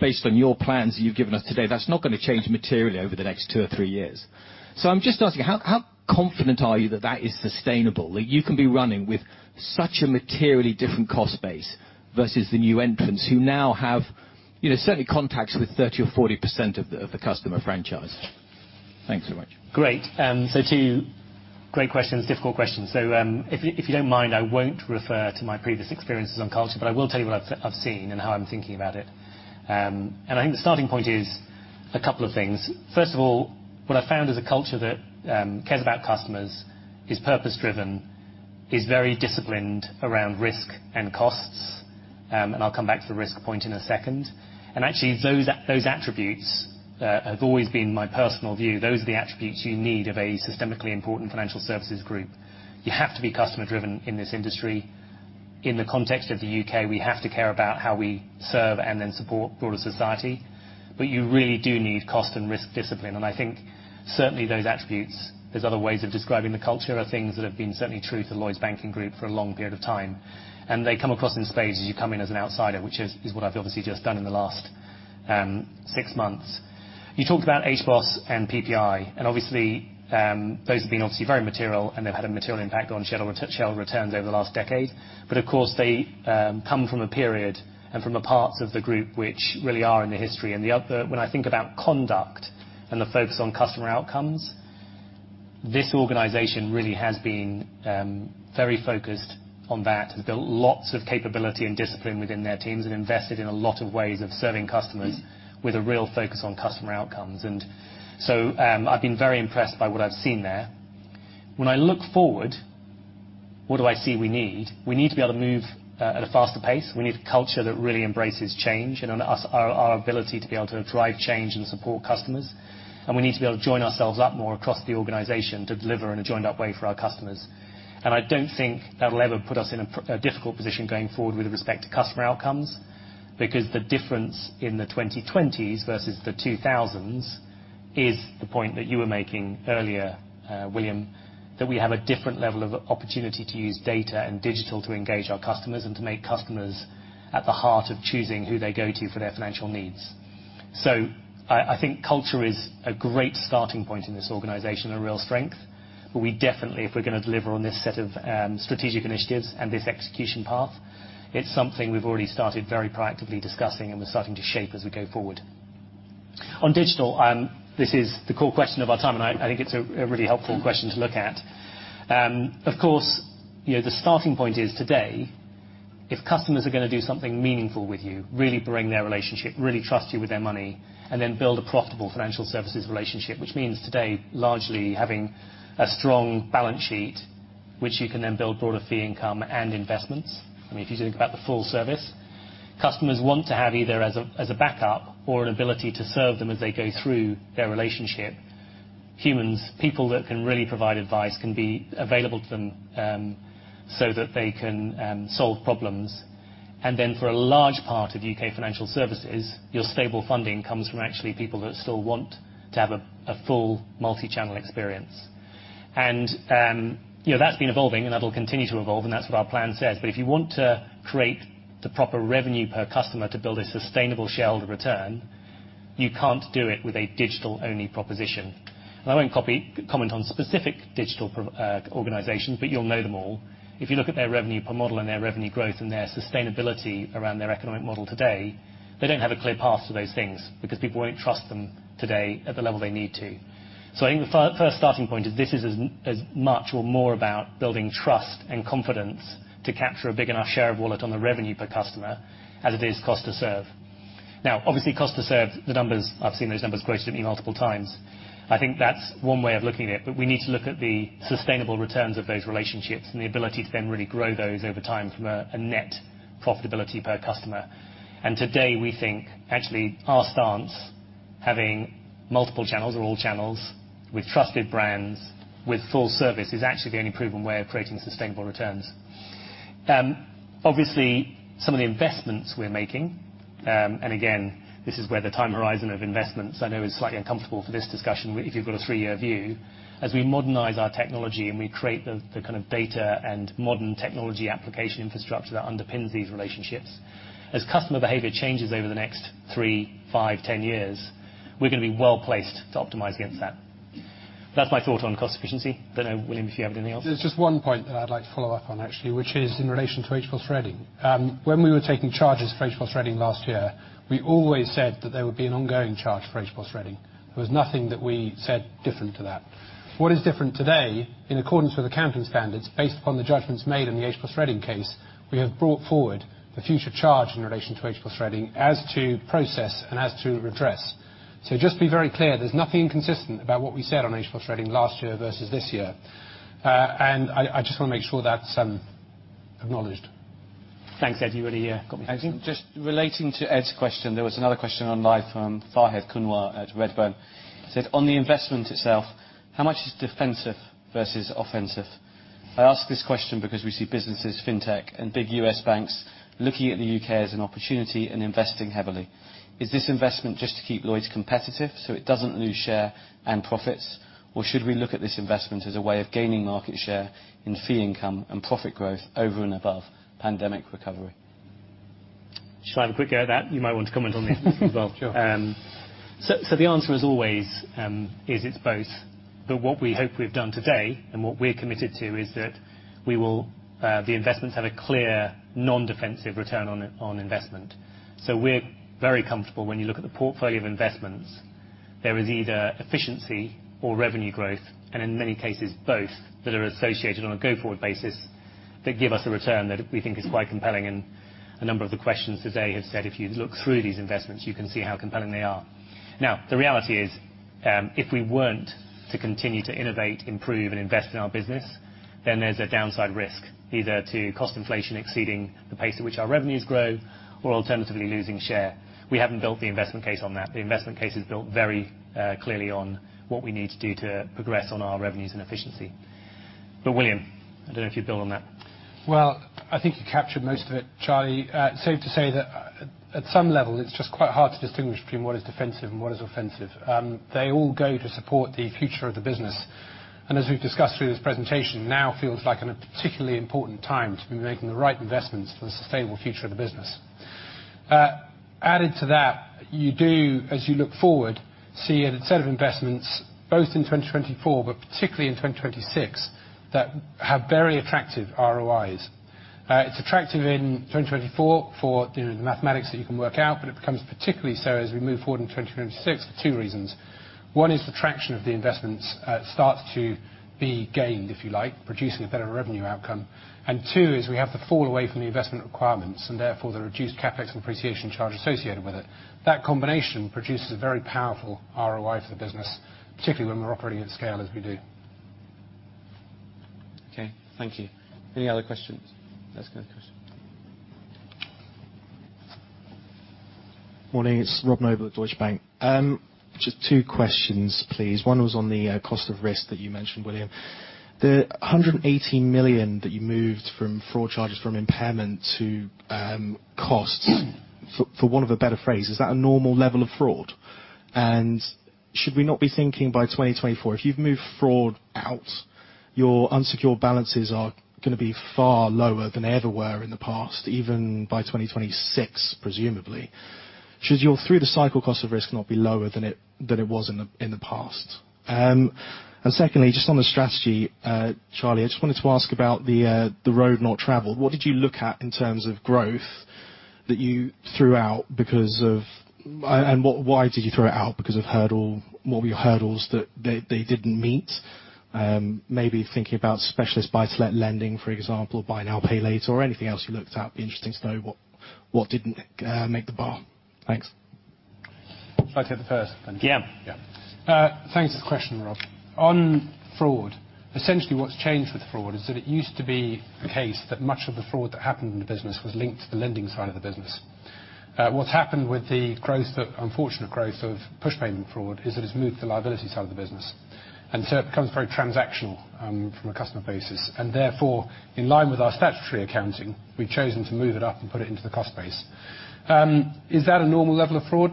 based on your plans that you've given us today. That's not gonna change materially over the next two or three years. I'm just asking, how confident are you that that is sustainable, that you can be running with such a materially different cost base versus the new entrants who now have, you know, certainly contacts with 30% or 40% of the customer franchise? Thanks so much. Great. Two great questions, difficult questions. If you don't mind, I won't refer to my previous experiences on culture, but I will tell you what I've seen and how I'm thinking about it. I think the starting point is a couple of things. First of all, what I found is a culture that cares about customers, is purpose driven, is very disciplined around risk and costs. I'll come back to the risk point in a second. Actually, those attributes have always been my personal view. Those are the attributes you need of a systemically important financial services group. You have to be customer driven in this industry. In the context of the U.K., we have to care about how we serve and then support broader society but you really do need cost and risk discipline. I think certainly those attributes, there's other ways of describing the culture, are things that have been certainly true to Lloyds Banking Group for a long period of time, and they come across in spades as you come in as an outsider which is what I've obviously just done in the last six months. You talked about HBOS and PPI and obviously, those have been obviously very material and they've had a material impact on share returns over the last decade. Of course they come from a period and from the parts of the group which really are in the history and the other- When I think about conduct and the focus on customer outcomes, this organization really has been very focused on that. It has built lots of capability and discipline within their teams and invested in a lot of ways of serving customers with a real focus on customer outcomes. I've been very impressed by what I've seen there. When I look forward, what do I see we need? We need to be able to move at a faster pace. We need a culture that really embraces change and our ability to be able to drive change and support customers. We need to be able to join ourselves up more across the organization to deliver in a joined up way for our customers. I don't think that'll ever put us in a difficult position going forward with respect to customer outcomes because the difference in the 2020s versus the 2000s is the point that you were making earlier William. So we have a different level of opportunity to use data and digital to engage our customers and to make customers at the heart of choosing who they go to for their financial needs. I think culture is a great starting point in this organization, a real strength. We definitely, if we're gonna deliver on this set of strategic initiatives and this execution path. It's something we've already started very proactively discussing and we're starting to shape as we go forward. On digital, this is the core question of our time, and I think it's a really helpful question to look at. Of course, you know, the starting point is today, if customers are gonna do something meaningful with you, really bring their relationship, really trust you with their money and then build a profitable financial services relationship which means today largely having a strong balance sheet which you can then build broader fee income and investments. I mean, if you think about the full-service, customers want to have either as a backup or an ability to serve them as they go through their relationship. Humans, people that can really provide advice can be available to them so that they can solve problems. Then for a large part of UK financial services, your stable funding comes from actually people that still want to have a full multi-channel experience. You know, that's been evolving and that'll continue to evolve and that's what our plan says. If you want to create the proper revenue per customer to build a sustainable shareholder return, you can't do it with a digital-only proposition. I won't comment on specific digital organizations but you'll know them all. If you look at their revenue model and their revenue growth and their sustainability around their economic model today, they don't have a clear path to those things because people won't trust them today at the level they need to. I think the first starting point is this is as much or more about building trust and confidence to capture a big enough share of wallet on the revenue per customer as it is cost to serve. Now, obviously, cost to serve, the numbers, I've seen those numbers quoted at me multiple times. I think that's one way of looking at it but we need to look at the sustainable returns of those relationships and the ability to then really grow those over time from a net profitability per customer. Today, we think actually our stance having multiple channels or all channels with trusted brands with full service, is actually the only proven way of creating sustainable returns. Obviously, some of the investments we're making and again, this is where the time horizon of investments, I know is slightly uncomfortable for this discussion if you've got a three-year view. As we modernize our technology and we create the kind of data and modern technology application infrastructure that underpins these relationships, as customer behaviour changes over the next three, five, 10 years, we're gonna be well-placed to optimize against that. That's my thought on cost efficiency. I don't know, William, if you have anything else. There's just one point that I'd like to follow up on actually, which is in relation to HBOS Reading. When we were taking charges for HBOS Reading last year, we always said that there would be an ongoing charge for HBOS Reading. There was nothing that we said different to that. What is different today, in accordance with accounting standards, based upon the judgments made in the HBOS Reading case, we have brought forward the future charge in relation to HBOS Reading as to process and as to redress. So just to be very clear, there's nothing inconsistent about what we said on HBOS Reading last year versus this year. And I just wanna make sure that's acknowledged. Thanks, Ed. You really got me. I think just relating to Ed's question, there was another question on the line from Fahed Kunwar at Redburn, said, "On the investment itself, how much is defensive versus offensive? I ask this question because we see businesses, fintech and big U.S. banks looking at the U.K. as an opportunity and investing heavily. Is this investment just to keep Lloyds competitive so it doesn't lose share and profits, or should we look at this investment as a way of gaining market share in fee income and profit growth over and above pandemic recovery?'' Shall I have a quick go at that? You might want to comment on it as well. Sure. The answer is always, it's both. What we hope we've done today and what we're committed to is that the investments have a clear non-defensive return on investment. We're very comfortable when you look at the portfolio of investments, there is either efficiency or revenue growth, and in many cases both that are associated on a go-forward basis that give us a return that we think is quite compelling. A number of the questions today have said if you look through these investments you can see how compelling they are. Now, the reality is, if we weren't to continue to innovate, improve and invest in our business then there's a downside risk, either to cost inflation exceeding the pace at which our revenues grow or alternatively losing share. We haven't built the investment case on that. The investment case is built very clearly on what we need to do to progress on our revenues and efficiency. William, I don't know if you'd build on that. Well, I think you captured most of it, Charlie. Safe to say that at some level, it's just quite hard to distinguish between what is defensive and what is offensive. They all go to support the future of the business. As we've discussed through this presentation, now feels like a particularly important time to be making the right investments for the sustainable future of the business. Added to that, you do, as you look forward, see a set of investments both in 2024, but particularly in 2026, that have very attractive ROIs. It's attractive in 2024 for the mathematics that you can work out but it becomes particularly so as we move forward in 2026 for two reasons. One is the traction of the investments starts to be gained, if you like, producing a better revenue outcome. Two is we have the fall away from the investment requirements and therefore, the reduced CapEx and depreciation charge associated with it. That combination produces a very powerful ROI for the business particularly, when we're operating at scale as we do. Okay. Thank you. Any other questions? Let's go, [Deutsche]. Morning. It's Rob Noble at Deutsche Bank. Just two questions, please. One was on the cost of risk that you mentioned, William. The 118 million that you moved from fraud charges from impairment to costs, for want of a better phrase, is that a normal level of fraud? Should we not be thinking by 2024, if you've moved fraud out, your unsecured balances are gonna be far lower than they ever were in the past even by 2026, presumably? Should your through-the-cycle cost of risk not be lower than it was in the past? Secondly, just on the strategy, Charlie, I just wanted to ask about the road not travelled. What did you look at in terms of growth that you threw out because of... What, why did you throw it out? Because of hurdle, what were your hurdles that they didn't meet? Maybe thinking about specialist buy-to-let lending, for example, buy now, pay later or anything else you looked at. It'd be interesting to know what didn't make the bar? Thanks. If I could have the first. Yeah. Yeah. Thanks for the question, Rob. On fraud, essentially what's changed with fraud is that it used to be the case that much of the fraud that happened in the business was linked to the lending side of the business. What's happened with the unfortunate growth of push payment fraud is that it's moved to the liability side of the business. It becomes very transactional from a customer basis. Therefore, in line with our statutory accounting, we've chosen to move it up and put it into the cost base. Is that a normal level of fraud?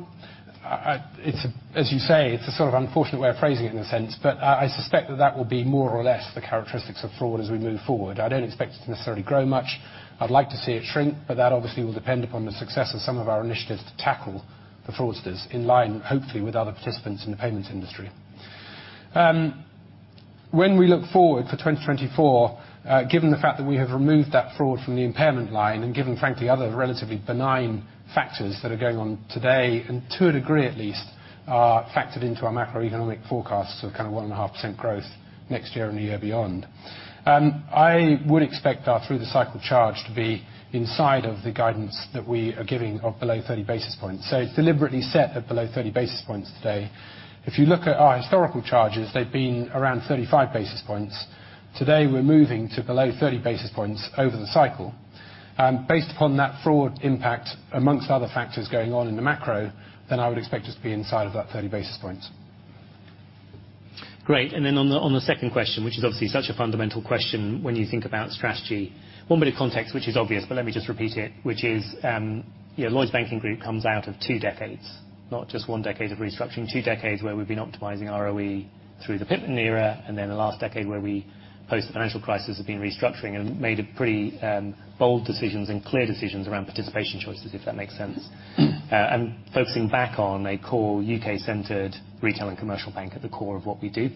It's, as you say, it's a sort of unfortunate way of phrasing it in a sense but I suspect that will be more or less the characteristics of fraud as we move forward. I don't expect it to necessarily grow much. I'd like to see it shrink but that obviously will depend upon the success of some of our initiatives to tackle the fraudsters in line hopefully, with other participants in the payments industry. When we look forward for 2024, given the fact that we have removed that fraud from the impairment line and given frankly other relatively benign factors that are going on today and to a degree at least are factored into our macroeconomic forecasts of kind of 1.5% growth next year and the year beyond. I would expect our through-the-cycle charge to be inside of the guidance that we are giving of below 30 basis points. It's deliberately set at below 30 basis points today. If you look at our historical charges, they've been around 35 basis points. Today, we're moving to below 30 basis points over the cycle. Based upon that fraud impact among other factors going on in the macro, then I would expect us to be inside of that 30 basis points. Great. On the second question, which is obviously such a fundamental question when you think about strategy. One bit of context which is obvious, but let me just repeat it, which is, Lloyds Banking Group comes out of two decades not just one decade of restructuring. Two decades where we've been optimizing ROE through the Pitman era and then the last decade where we post the financial crisis have been restructuring and made a pretty, bold decisions and clear decisions around participation choices, if that makes sense. Focusing back on a core U.K.-centered retail and commercial bank at the core of what we do.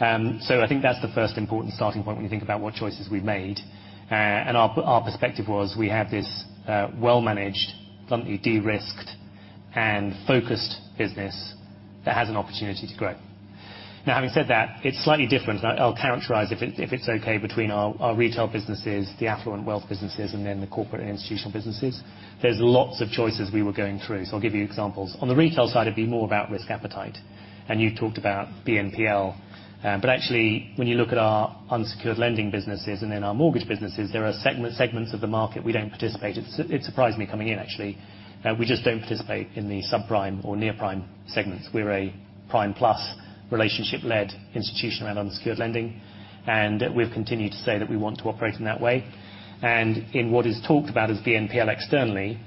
I think that's the first important starting point when you think about what choices we've made. Our perspective was we have this well-managed, bluntly de-risked, and focused business that has an opportunity to grow. Now, having said that, it's slightly different. I'll characterize if it's okay between our retail businesses, the affluent wealth businesses, and then the corporate and institutional businesses. There's lots of choices we were going through, so I'll give you examples. On the retail side, it'd be more about risk appetite. You talked about BNPL but actually, when you look at our unsecured lending businesses and then our mortgage businesses, there are segments of the market we don't participate in. It surprised me coming in, actually. We just don't participate in the subprime or near-prime segments. We're a prime plus relationship-led institution around unsecured lending and we've continued to say that we want to operate in that way. In what is talked about as BNPL externally,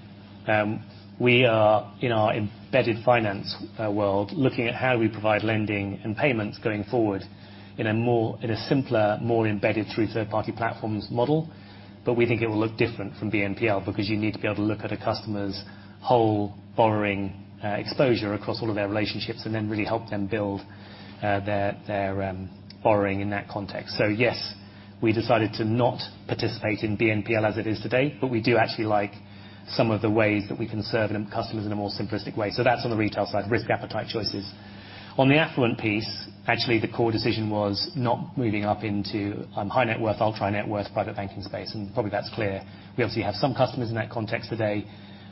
we are in our embedded finance world. Looking at how we provide lending and payments going forward in a simpler, more embedded through third-party platforms model. We think it will look different from BNPL because you need to be able to look at a customer's whole borrowing exposure across all of their relationships and then really help them build their borrowing in that context. Yes, we decided to not participate in BNPL as it is today but we do actually like some of the ways that we can serve customers in a more simplistic way. That's on the retail side, risk appetite choices. On the affluent piece, actually, the core decision was not moving up into high net worth, ultra net worth private banking space and probably that's clear. We obviously have some customers in that context today.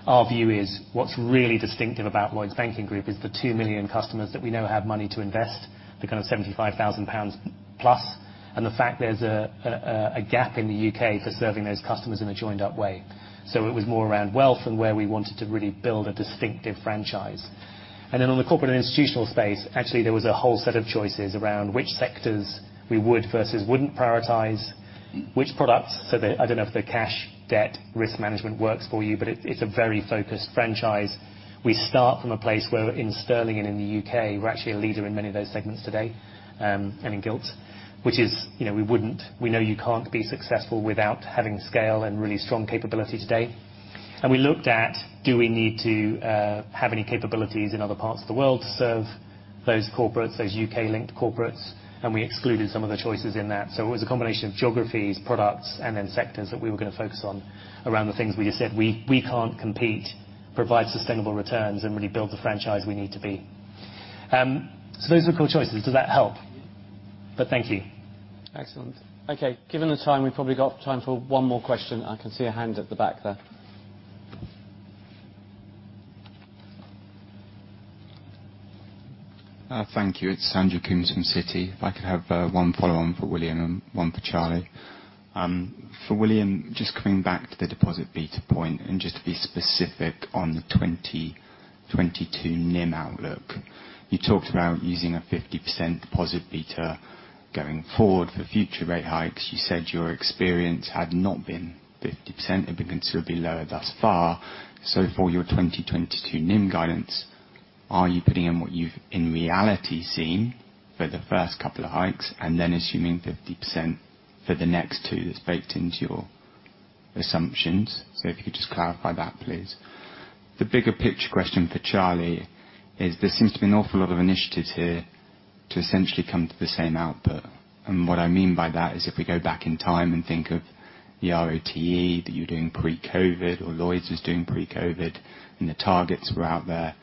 Our view is what's really distinctive about Lloyds Banking Group is the two million customers that we know have money to invest, the kind of 75,000+ pounds and the fact there's a gap in the U.K. for serving those customers in a joined-up way. It was more around wealth and where we wanted to really build a distinctive franchise. On the corporate and institutional space actually, there was a whole set of choices around which sectors we would versus wouldn't prioritize, which products. I don't know if the cash, debt, risk management works for you but it's a very focused franchise. We start from a place where in sterling and in the U.K., we're actually a leader in many of those segments today and in gilts. You know, we know you can't be successful without having scale and really strong capability today. We looked at do we need to have any capabilities in other parts of the world to serve those corporates, those UK-linked corporates, and we excluded some of the choices in that. It was a combination of geographies, products and then sectors that we were gonna focus on around the things we just said we can't compete, provide sustainable returns and really build the franchise we need to be. Those are the core choices. Does that help? Thank you. Excellent. Okay. Given the time, we've probably got time for one more question. I can see a hand at the back there. Thank you. It's Andrew Coombs from Citi. If I could have one follow-on for William and one for Charlie. For William, just coming back to the deposit beta point and just to be specific on the 2022 NIM outlook. You talked about using a 50% deposit beta going forward for future rate hikes. You said your experience had not been 50%. It had been considerably lower thus far. For your 2022 NIM guidance, are you putting in what you've in reality seen for the first couple of hikes and then assuming 50% for the next two that's baked into your assumptions? If you could just clarify that, please. The bigger picture question for Charlie is there seems to be an awful lot of initiatives here to essentially come to the same output. What I mean by that is if we go back in time and think of the ROTE that you were doing pre-COVID or Lloyds was doing pre-COVID and the targets were out there.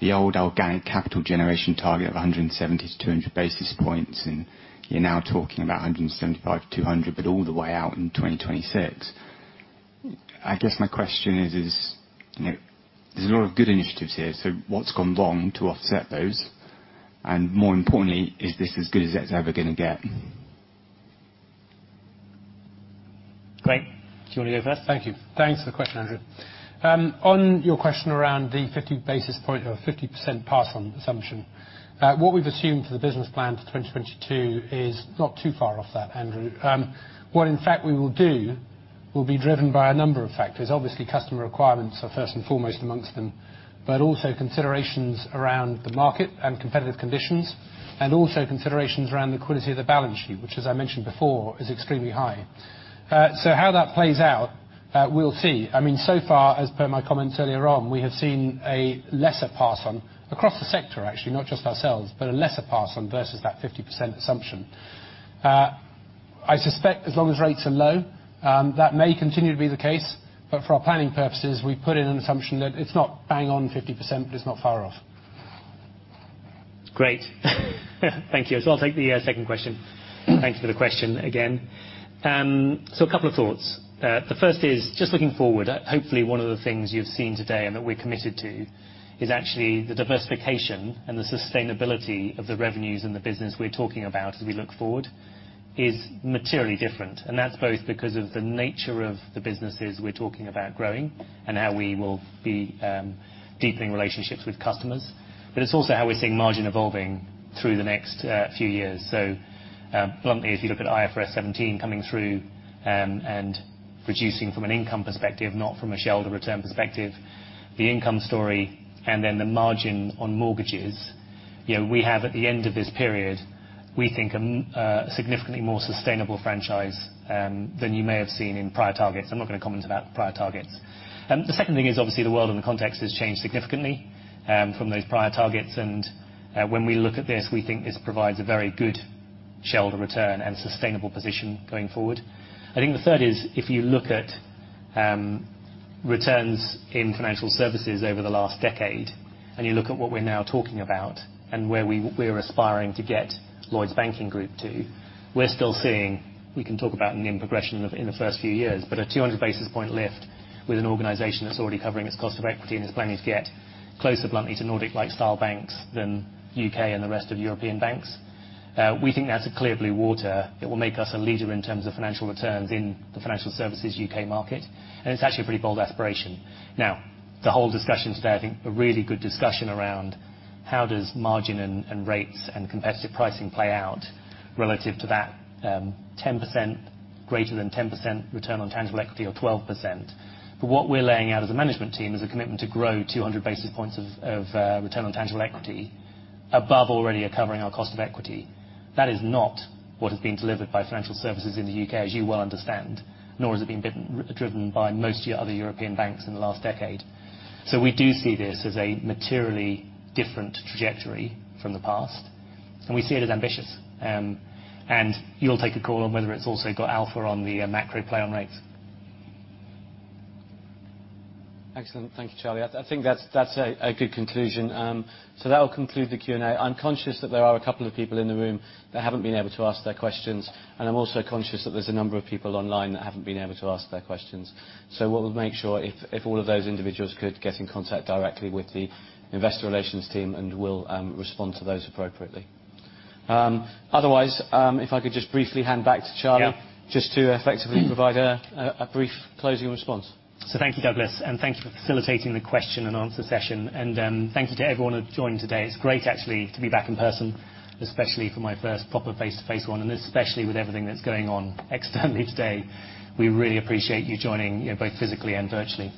The old organic capital generation target of 170 to 200 basis points and you're now talking about 175 to 200 but all the way out in 2026. I guess my question is, you know, there's a lot of good initiatives here, so what's gone wrong to offset those? More importantly, is this as good as it's ever gonna get? Great. Do you wanna go first? Thank you. Thanks for the question, Andrew. On your question around the 50 basis point or 50% pass on assumption, what we've assumed for the business plan to 2022 is not too far off that, Andrew. What in fact we will do will be driven by a number of factors. Obviously, customer requirements are first and foremost amongst them. Also considerations around the market and competitive conditions and also considerations around the quality of the balance sheet which as I mentioned before, is extremely high. How that plays out, we'll see. I mean, so far as per my comments earlier on, we have seen a lesser pass on across the sector actually, not just ourselves but a lesser pass on versus that 50% assumption. I suspect as long as rates are low, that may continue to be the case but for our planning purposes, we put in an assumption that it's not bang on 50% but it's not far off. Great. Thank you. I'll take the second question. Thanks for the question again. A couple of thoughts. The first is just looking forward, hopefully one of the things you've seen today and that we're committed to is actually the diversification and the sustainability of the revenues and the business we're talking about as we look forward is materially different. That's both because of the nature of the businesses we're talking about growing and how we will be deepening relationships with customers. It's also how we're seeing margin evolving through the next few years. Bluntly, if you look at IFRS 17 coming through and reducing from an income perspective, not from a shareholder return perspective, the income story and then the margin on mortgages, you know, we have at the end of this period, we think a significantly more sustainable franchise than you may have seen in prior targets. I'm not gonna comment about prior targets. The second thing is obviously the world and the context has changed significantly, from those prior targets. When we look at this, we think this provides a very good shareholder return and sustainable position going forward. I think the third is if you look at returns in financial services over the last decade and you look at what we're now talking about and where we're aspiring to get Lloyds Banking Group to. We're still seeing we can talk about in the progression of in the first few years. A 200 basis point lift with an organization that's already covering its cost of equity and is planning to get closer bluntly to Nordic-like style banks than U.K. and the rest of European banks. We think that's a clear blue water. It will make us a leader in terms of financial returns in the financial services U.K. market, and it's actually a pretty bold aspiration. Now, the whole discussion today, I think a really good discussion around how does margin and rates and competitive pricing play out relative to that 10%, greater than 10% return on tangible equity or 12% but what we're laying out as a management team is a commitment to grow 200 basis points of return on tangible equity above already a covering our cost of equity. That is not what has been delivered by financial services in the U.K., as you well understand nor has it been driven by most other European banks in the last decade. We do see this as a materially different trajectory from the past, and we see it as ambitious. You'll take a call on whether it's also got alpha on the macro play on rates. Excellent. Thank you, Charlie. I think that's a good conclusion. That will conclude the Q&A. I'm conscious that there are a couple of people in the room that haven't been able to ask their questions and I'm also conscious that there's a number of people online that haven't been able to ask their questions. What we'll make sure if all of those individuals could get in contact directly with the investor relations team, and we'll respond to those appropriately. Otherwise, if I could just briefly hand back to Charlie. Yeah. Just to effectively provide a brief closing response. Thank you, Douglas, and thank you for facilitating the question and answer session. Thank you to everyone who joined today. It's great actually to be back in person especially for my first proper face-to-face one and especially with everything that's going on externally today. We really appreciate you joining, you know, both physically and virtually.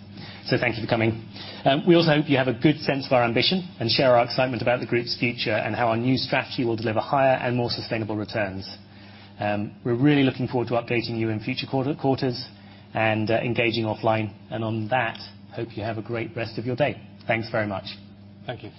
Thank you for coming. We also hope you have a good sense of our ambition and share our excitement about the group's future and how our new strategy will deliver higher and more sustainable returns. We're really looking forward to updating you in future quarters and engaging offline. On that, hope you have a great rest of your day. Thanks very much. Thank you.